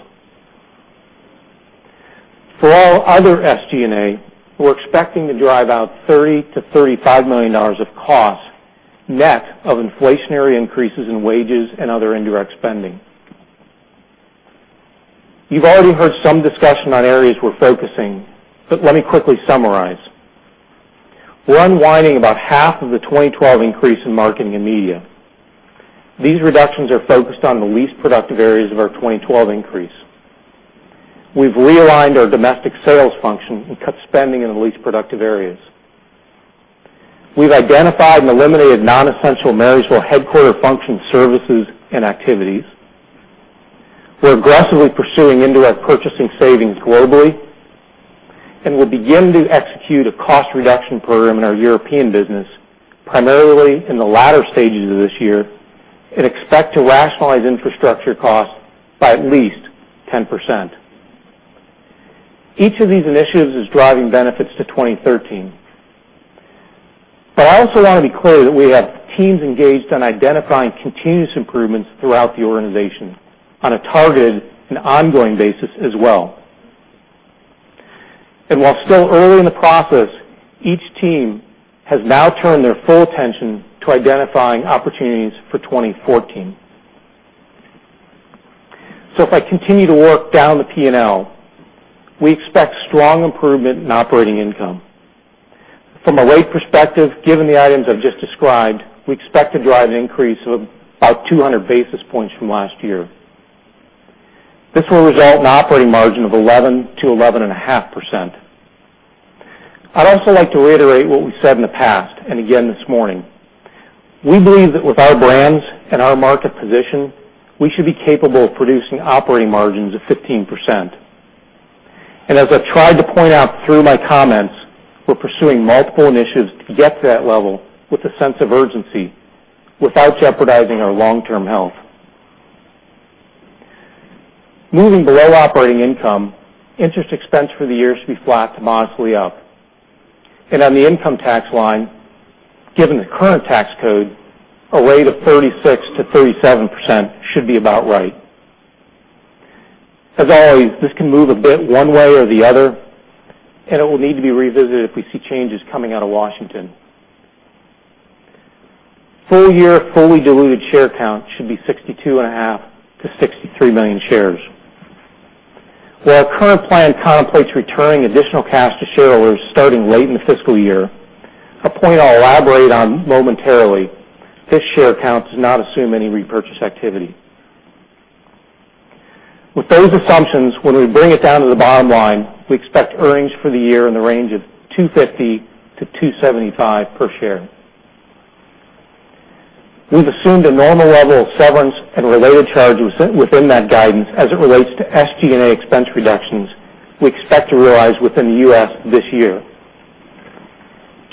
For all other SG&A, we're expecting to drive out $30 million-$35 million of costs, net of inflationary increases in wages and other indirect spending. You've already heard some discussion on areas we're focusing, but let me quickly summarize. We're unwinding about half of the 2012 increase in marketing and media. These reductions are focused on the least productive areas of our 2012 increase. We've realigned our domestic sales function and cut spending in the least productive areas. We've identified and eliminated non-essential managerial headquarter function services and activities. We're aggressively pursuing indirect purchasing savings globally, and we'll begin to execute a cost reduction program in our European business, primarily in the latter stages of this year, and expect to rationalize infrastructure costs by at least 10%. Each of these initiatives is driving benefits to 2013. I also want to be clear that we have teams engaged on identifying continuous improvements throughout the organization on a targeted and ongoing basis as well. While still early in the process, each team has now turned their full attention to identifying opportunities for 2014. If I continue to work down the P&L, we expect strong improvement in operating income. From a rate perspective, given the items I've just described, we expect to drive an increase of about 200 basis points from last year. This will result in operating margin of 11%-11.5%. I'd also like to reiterate what we said in the past and again this morning. We believe that with our brands and our market position, we should be capable of producing operating margins of 15%. As I've tried to point out through my comments, we're pursuing multiple initiatives to get to that level with a sense of urgency without jeopardizing our long-term health. Moving below operating income, interest expense for the year should be flat to modestly up. On the income tax line, given the current tax code, a rate of 36%-37% should be about right. As always, this can move a bit one way or the other, and it will need to be revisited if we see changes coming out of Washington. Full year fully diluted share count should be 62.5 million-63 million shares. While our current plan contemplates returning additional cash to shareholders starting late in the fiscal year, a point I'll elaborate on momentarily, this share count does not assume any repurchase activity. With those assumptions, when we bring it down to the bottom line, we expect earnings for the year in the range of $2.50-$2.75 per share. We've assumed a normal level of severance and related charges within that guidance as it relates to SG&A expense reductions we expect to realize within the U.S. this year.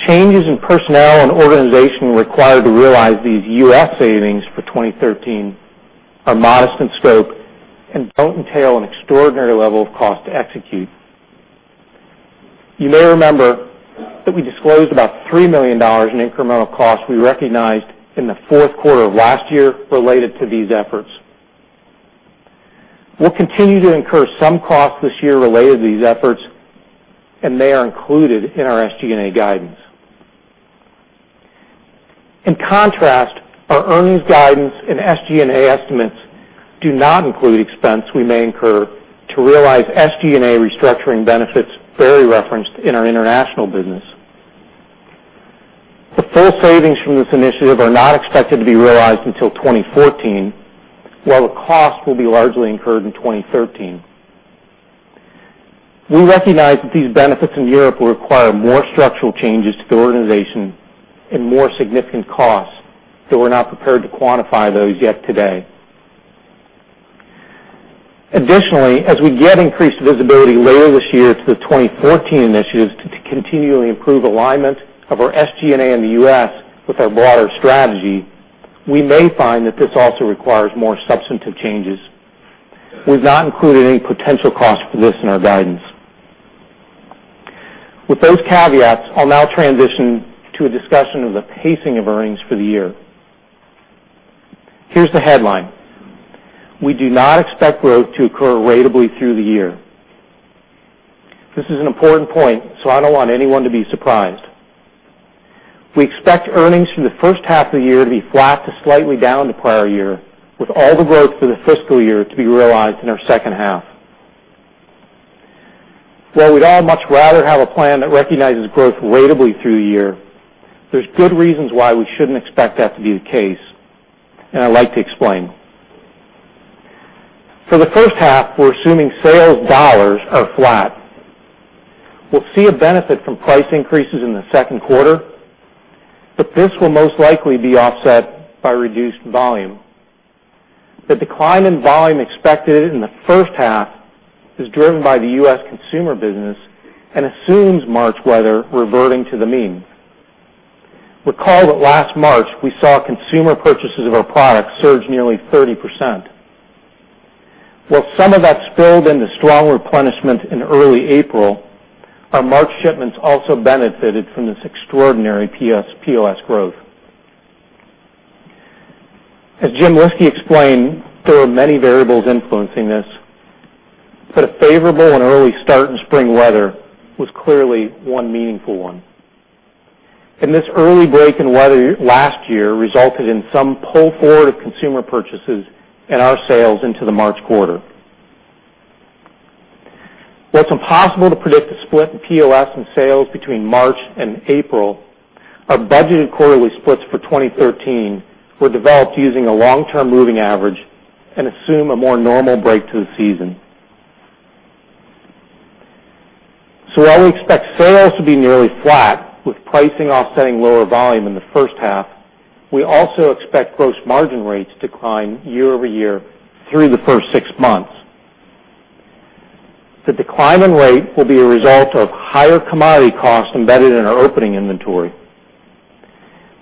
Changes in personnel and organization required to realize these U.S. savings for 2013 are modest in scope and don't entail an extraordinary level of cost to execute. You may remember that we disclosed about $3 million in incremental costs we recognized in the fourth quarter of last year related to these efforts. We'll continue to incur some costs this year related to these efforts, and they are included in our SG&A guidance. In contrast, our earnings guidance and SG&A estimates do not include expense we may incur to realize SG&A restructuring benefits Barry referenced in our international business. The full savings from this initiative are not expected to be realized until 2014, while the cost will be largely incurred in 2013. We recognize that these benefits in Europe will require more structural changes to the organization and more significant costs, though we're not prepared to quantify those yet today. As we get increased visibility later this year to the 2014 initiatives to continually improve alignment of our SG&A in the U.S. with our broader strategy, we may find that this also requires more substantive changes. We've not included any potential cost for this in our guidance. With those caveats, I'll now transition to a discussion of the pacing of earnings for the year. Here's the headline. We do not expect growth to occur ratably through the year. This is an important point, so I don't want anyone to be surprised. We expect earnings from the first half of the year to be flat to slightly down to prior year, with all the growth for the fiscal year to be realized in our second half. While we'd all much rather have a plan that recognizes growth ratably through the year, there's good reasons why we shouldn't expect that to be the case. I'd like to explain. For the first half, we're assuming sales dollars are flat. We'll see a benefit from price increases in the second quarter, but this will most likely be offset by reduced volume. The decline in volume expected in the first half is driven by the U.S. consumer business and assumes March weather reverting to the mean. Recall that last March, we saw consumer purchases of our products surge nearly 30%. While some of that spilled into strong replenishment in early April, our March shipments also benefited from this extraordinary POS growth. As Jim Lyski explained, there were many variables influencing this, but a favorable and early start in spring weather was clearly one meaningful one. This early break in weather last year resulted in some pull forward of consumer purchases and our sales into the March quarter. While it's impossible to predict the split in POS and sales between March and April, our budgeted quarterly splits for 2013 were developed using a long-term moving average and assume a more normal break to the season. While we expect sales to be nearly flat with pricing offsetting lower volume in the first half, we also expect gross margin rates to climb year-over-year through the first six months. The decline in rate will be a result of higher commodity costs embedded in our opening inventory.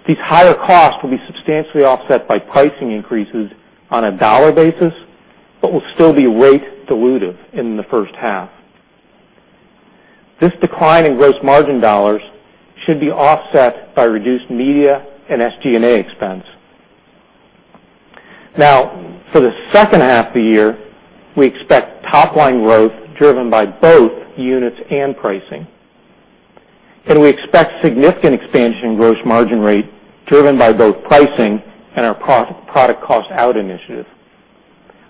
These higher costs will be substantially offset by pricing increases on a dollar basis, but will still be rate dilutive in the first half. This decline in gross margin dollars should be offset by reduced media and SG&A expense. Now, for the second half of the year, we expect top-line growth driven by both units and pricing. We expect significant expansion in gross margin rate driven by both pricing and our product cost out initiative.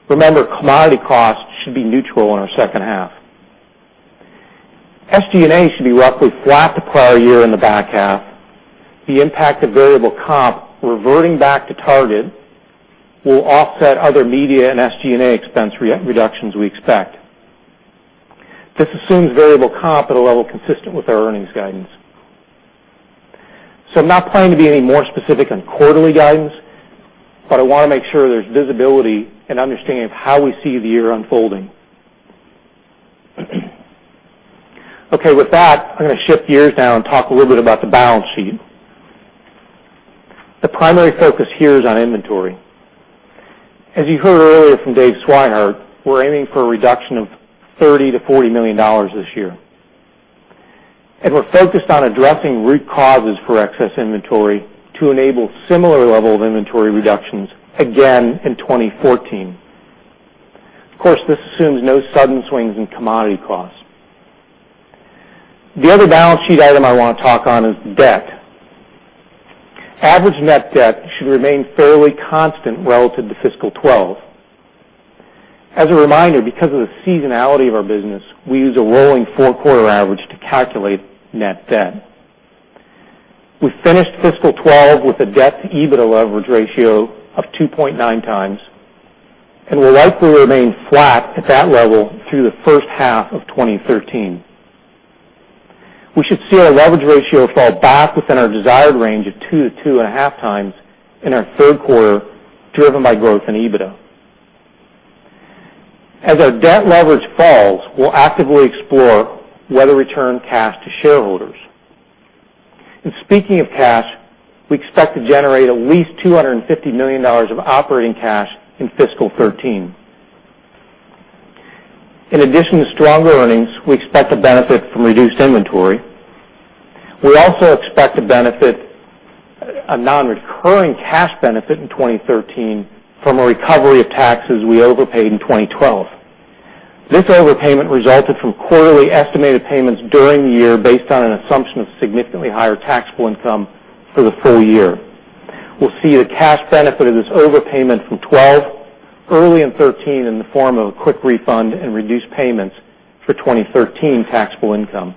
Remember, commodity costs should be neutral in our second half. SG&A should be roughly flat to prior year in the back half. The impact of variable comp reverting back to target will offset other media and SG&A expense reductions we expect. This assumes variable comp at a level consistent with our earnings guidance. I'm not planning to be any more specific on quarterly guidance, but I want to make sure there's visibility and understanding of how we see the year unfolding. With that, I'm going to shift gears now and talk a little bit about the balance sheet. The primary focus here is on inventory. As you heard earlier from Dave Swihart, we're aiming for a reduction of $30 million-$40 million this year. We're focused on addressing root causes for excess inventory to enable similar level of inventory reductions again in 2014. Of course, this assumes no sudden swings in commodity costs. The other balance sheet item I want to talk on is debt. Average net debt should remain fairly constant relative to fiscal 2012. As a reminder, because of the seasonality of our business, we use a rolling four-quarter average to calculate net debt. We finished fiscal 2012 with a debt-to-EBITDA leverage ratio of 2.9 times, and will likely remain flat at that level through the first half of 2013. We should see our leverage ratio fall back within our desired range of 2 to 2.5 times in our third quarter, driven by growth in EBITDA. As our debt leverage falls, we'll actively explore whether to return cash to shareholders. Speaking of cash, we expect to generate at least $250 million of operating cash in fiscal 2013. In addition to stronger earnings, we expect to benefit from reduced inventory. We also expect to benefit a non-recurring cash benefit in 2013 from a recovery of taxes we overpaid in 2012. This overpayment resulted from quarterly estimated payments during the year based on an assumption of significantly higher taxable income for the full year. We'll see a cash benefit of this overpayment from 2012 early in 2013 in the form of a quick refund and reduced payments for 2013 taxable income.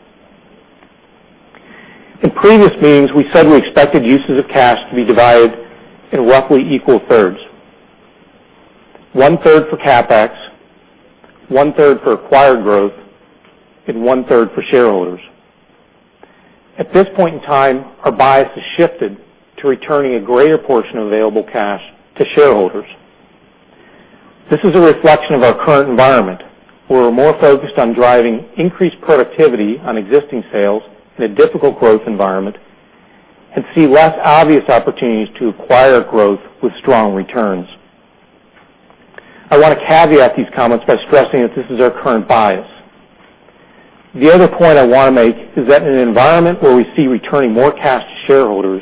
In previous meetings, we said we expected uses of cash to be divided in roughly equal thirds. One-third for CapEx, one-third for acquired growth, and one-third for shareholders. At this point in time, our bias has shifted to returning a greater portion of available cash to shareholders. This is a reflection of our current environment, where we're more focused on driving increased productivity on existing sales in a difficult growth environment and see less obvious opportunities to acquire growth with strong returns. I want to caveat these comments by stressing that this is our current bias. The other point I want to make is that in an environment where we see returning more cash to shareholders,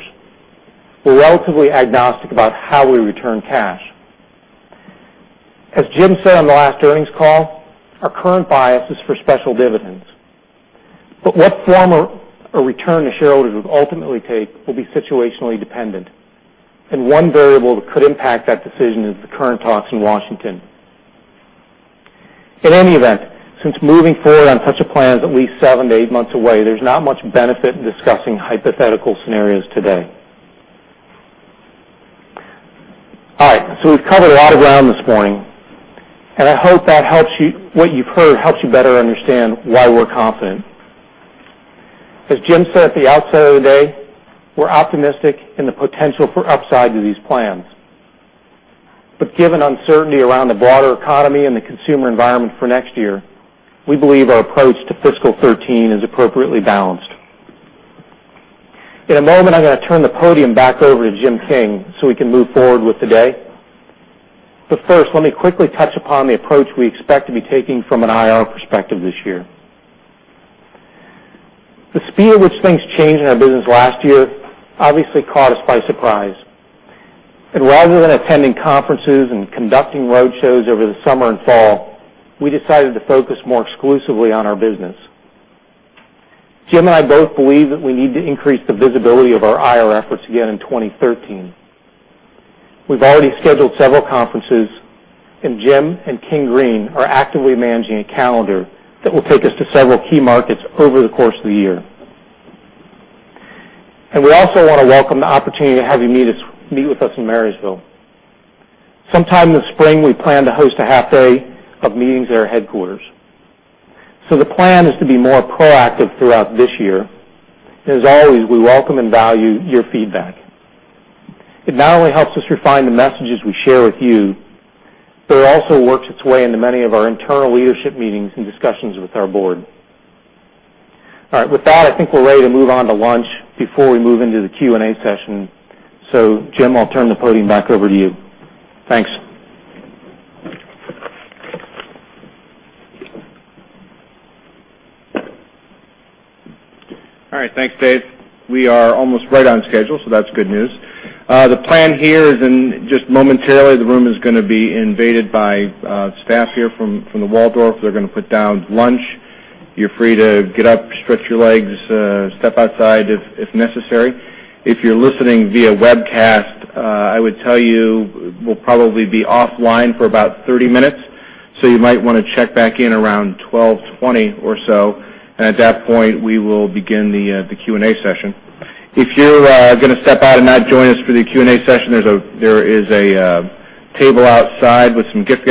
we're relatively agnostic about how we return cash. As Jim said on the last earnings call, our current bias is for special dividends. What form a return to shareholders would ultimately take will be situationally dependent, and one variable that could impact that decision is the current talks in Washington. In any event, since moving forward on such a plan is at least seven to eight months away, there's not much benefit in discussing hypothetical scenarios today. All right, we've covered a lot of ground this morning, and I hope what you've heard helps you better understand why we're confident. As Jim said at the outset of the day, we're optimistic in the potential for upside to these plans. Given uncertainty around the broader economy and the consumer environment for next year, we believe our approach to fiscal 2013 is appropriately balanced. In a moment, I'm going to turn the podium back over to Jim King so we can move forward with the day. First, let me quickly touch upon the approach we expect to be taking from an IR perspective this year. The speed at which things changed in our business last year obviously caught us by surprise. Rather than attending conferences and conducting roadshows over the summer and fall, we decided to focus more exclusively on our business. Jim and I both believe that we need to increase the visibility of our IR efforts again in 2013. We've already scheduled several conferences, Jim and Kim Green are actively managing a calendar that will take us to several key markets over the course of the year. We also want to welcome the opportunity to have you meet with us in Marysville. Sometime this spring, we plan to host a half-day of meetings at our headquarters. The plan is to be more proactive throughout this year. As always, we welcome and value your feedback. It not only helps us refine the messages we share with you, but it also works its way into many of our internal leadership meetings and discussions with our board. With that, I think we're ready to move on to lunch before we move into the Q&A session. Jim, I'll turn the podium back over to you. Thanks. Thanks, Dave. We are almost right on schedule, so that's good news. The plan here is in just momentarily, the room is going to be invaded by staff here from the Waldorf. They're going to put down lunch. You're free to get up, stretch your legs, step outside if necessary. If you're listening via webcast, I would tell you we'll probably be offline for about 30 minutes, so you might want to check back in around 12:20 or so. At that point, we will begin the Q&A session. If you're going to step out and not join us for the Q&A session, there is a table outside with some gift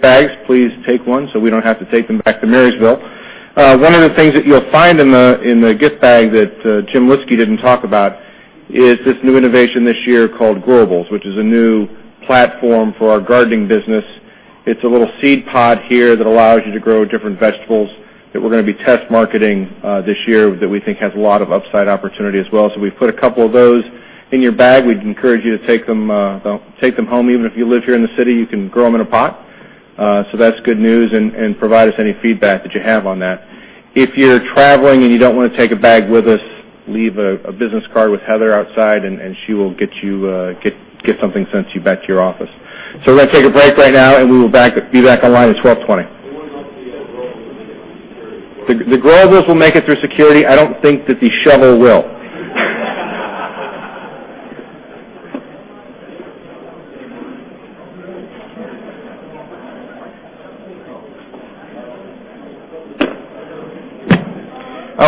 bags. Please take one so we don't have to take them back to Marysville. One of the things that you'll find in the gift bag that Jim Lyski didn't talk about is this new innovation this year called Growables, which is a new platform for our gardening business. It's a little seed pod here that allows you to grow different vegetables that we're going to be test marketing this year that we think has a lot of upside opportunity as well. We put a couple of those in your bag. We'd encourage you to take them home. Even if you live here in the city, you can grow them in a pot. That's good news, and provide us any feedback that you have on that. If you're traveling and you don't want to take a bag with us, leave a business card with Heather outside, and she will get something sent to you back to your office. We're going to take a break right now, and we will be back online at 12:20 The Growables will make it through security. I don't think that the shovel will.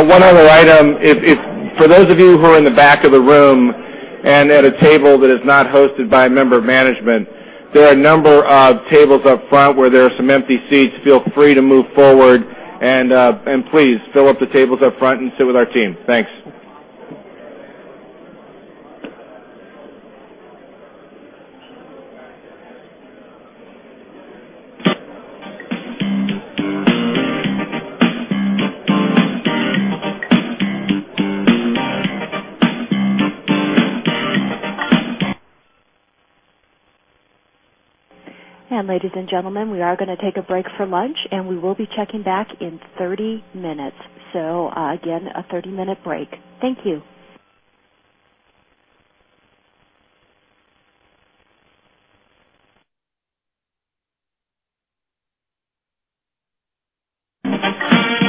One other item, for those of you who are in the back of the room and at a table that is not hosted by a member of management, there are a number of tables up front where there are some empty seats. Feel free to move forward, please fill up the tables up front and sit with our team. Thanks. Ladies and gentlemen, we are going to take a break for lunch, and we will be checking back in 30 minutes. Again, a 30-minute break. Thank you. Hey, are you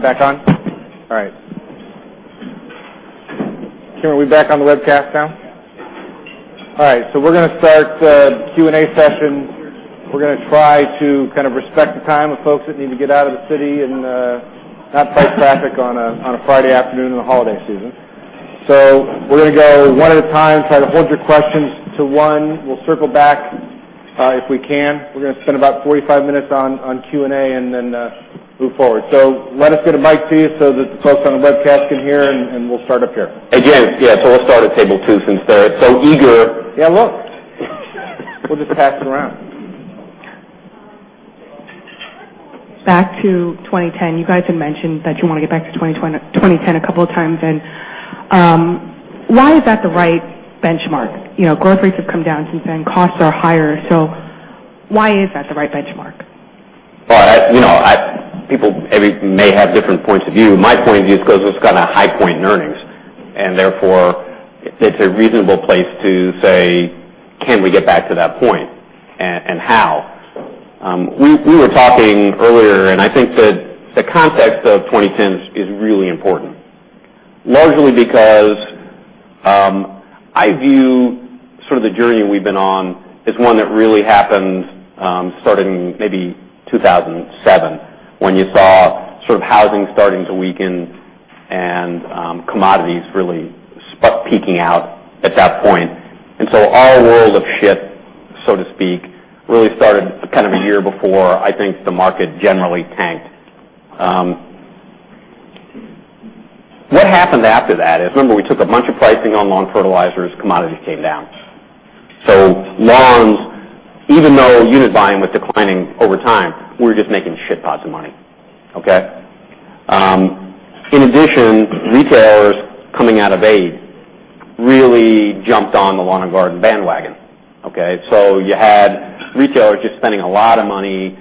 going to join us? All right. Am I back on? All right. Kim, are we back on the webcast now? Yeah. All right, we're going to start the Q&A session. We're going to try to respect the time of folks that need to get out of the city and not fight traffic on a Friday afternoon in the holiday season. We're going to go one at a time. Try to hold your questions to one. We'll circle back if we can. We're going to spend about 45 minutes on Q&A and then move forward. Let us get a mic to you so that the folks on the webcast can hear, and we'll start up here. Again, yeah. We'll start at table two since they're so eager. Yeah. Look, we'll just pass it around. Back to 2010. You guys have mentioned that you want to get back to 2010 a couple of times, why is that the right benchmark? Growth rates have come down since then. Costs are higher. Why is that the right benchmark? Well, people may have different points of view. My point of view is because it's a high point in earnings, therefore it's a reasonable place to say, "Can we get back to that point? How?" We were talking earlier. I think that the context of 2010 is really important. Largely because I view the journey we've been on as one that really happened starting maybe 2007, when you saw housing starting to weaken and commodities really peaking out at that point. Our world of shit, so to speak, really started a year before, I think, the market generally tanked. What happened after that is, remember, we took a bunch of pricing on lawn fertilizers, commodities came down. Lawns, even though unit volume was declining over time, we were just making shit tons of money. Okay? In addition, retailers coming out of 2008, really jumped on the lawn and garden bandwagon. Okay? You had retailers just spending a lot of money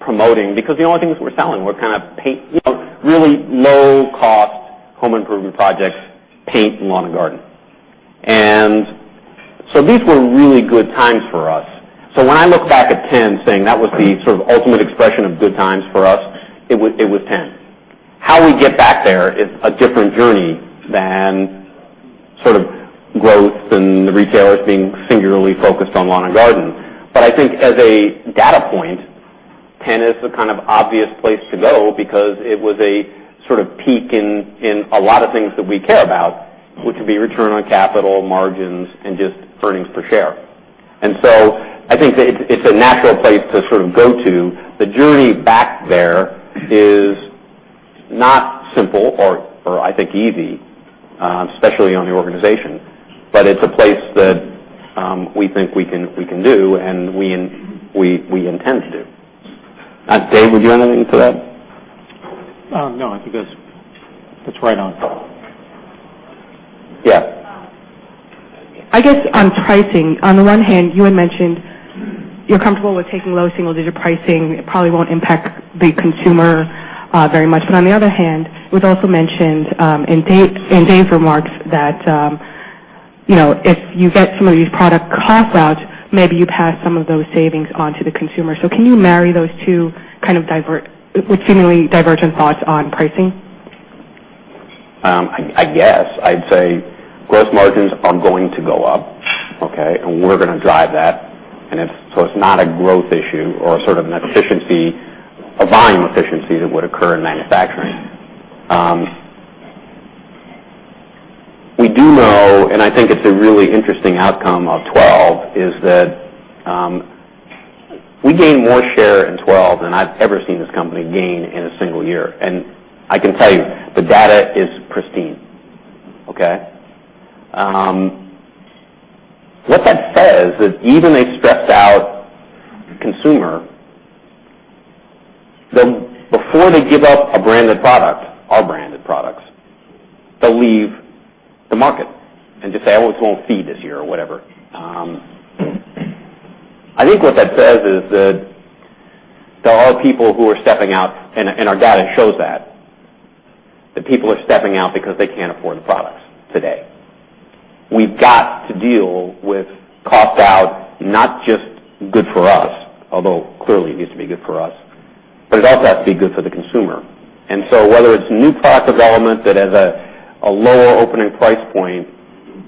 promoting because the only things we're selling were really low-cost home improvement projects, paint, and lawn and garden. These were really good times for us. When I look back at 2010, saying that was the sort of ultimate expression of good times for us, it was 2010. How we get back there is a different journey than growth and the retailers being singularly focused on lawn and garden. I think as a data point, 2010 is the obvious place to go because it was a peak in a lot of things that we care about, which would be return on capital, margins, and just earnings per share. I think that it's a natural place to go to. The journey back there is not simple or I think easy, especially on the organization. It's a place that we think we can do, and we intend to do. Dave, would you add anything to that? No. I think that's right on. Yeah. On pricing, on the one hand, you had mentioned you are comfortable with taking low single-digit pricing. It probably won't impact the consumer very much. On the other hand, it was also mentioned in Dave's remarks that if you get some of these product cost outs, maybe you pass some of those savings on to the consumer. Can you marry those two seemingly divergent thoughts on pricing? I guess I'd say gross margins are going to go up, okay. We're going to drive that. It's not a growth issue or an efficiency, a volume efficiency that would occur in manufacturing. We do know, and I think it's a really interesting outcome of 2012, is that we gained more share in 2012 than I've ever seen this company gain in a single year. I can tell you, the data is pristine, okay. What that says is even a stressed-out consumer, before they give up a branded product, our branded products, they'll leave the market and just say, "Oh, it's going to seed this year," or whatever. I think what that says is that there are people who are stepping out, and our data shows that. People are stepping out because they can't afford the products today. We've got to deal with cost out, not just good for us, although clearly it needs to be good for us, but it also has to be good for the consumer. Whether it's new product development that has a lower opening price point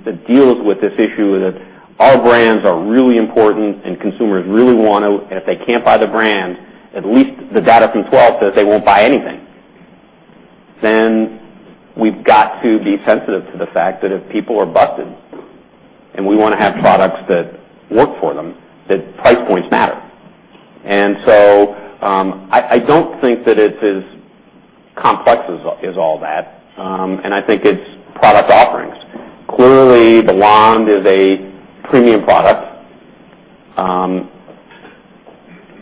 that deals with this issue, that our brands are really important and consumers really want to and if they can't buy the brand, at least the data from 2012 says they won't buy anything. We've got to be sensitive to the fact that if people are busted and we want to have products that work for them, that price points matter. I don't think that it's as complex as all that, and I think it's product offerings. Clearly, the lawn is a premium product.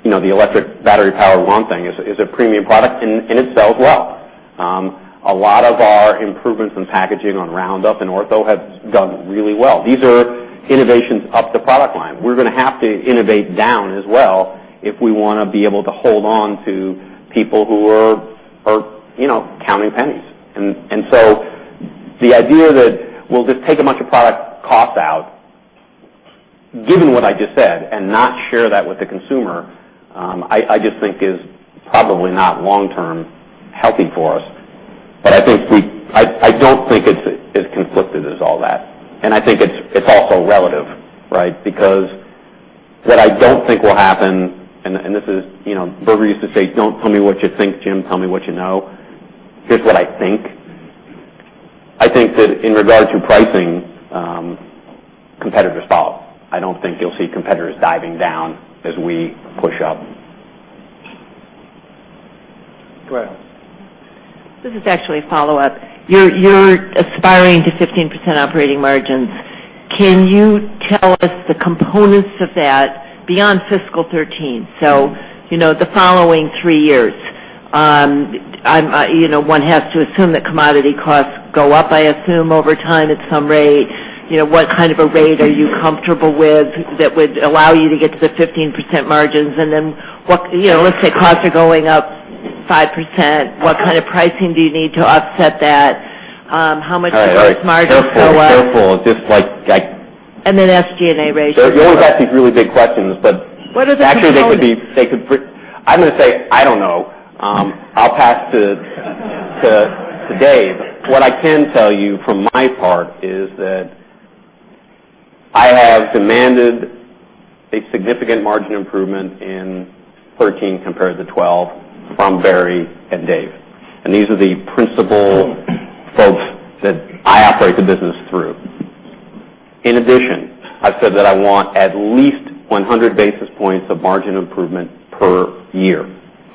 The electric battery-powered lawn thing is a premium product, and it sells well. A lot of our improvements in packaging on Roundup and Ortho have done really well. These are innovations up the product line. We're going to have to innovate down as well if we want to be able to hold on to people who are counting pennies. The idea that we'll just take a bunch of product cost out, given what I just said, and not share that with the consumer, I just think is probably not long-term healthy for us. I don't think it's as conflicted as all that. I think it's also relative, right? Because what I don't think will happen, and Beaver used to say: "Don't tell me what you think, Jim, tell me what you know." Here's what I think. I think that in regards to pricing, competitors follow. I don't think you'll see competitors diving down as we push up. Go ahead. This is actually a follow-up. You're aspiring to 15% operating margins. Can you tell us the components of that beyond fiscal 2013? So, the following three years. One has to assume that commodity costs go up, I assume, over time at some rate. What kind of a rate are you comfortable with that would allow you to get to the 15% margins? Then, let's say costs are going up 5%, what kind of pricing do you need to offset that? How much gross margin go up? Careful. SG&A ratio? You always ask these really big questions. What are the components? I'm going to say, I don't know. I'll pass to Dave. What I can tell you from my part is that I have demanded a significant margin improvement in 2013 compared to 2012 from Barry and Dave. These are the principal folks that I operate the business through. In addition, I've said that I want at least 100 basis points of margin improvement per year.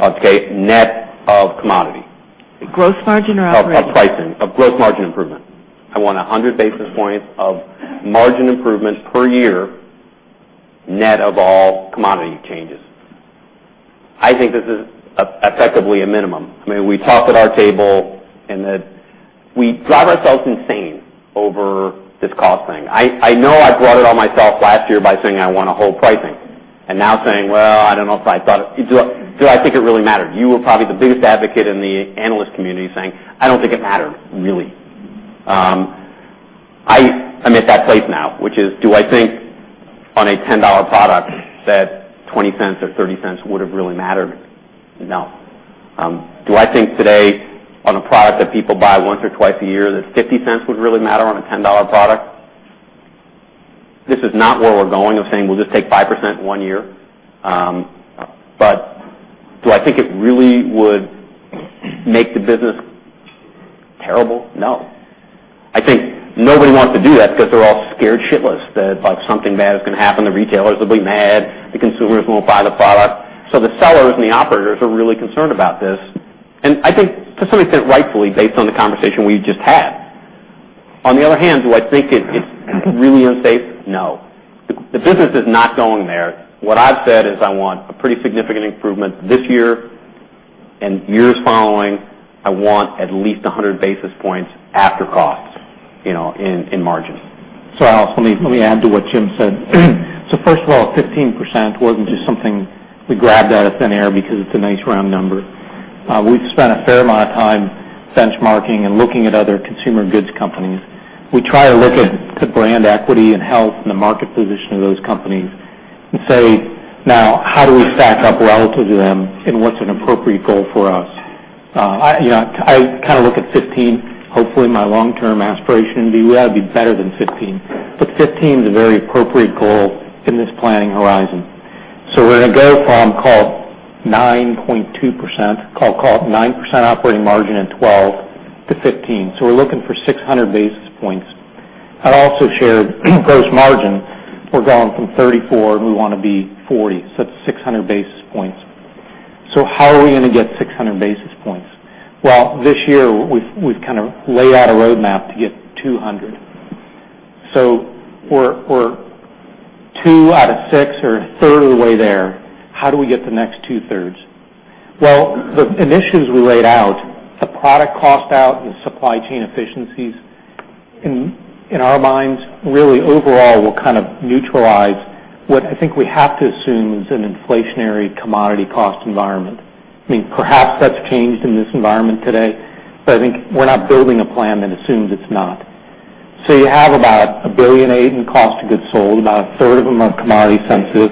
Okay? Net of commodity. Gross margin or operating? Of pricing. Of gross margin improvement. I want 100 basis points of margin improvement per year, net of all commodity changes. I think this is effectively a minimum. We talk at our table and that we drive ourselves insane over this cost thing. I know I brought it on myself last year by saying I want to hold pricing, and now saying, "Well, I don't know if do I think it really mattered?" You were probably the biggest advocate in the analyst community saying, "I don't think it mattered, really." I'm at that place now, which is, do I think on a $10 product that $0.20 or $0.30 would've really mattered? No. Do I think today on a product that people buy once or twice a year, that $0.50 would really matter on a $10 product? This is not where we're going of saying we'll just take 5% one year. Do I think it really would make the business terrible? No. I think nobody wants to do that because they're all scared shitless that something bad is going to happen, the retailers will be mad, the consumers won't buy the product. The sellers and the operators are really concerned about this. I think to some extent, rightfully, based on the conversation we just had. On the other hand, do I think it's really unsafe? No. The business is not going there. What I've said is I want a pretty significant improvement this year and years following. I want at least 100 basis points after costs in margin. Alice, let me add to what Jim said. First of all, 15% wasn't just something we grabbed out of thin air because it's a nice round number. We've spent a fair amount of time benchmarking and looking at other consumer goods companies. We try to look at the brand equity and health and the market position of those companies and say, "Now, how do we stack up relative to them and what's an appropriate goal for us?" I look at 15. Hopefully, my long-term aspiration would be better than 15. 15 is a very appropriate goal in this planning horizon. We're going to go from, call it 9.2%, call it 9% operating margin in 2012 to 15%. We're looking for 600 basis points. I'd also share gross margin. We're going from 34%, and we want to be 40%, that's 600 basis points. How are we going to get 600 basis points? Well, this year, we've laid out a roadmap to get 200 basis points. We're two out of six or a third of the way there. How do we get the next two-thirds? Well, the initiatives we laid out, the product cost out, the supply chain efficiencies, in our minds, really, overall, will neutralize what I think we have to assume is an inflationary commodity cost environment. Perhaps that's changed in this environment today, I think we're not building a plan that assumes it's not. You have about $1.8 billion in cost of goods sold. About a third of them are commodity sensitive,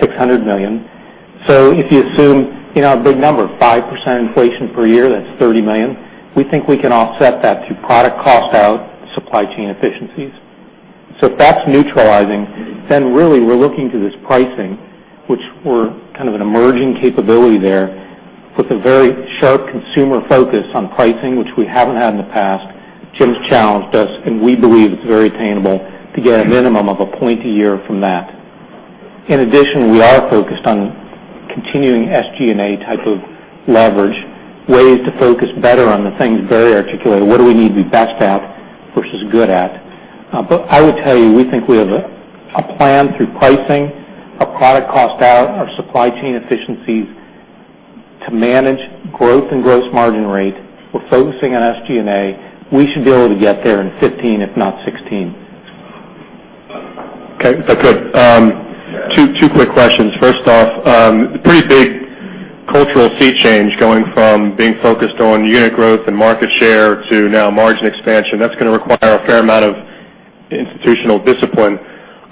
$600 million. If you assume a big number, 5% inflation per year, that's $30 million. We think we can offset that through product cost out, supply chain efficiencies. If that's neutralizing, really, we're looking to this pricing, which we're kind of an emerging capability there with a very sharp consumer focus on pricing, which we haven't had in the past. Jim's challenged us, we believe it's very attainable to get a minimum of a point a year from that. In addition, we are focused on continuing SG&A type of leverage, ways to focus better on the things Barry articulated. What do we need to be best at versus good at? I would tell you, we think we have a plan through pricing, a product cost out, our supply chain efficiencies to manage growth and gross margin rate. We're focusing on SG&A. We should be able to get there in 2015, if not 2016. Okay, good. Two quick questions. First off, pretty big cultural sea change going from being focused on unit growth and market share to now margin expansion. That's going to require a fair amount of institutional discipline.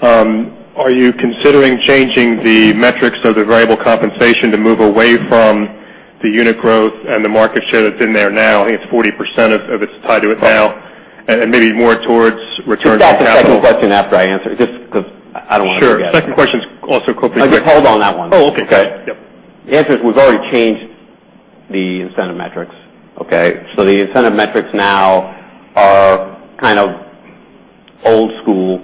Are you considering changing the metrics of the variable compensation to move away from the unit growth and the market share that's in there now, I think it's 40% of it's tied to it now, and maybe more towards return on capital? Just ask the second question after I answer. Just because I don't want to forget. Sure. Second question's also quickly- Hold on that one. Oh, okay. The answer is we've already changed the incentive metrics. The incentive metrics now are kind of old school.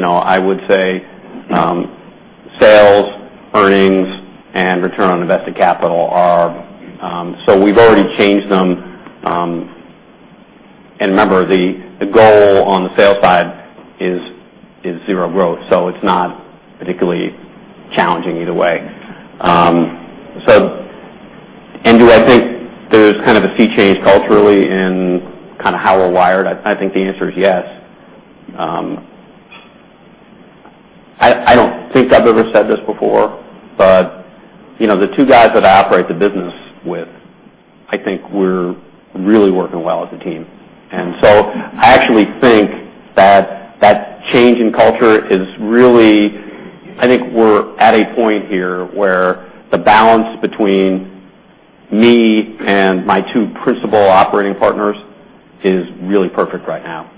I would say sales, earnings, and return on invested capital. We've already changed them. Remember, the goal on the sales side is zero growth. It's not particularly challenging either way. Do I think there's kind of a sea change culturally in how we're wired? I think the answer is yes. I don't think I've ever said this before, but the two guys that I operate the business with, I think we're really working well as a team. I actually think that change in culture is really. I think we're at a point here where the balance between me and my two principal operating partners is really perfect right now.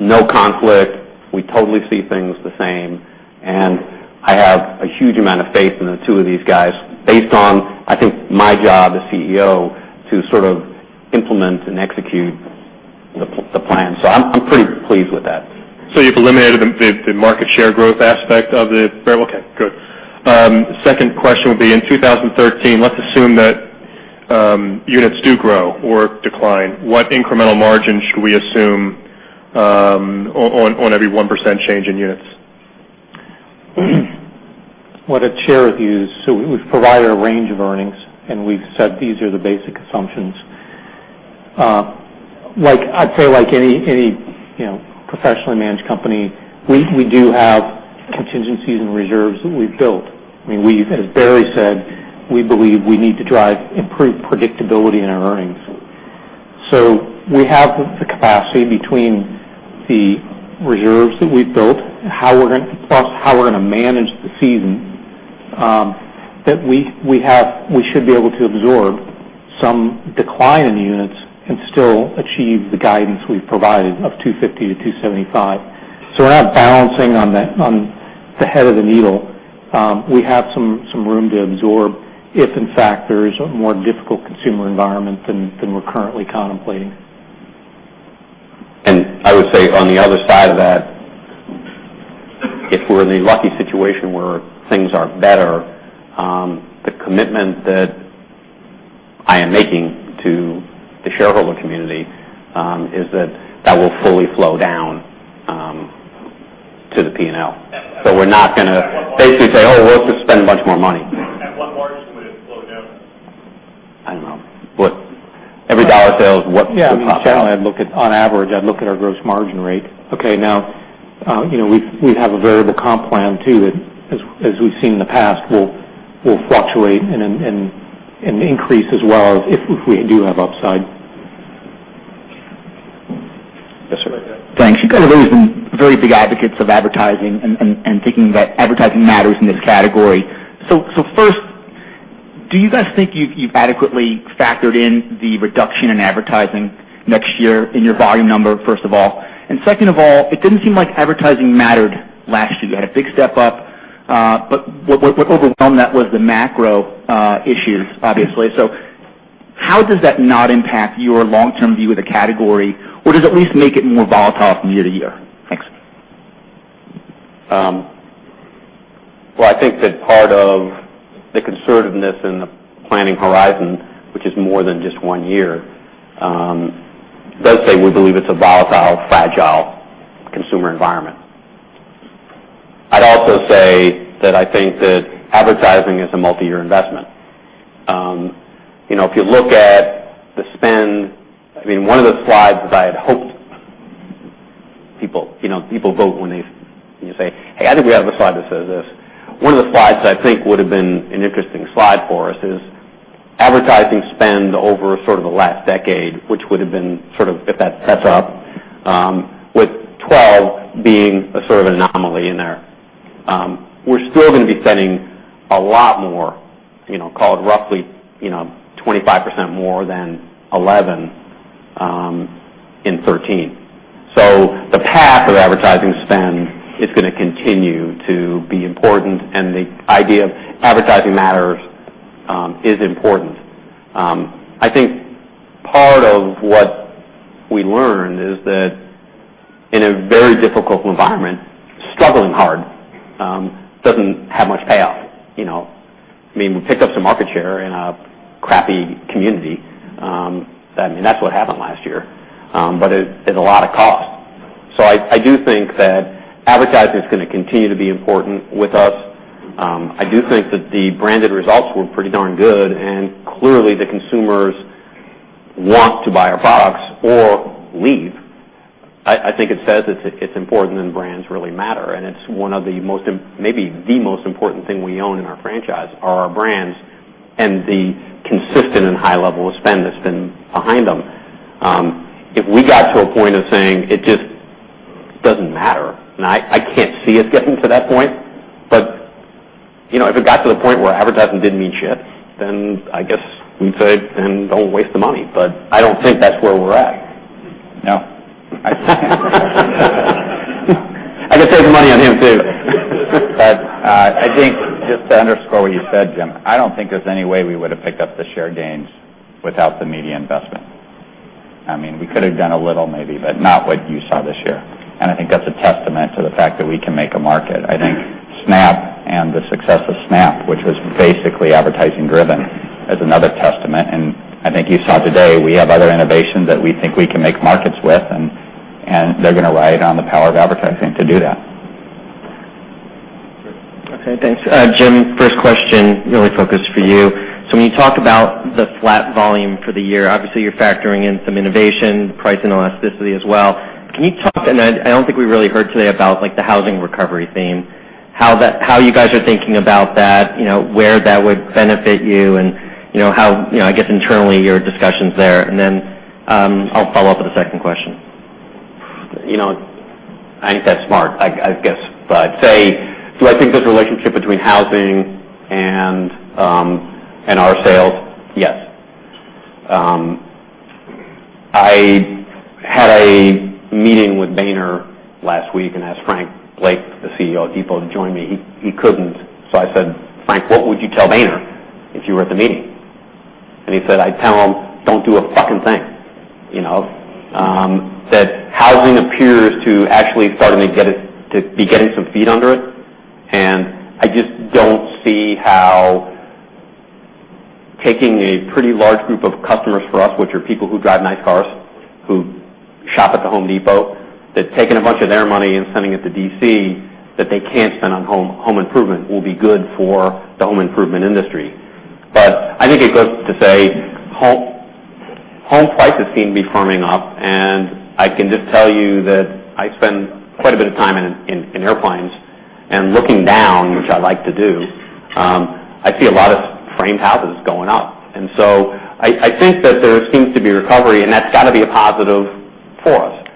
No conflict. We totally see things the same. I have a huge amount of faith in the two of these guys based on, I think, my job as CEO to sort of implement and execute the plan. I'm pretty pleased with that. You've eliminated the market share growth aspect of it? Okay, good. Second question would be in 2013, let's assume that units do grow or decline. What incremental margin should we assume on every 1% change in units? What I'd share with you is, we've provided a range of earnings, and we've said these are the basic assumptions. I'd say, like any professionally managed company, we do have contingencies and reserves that we've built. As Barry said, we believe we need to drive improved predictability in our earnings. We have the capacity between the reserves that we've built, plus how we're going to manage the season, that we should be able to absorb some decline in units and still achieve the guidance we've provided of $2.50-$2.75. We're not balancing on the head of the needle. We have some room to absorb if in fact there is a more difficult consumer environment than we're currently contemplating. I would say on the other side of that, if we're in the lucky situation where things are better, the commitment that I am making to the shareholder community is that that will fully flow down to the P&L. We're not going to basically say, "Oh, we'll just spend a bunch more money. At what margin would it flow down? I don't know. Yeah, I mean, generally, on average, I'd look at our gross margin rate. Okay, now, we have a variable comp plan too that, as we've seen in the past, will fluctuate and increase as well if we do have upside. That's what I got. Thanks. You guys have always been very big advocates of advertising and thinking that advertising matters in this category. First, do you guys think you've adequately factored in the reduction in advertising next year in your volume number, first of all? Second of all, it didn't seem like advertising mattered last year. You had a big step up. What overwhelmed that was the macro issues, obviously. How does that not impact your long-term view of the category? Does it at least make it more volatile from year-to-year? Thanks. Well, I think that part of the conservativeness in the planning horizon, which is more than just one year, does say we believe it's a volatile, fragile consumer environment. I'd also say that I think that advertising is a multi-year investment. If you look at the spend. One of the slides that I had hoped people. People vote when you say, "Hey, I think we have a slide that says this." One of the slides that I think would've been an interesting slide for us is advertising spend over sort of the last decade, which would've been sort of, if that's set up with 2012 being a sort of anomaly in there. We're still going to be spending a lot more, call it roughly 25% more than 2011 in 2013. The path of advertising spend is going to continue to be important, and the idea of advertising matters is important. I think part of what we learned is that in a very difficult environment, struggling hard doesn't have much payoff. We picked up some market share in a crappy community. That's what happened last year. At a lot of cost. I do think that advertising is going to continue to be important with us. I do think that the branded results were pretty darn good, and clearly, the consumers want to buy our products or leave. I think it says it's important and brands really matter, and it's maybe the most important thing we own in our franchise, are our brands and the consistent and high level of spend that's been behind them. If we got to a point of saying it just doesn't matter, and I can't see us getting to that point, but if it got to the point where advertising didn't mean shit, then I guess we'd say, "Then don't waste the money." I don't think that's where we're at. No. I can save money on him, too. I think just to underscore what you said, Jim, I don't think there's any way we would've picked up the share gains without the media investment. We could have done a little maybe, but not what you saw this year. I think that's a testament to the fact that we can make a market. I think Snap and the success of Snap, which was basically advertising driven, is another testament, and I think you saw today we have other innovations that we think we can make markets with, and they're going to ride on the power of advertising to do that. Okay, thanks. Jim, first question really focused for you. When you talk about the flat volume for the year, obviously, you're factoring in some innovation, price, and elasticity as well. Can you talk, I don't think we really heard today about the housing recovery theme, how you guys are thinking about that, where that would benefit you, and how, I guess, internally your discussions there. I'll follow up with a second question. I think that's smart. I guess I'd say, do I think there's a relationship between housing and our sales? Yes. I had a meeting with John Boehner last week and asked Frank Blake, the CEO of Depot, to join me. He couldn't. I said, "Frank, what would you tell John Boehner if you were at the meeting?" He said, "I'd tell him, don't do a fucking thing." That housing appears to actually starting to be getting some feet under it, I just don't see how taking a pretty large group of customers for us, which are people who drive nice cars, who shop at The Home Depot, that taking a bunch of their money and sending it to D.C. that they can't spend on home improvement will be good for the home improvement industry. I think it's good to say home prices seem to be firming up, I can just tell you that I spend quite a bit of time in airplanes and looking down, which I like to do. I see a lot of framed houses going up. I think that there seems to be recovery, that's got to be a positive for us.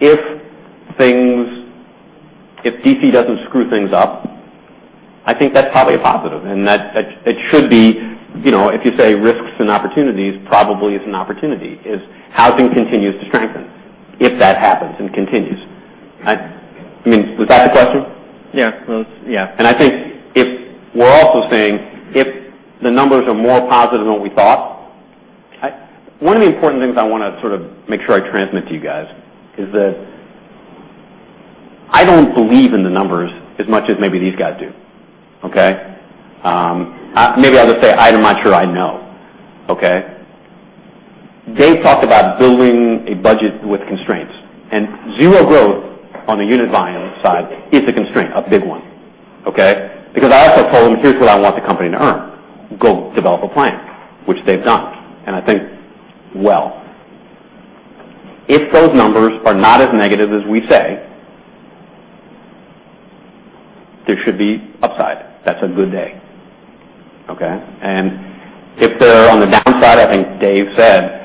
If D.C. doesn't screw things up, I think that's probably a positive and that it should be, if you say risks and opportunities, probably is an opportunity if housing continues to strengthen, if that happens and continues. Was that the question? Yeah. I think we're also saying, if the numbers are more positive than what we thought One of the important things I want to sort of make sure I transmit to you guys is that I don't believe in the numbers as much as maybe these guys do. Okay? Maybe I'll just say I'm not sure I know. Okay? Dave talked about building a budget with constraints, zero growth on the unit volume side is a constraint, a big one. Okay? I also told him, "Here's what I want the company to earn. Go develop a plan." Which they've done, I think well. If those numbers are not as negative as we say, there should be upside. That's a good day. Okay? If they're on the downside, I think Dave Evans said,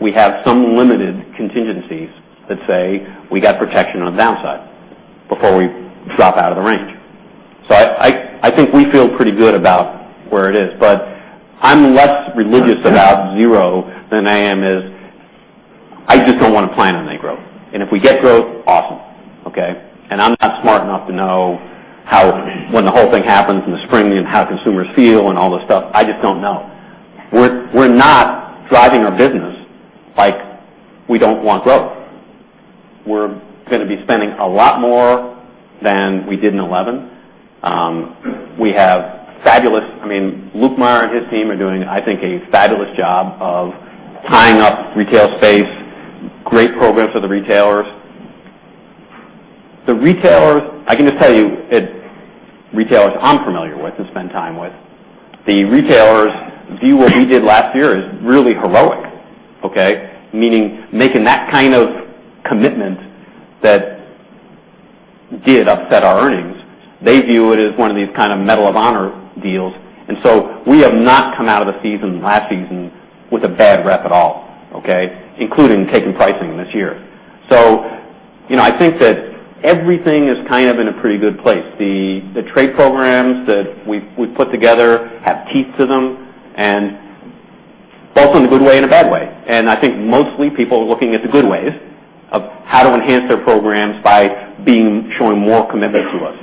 we have some limited contingencies that say we got protection on the downside before we drop out of the range. I think we feel pretty good about where it is. I'm less religious about zero than I am is I just don't want to plan on negative growth. If we get growth, awesome. Okay? I'm not smart enough to know when the whole thing happens in the spring and how consumers feel and all this stuff. I just don't know. We're not driving our business like we don't want growth. We're going to be spending a lot more than we did in 2011. We have fabulous. Mike Lukemire and his team are doing, I think, a fabulous job of tying up retail space, great programs for the retailers. I can just tell you, retailers I'm familiar with and spend time with, the retailers view what we did last year as really heroic. Okay? Meaning making that kind of commitment that did upset our earnings, they view it as one of these kind of medal of honor deals. We have not come out of the season, last season, with a bad rep at all. Okay? Including taking pricing this year. I think that everything is kind of in a pretty good place. The trade programs that we've put together have teeth to them, both in a good way and a bad way. I think mostly people are looking at the good ways of how to enhance their programs by showing more commitment to us.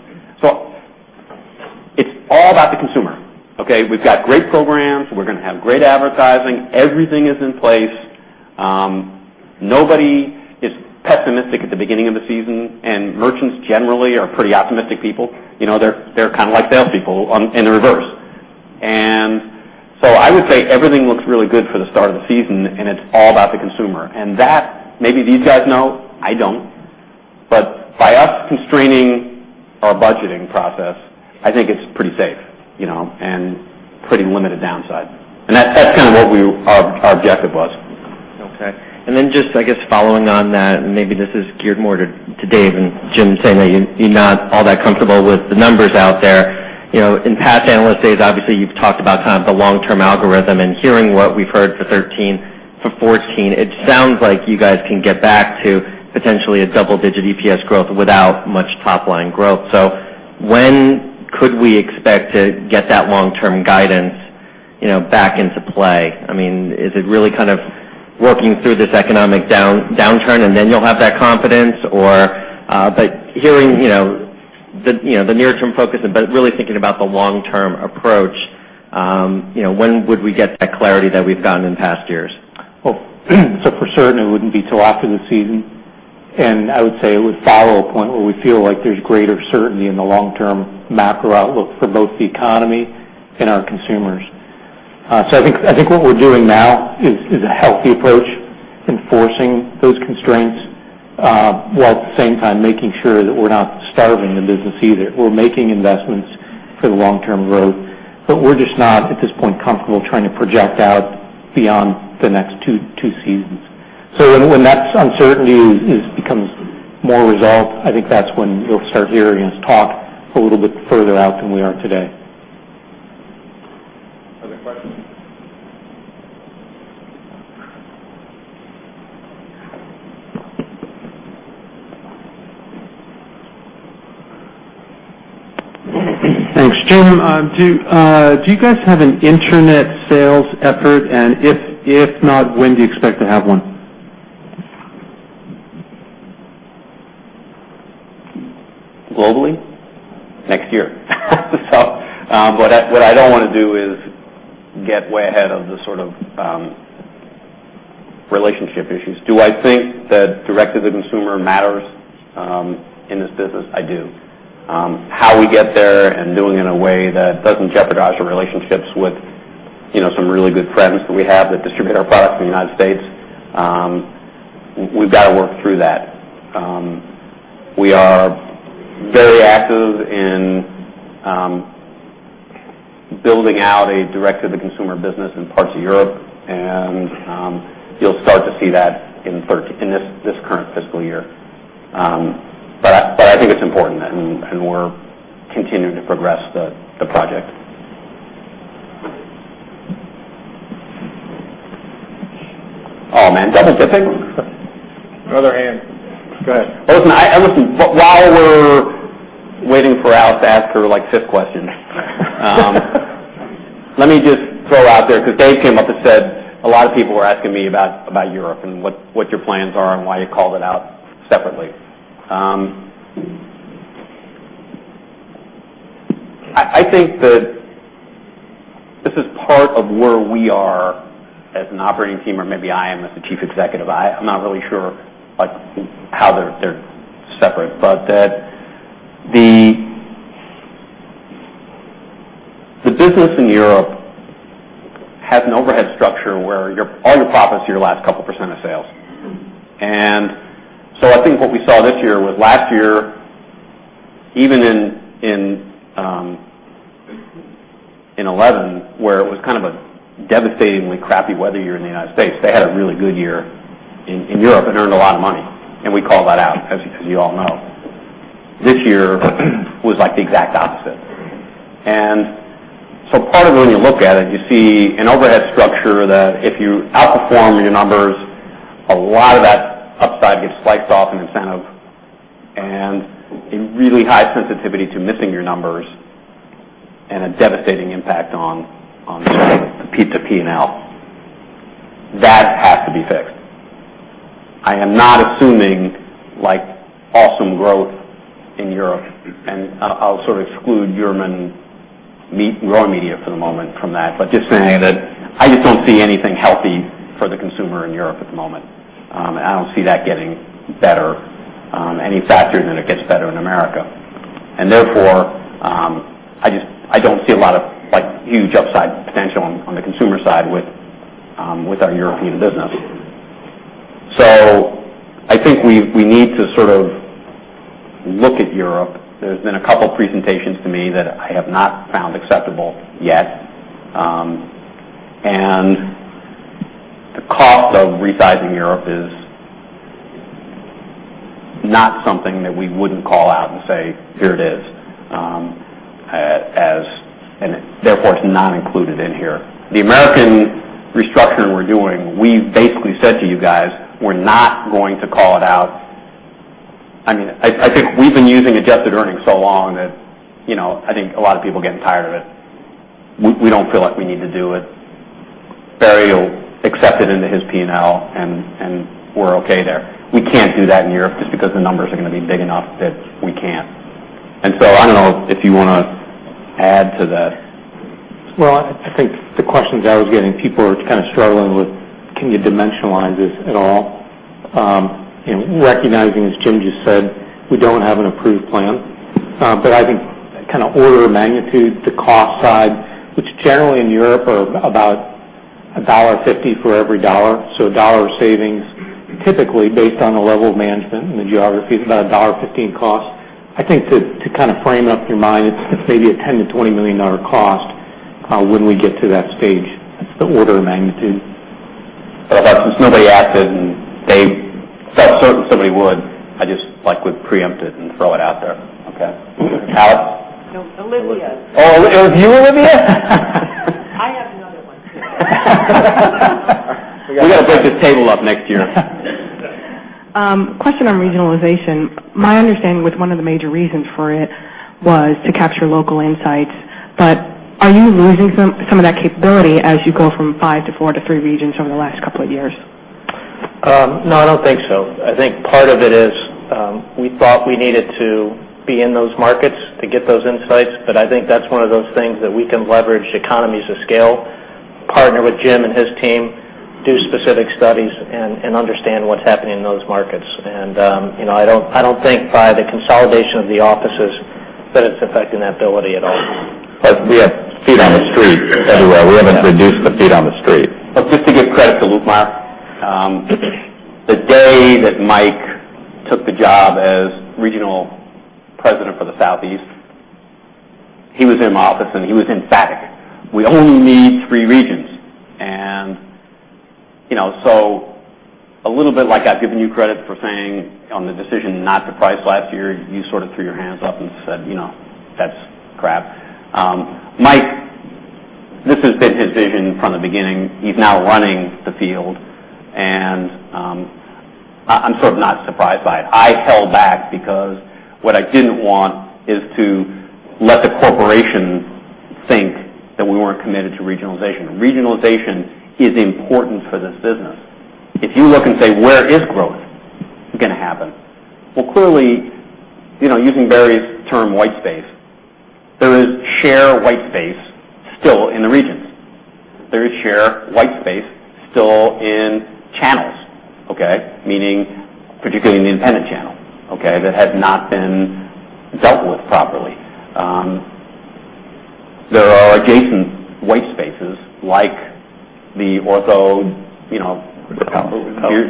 It's all about the consumer. Okay? We've got great programs. We're going to have great advertising. Everything is in place. Nobody is pessimistic at the beginning of the season. Merchants generally are pretty optimistic people. They're kind of like salespeople in reverse. I would say everything looks really good for the start of the season. It's all about the consumer. That maybe these guys know, I don't. By us constraining our budgeting process, I think it's pretty safe and pretty limited downside. That's kind of what our objective was. Okay. Just, I guess following on that, maybe this is geared more to Dave Evans and Jim Hagedorn saying that you're not all that comfortable with the numbers out there. In past Analyst Days, obviously, you've talked about the long-term algorithm and hearing what we've heard for 2013, for 2014, it sounds like you guys can get back to potentially a double-digit EPS growth without much top-line growth. When could we expect to get that long-term guidance back into play? Is it really kind of working through this economic downturn and then you'll have that confidence? Hearing the near-term focus, but really thinking about the long-term approach, when would we get that clarity that we've gotten in past years? For certain, it wouldn't be till after the season. I would say it would follow a point where we feel like there's greater certainty in the long-term macro outlook for both the economy and our consumers. I think what we're doing now is a healthy approach, enforcing those constraints, while at the same time making sure that we're not starving the business either. We're making investments for the long-term growth. We're just not, at this point, comfortable trying to project out beyond the next two seasons. When that uncertainty becomes more resolved, I think that's when you'll start hearing us talk a little bit further out than we are today. Other questions? Thanks. Jim, do you guys have an internet sales effort? If not, when do you expect to have one? Globally? Next year. What I don't want to do is get way ahead of the sort of relationship issues. Do I think that direct-to-the-consumer matters in this business? I do. How we get there and doing it in a way that doesn't jeopardize our relationships with some really good friends that we have that distribute our products in the U.S. We've got to work through that. We are very active in building out a direct-to-the-consumer business in parts of Europe, and you'll start to see that in this current fiscal year. I think it's important and we're continuing to progress the project. Oh, man. Is that the different? The other hand. Go ahead. Listen, while we're waiting for Alice to ask her fifth question- let me just throw out there because Dave came up and said a lot of people were asking me about Europe and what your plans are and why you called it out separately. I think that this is part of where we are as an operating team or maybe I am as the Chief Executive. I'm not really sure how they're separate. The business in Europe has an overhead structure where all your profit is your last couple percent of sales. I think what we saw this year was last year, even in 2011, where it was kind of a devastatingly crappy weather year in the United States, they had a really good year in Europe and earned a lot of money, and we called that out, as you all know. This year was like the exact opposite. Part of when you look at it, you see an overhead structure that if you outperform your numbers, a lot of that upside gets sliced off in incentive and a really high sensitivity to missing your numbers and a devastating impact on the P&L. That has to be fixed. I am not assuming awesome growth in Europe, and I'll sort of exclude European growing media for the moment from that. Just saying that I just don't see anything healthy for the consumer in Europe at the moment. I don't see that getting better any faster than it gets better in America. Therefore, I don't see a lot of huge upside potential on the consumer side with our European business. I think we need to sort of look at Europe. There's been a couple presentations to me that I have not found acceptable yet. The cost of resizing Europe is not something that we wouldn't call out and say, "Here it is." Therefore, it's not included in here. The American restructuring we're doing, we basically said to you guys, we're not going to call it out. I think we've been using adjusted earnings so long that I think a lot of people are getting tired of it. We don't feel like we need to do it. Barry will accept it into his P&L, and we're okay there. We can't do that in Europe just because the numbers are going to be big enough that we can't. I don't know if you want to add to that. I think the questions I was getting, people are kind of struggling with, can you dimensionalize this at all? Recognizing, as Jim just said, we don't have an approved plan. I think kind of order of magnitude, the cost side, which generally in Europe are about $1.50 for every dollar. A dollar of savings, typically based on the level of management and the geography, is about a $1.15 cost. I think to frame up your mind, it's maybe a $10 million-$20 million cost when we get to that stage. That's the order of magnitude. Since nobody asked it, and Dave thought somebody would, I just would preempt it and throw it out there. Okay. Alice? No, Olivia. Oh, it was you, Olivia? I have another one too. We got to break this table up next year. Question on regionalization. My understanding was one of the major reasons for it was to capture local insights. Are you losing some of that capability as you go from five to four to three regions over the last couple of years? No, I don't think so. I think part of it is we thought we needed to be in those markets to get those insights, but I think that's one of those things that we can leverage economies of scale, partner with Jim and his team, do specific studies, and understand what's happening in those markets. I don't think by the consolidation of the offices that it's affecting that ability at all. We have feet on the street everywhere. We haven't reduced the feet on the street. Just to give credit to Lukemire. The day that Mike took the job as regional president for the Southeast, he was in my office, and he was emphatic. We only need three regions. A little bit like I've given you credit for saying on the decision not to price last year, you sort of threw your hands up and said, "That's crap." Mike, this has been his vision from the beginning. He's now running the field, and I'm sort of not surprised by it. I held back because what I didn't want is to let the corporation think that we weren't committed to regionalization. Regionalization is important for this business. If you look and say, where is growth going to happen? Clearly, using Barry's term, "white space," there is share white space still in the regions. There is share white space still in channels, okay? Meaning particularly in the independent channel that has not been dealt with properly. There are adjacent white spaces like the Ortho,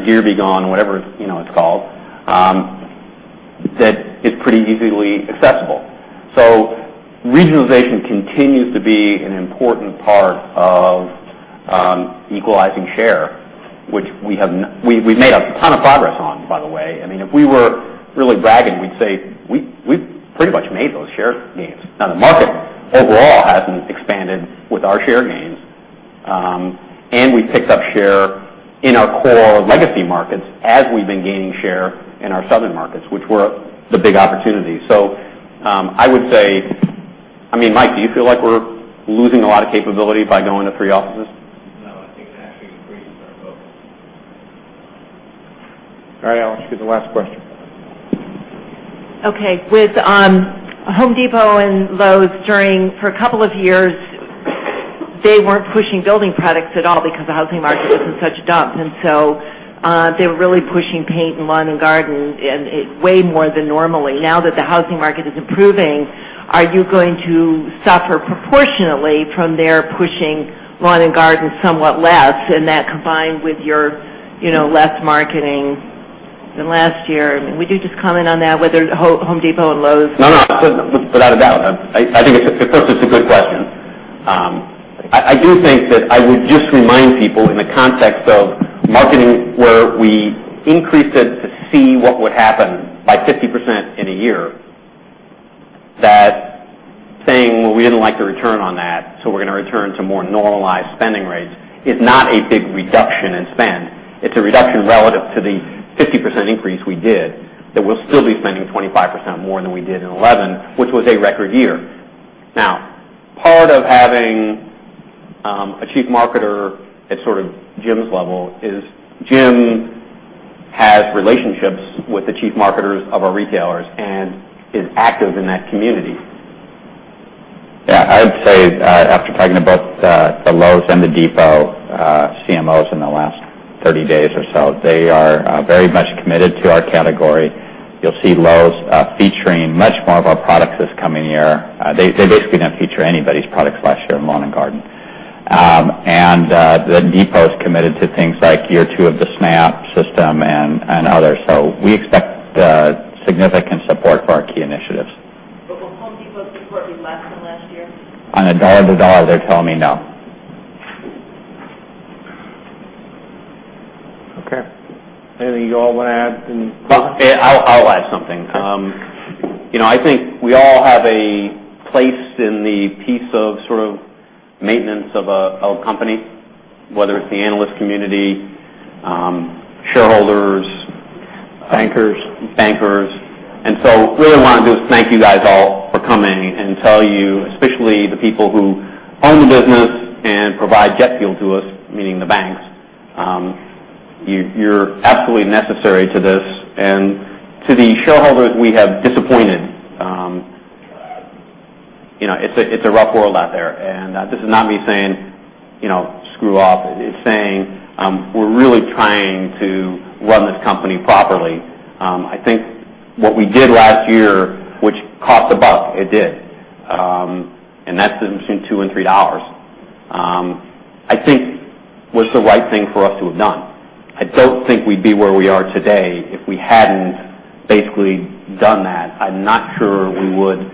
Deer B Gon, whatever it's called, that is pretty easily accessible. Regionalization continues to be an important part of equalizing share, which we've made a ton of progress on, by the way. If we were really bragging, we'd say we've pretty much made those share gains. The market overall hasn't expanded with our share gains, and we picked up share in our core legacy markets as we've been gaining share in our southern markets, which were the big opportunity. I would say, Mike, do you feel like we're losing a lot of capability by going to three offices? No, I think it actually increases our focus. All right, Alex, you get the last question. Okay. With Home Depot and Lowe's during, for a couple of years, they weren't pushing building products at all because the housing market was in such a dump. So they were really pushing paint and lawn and garden way more than normally. Now that the housing market is improving, are you going to suffer proportionately from their pushing lawn and garden somewhat less, and that combined with your less marketing than last year? Would you just comment on that, whether Home Depot and Lowe's? No. Without a doubt. I think it's a good question. I do think that I would just remind people in the context of marketing, where we increased it to see what would happen by 50% in a year, that saying, "Well, we didn't like the return on that, so we're going to return to more normalized spending rates," is not a big reduction in spend. It's a reduction relative to the 50% increase we did, that we'll still be spending 25% more than we did in 2011, which was a record year. Now, part of having a chief marketer at Jim's level is Jim has relationships with the chief marketers of our retailers and is active in that community. Yeah, I would say after talking to both the Lowe's and The Depot CMOs in the last 30 days or so, they are very much committed to our category. You'll see Lowe's featuring much more of our products this coming year. They basically didn't feature anybody's products last year in lawn and garden. The Depot's committed to things like year two of the SNAP system and others. We expect significant support for our key initiatives. Will The Home Depot support be less than last year? On a dollar to dollar, they're telling me no. Okay. Anything you all want to add? I'll add something. I think we all have a place in the piece of sort of maintenance of a company, whether it's the analyst community, shareholders. Bankers. Really what I want to do is thank you guys all for coming and tell you, especially the people who own the business and provide jet fuel to us, meaning the banks, you're absolutely necessary to this. To the shareholders we have disappointed, it's a rough world out there. This is not me saying, "Screw off." It's saying we're really trying to run this company properly. I think what we did last year, which cost $1, it did, and that's between $2 and $3, I think was the right thing for us to have done. I don't think we'd be where we are today if we hadn't basically done that. I'm not sure we would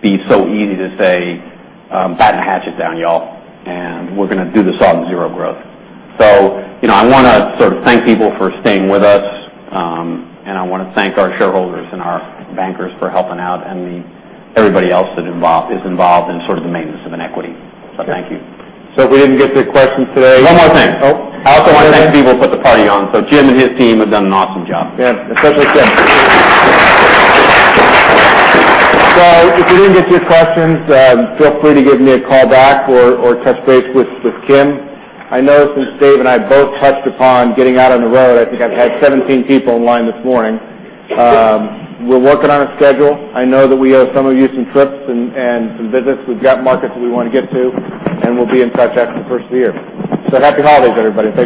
be so easy to say, "Batten the hatches down, y'all, and we're going to do this on zero growth." I want to thank people for staying with us, and I want to thank our shareholders and our bankers for helping out and everybody else that is involved in the maintenance of an equity. Thank you. If we didn't get to your questions today. One more thing. Oh. I also want to thank the people who put the party on. Jim and his team have done an awesome job. Yeah, especially Jim. If we didn't get to your questions, feel free to give me a call back or touch base with Kim. I know since Dave and I both touched upon getting out on the road, I think I've had 17 people in line this morning. We're working on a schedule. I know that we owe some of you some trips and some visits. We've got markets that we want to get to, and we'll be in touch after the first of the year. Happy holidays, everybody.